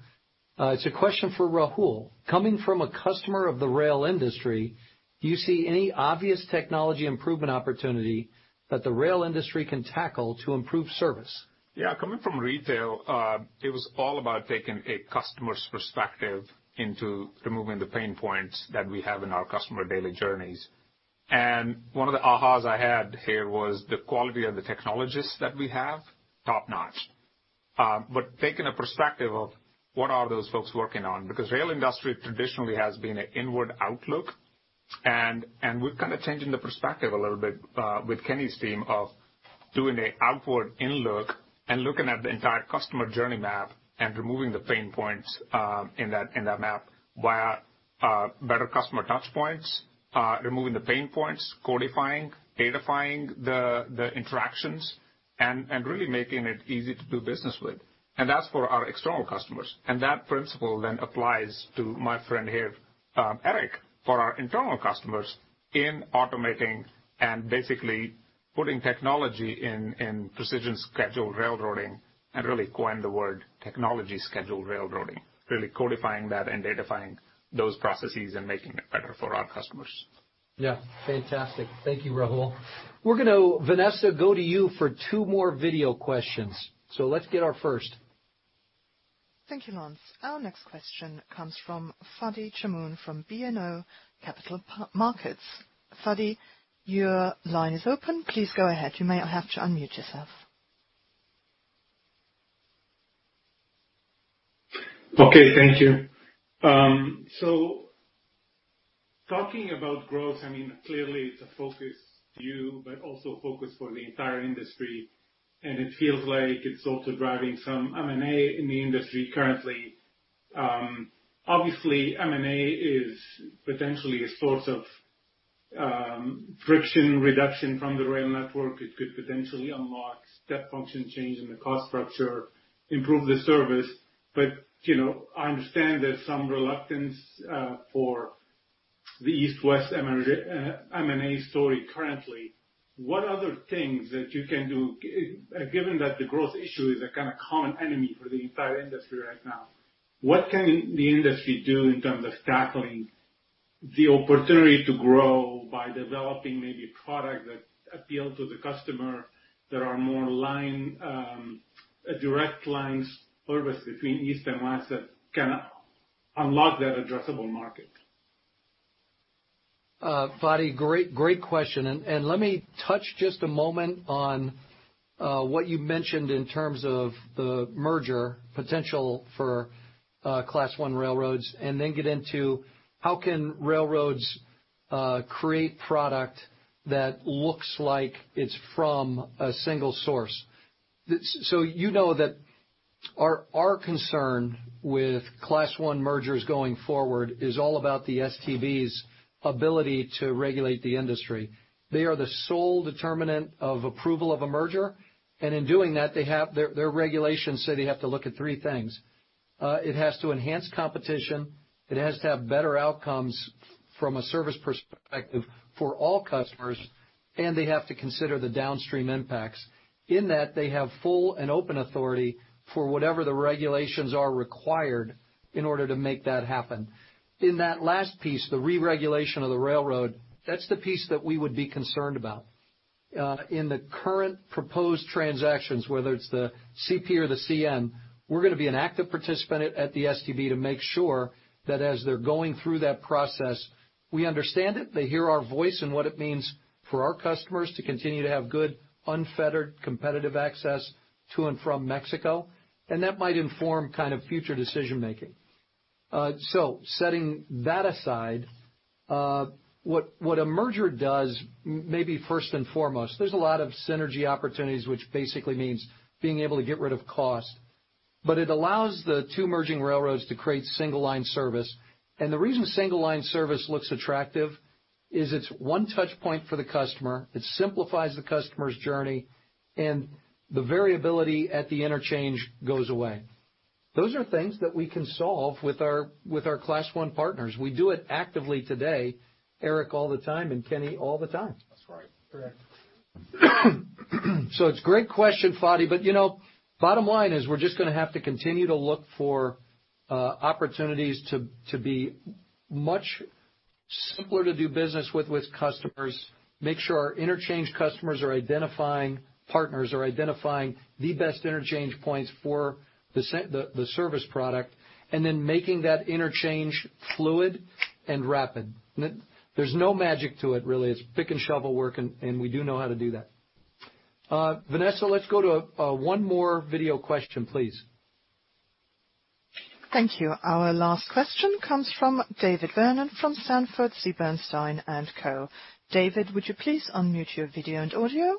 It's a question for Rahul. Coming from a customer of the rail industry, do you see any obvious technology improvement opportunity that the rail industry can tackle to improve service? Coming from retail, it was all about taking a customer's perspective into removing the pain points that we have in our customer daily journeys. One of the ahas I had here was the quality of the technologists that we have, top-notch. Taking a perspective of what are those folks working on, because rail industry traditionally has been an inward outlook, and we're kind of changing the perspective a little bit, with Kenny's team, of doing an outward in-look and looking at the entire customer journey map and removing the pain points, in that map via better customer touch points, removing the pain points, codifying, datafying the interactions, and really making it easy to do business with. That's for our external customers. That principle then applies to my friend here, Eric, for our internal customers in automating and basically putting technology in precision schedule railroading and really coin the word technology schedule railroading. Really codifying that and datafying those processes and making it better for our customers. Yeah. Fantastic. Thank you, Rahul. We're going to, Vanessa, go to you for two more video questions. Let's get our first. Thank you, Lance. Our next question comes from Fadi Chamoun from BMO Capital Markets. Fadi, your line is open. Please go ahead. You may have to unmute yourself. Okay. Thank you. talking about growth, clearly it's a focus to you, but also a focus for the entire industry, and it feels like it's also driving some M&A in the industry currently. Obviously, M&A is potentially a source of friction reduction from the rail network. It could potentially unlock step function change in the cost structure, improve the service. I understand there's some reluctance for the East-West M&A story currently. What other things that you can do, given that the growth issue is a kind of common enemy for the entire industry right now, what can the industry do in terms of tackling the opportunity to grow by developing maybe a product that appeals to the customer that are more direct lines service between East and West that can unlock that addressable market? Fadi, great question. Let me touch just a moment on what you mentioned in terms of the merger potential for Class I railroads, and then get into how can railroads create product that looks like it's from a single source. You know that our concern with Class I mergers going forward is all about the STB's ability to regulate the industry. They are the sole determinant of approval of a merger, and in doing that, their regulations say they have to look at three things. It has to enhance competition, it has to have better outcomes from a service perspective for all customers, and they have to consider the downstream impacts. In that, they have full and open authority for whatever the regulations are required in order to make that happen. In that last piece, the re-regulation of the railroad, that's the piece that we would be concerned about. In the current proposed transactions, whether it's the CP or the CN, we're going to be an active participant at the STB to make sure that as they're going through that process, we understand it, they hear our voice and what it means for our customers to continue to have good, unfettered, competitive access to and from Mexico. That might inform kind of future decision-making. Setting that aside, what a merger does, maybe first and foremost, there's a lot of synergy opportunities, which basically means being able to get rid of cost. It allows the two merging railroads to create single line service. The reason single line service looks attractive is it's one touch point for the customer, it simplifies the customer's journey, and the variability at the interchange goes away. Those are things that we can solve with our Class I partners. We do it actively today, Eric all the time, and Kenny all the time. That's right. Correct. it's a great question, Fadi. Bottom line is we're just going to have to continue to look for opportunities to be much simpler to do business with customers, make sure our interchange customers are identifying partners, are identifying the best interchange points for the service product, and then making that interchange fluid and rapid. There's no magic to it, really. It's pick and shovel work, and we do know how to do that. Vanessa, let's go to one more video question, please. Thank you. Our last question comes from David Vernon from Sanford C. Bernstein & Co. David, would you please unmute your video and audio?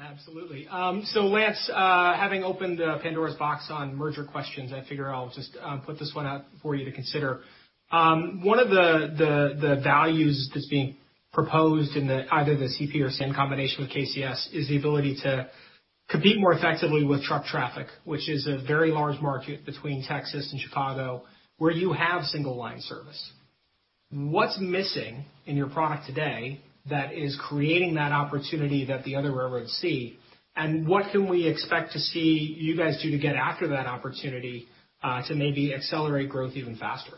Absolutely. Lance, having opened a Pandora's box on merger questions, I figure I'll just put this one out for you to consider. One of the values that's being proposed in either the CP or CN combination with KCS is the ability to compete more effectively with truck traffic, which is a very large market between Texas and Chicago, where you have single-line service. What's missing in your product today that is creating that opportunity that the other railroads see? What can we expect to see you guys do to get after that opportunity, to maybe accelerate growth even faster?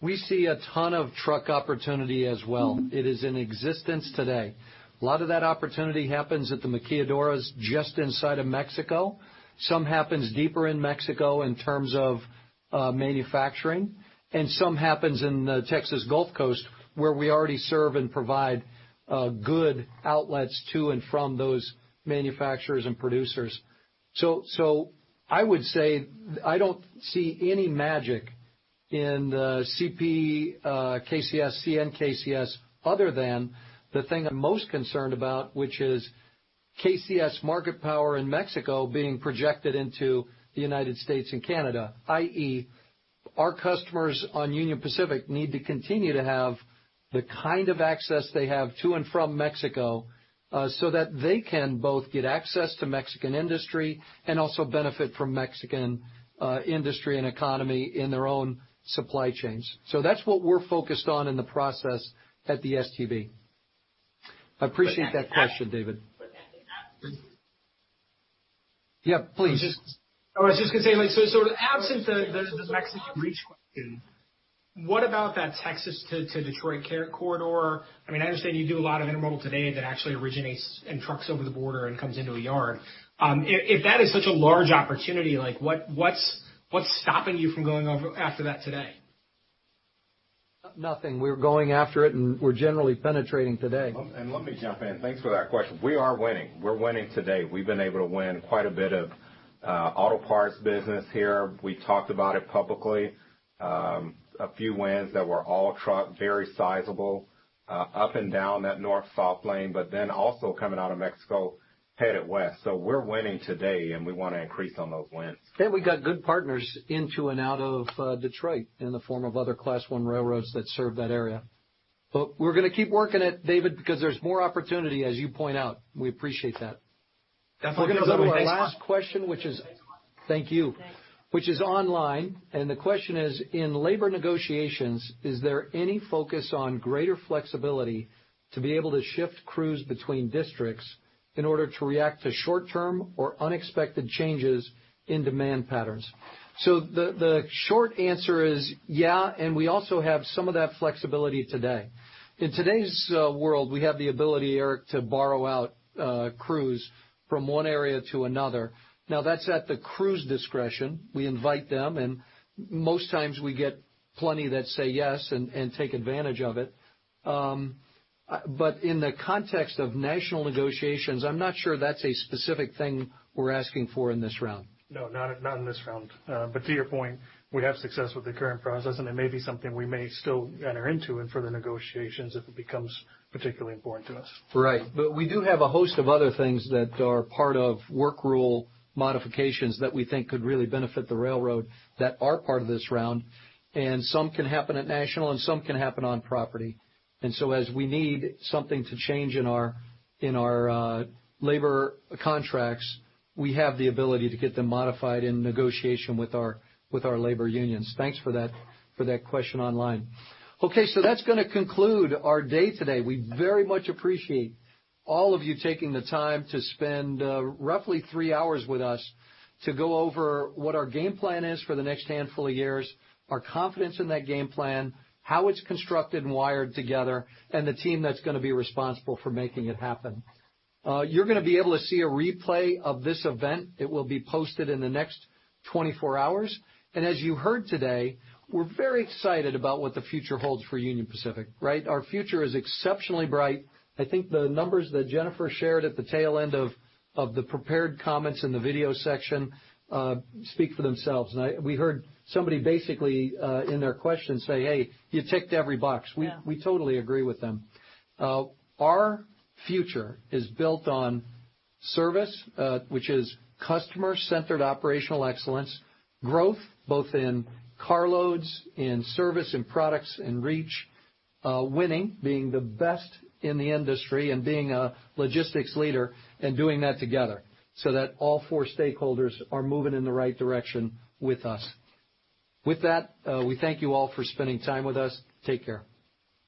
We see a ton of truck opportunity as well. It is in existence today. A lot of that opportunity happens at the maquiladoras just inside of Mexico. Some happens deeper in Mexico in terms of manufacturing, and some happens in the Texas Gulf Coast, where we already serve and provide good outlets to and from those manufacturers and producers. I would say, I don't see any magic in the CP KCS, CN KCS, other than the thing I'm most concerned about, which is KCS market power in Mexico being projected into the United States and Canada, i.e., our customers on Union Pacific need to continue to have the kind of access they have to and from Mexico, so that they can both get access to Mexican industry and also benefit from Mexican industry and economy in their own supply chains. That's what we're focused on in the process at the STB. I appreciate that question, David. Yeah, please. I was just going to say, so absent the Mexican reach question, what about that Texas to Detroit corridor? I understand you do a lot of intermodal today that actually originates in trucks over the border and comes into a yard. If that is such a large opportunity, what's stopping you from going after that today? Nothing. We're going after it, and we're generally penetrating today. Let me jump in. Thanks for that question. We are winning. We're winning today. We've been able to win quite a bit of auto parts business here. We talked about it publicly. A few wins that were all truck, very sizable, up and down that north-south lane, but then also coming out of Mexico, headed west. We're winning today, and we want to increase on those wins. We got good partners into and out of Detroit in the form of other Class I railroads that serve that area. We're going to keep working it, David, because there's more opportunity, as you point out. We appreciate that. Definitely. Thanks a lot. We're going to go to our last question, which is, thank you, which is online, and the question is, in labor negotiations, is there any focus on greater flexibility to be able to shift crews between districts in order to react to short-term or unexpected changes in demand patterns? the short answer is yeah, and we also have some of that flexibility today. In today's world, we have the ability, Eric, to borrow out crews from one area to another. Now, that's at the crew's discretion. We invite them, and most times we get plenty that say yes and take advantage of it. in the context of national negotiations, I'm not sure that's a specific thing we're asking for in this round. No, not in this round. To your point, we have success with the current process, and it may be something we may still enter into in further negotiations if it becomes particularly important to us. Right. We do have a host of other things that are part of work rule modifications that we think could really benefit the railroad that are part of this round, and some can happen at national, and some can happen on property. As we need something to change in our labor contracts, we have the ability to get them modified in negotiation with our labor unions. Thanks for that question online. Okay, that's going to conclude our day today. We very much appreciate all of you taking the time to spend roughly three hours with us to go over what our game plan is for the next handful of years, our confidence in that game plan, how it's constructed and wired together, and the team that's going to be responsible for making it happen. You're going to be able to see a replay of this event. It will be posted in the next 24 hours. As you heard today, we're very excited about what the future holds for Union Pacific. Our future is exceptionally bright. I think the numbers that Jennifer shared at the tail end of the prepared comments in the video section speak for themselves. We heard somebody basically, in their question, say, "Hey, you ticked every box. We totally agree with them. Our future is built on service, which is customer-centered operational excellence. Growth, both in carloads, in service, in products, in reach. Winning, being the best in the industry and being a logistics leader, and doing that together so that all four stakeholders are moving in the right direction with us. With that, we thank you all for spending time with us. Take care.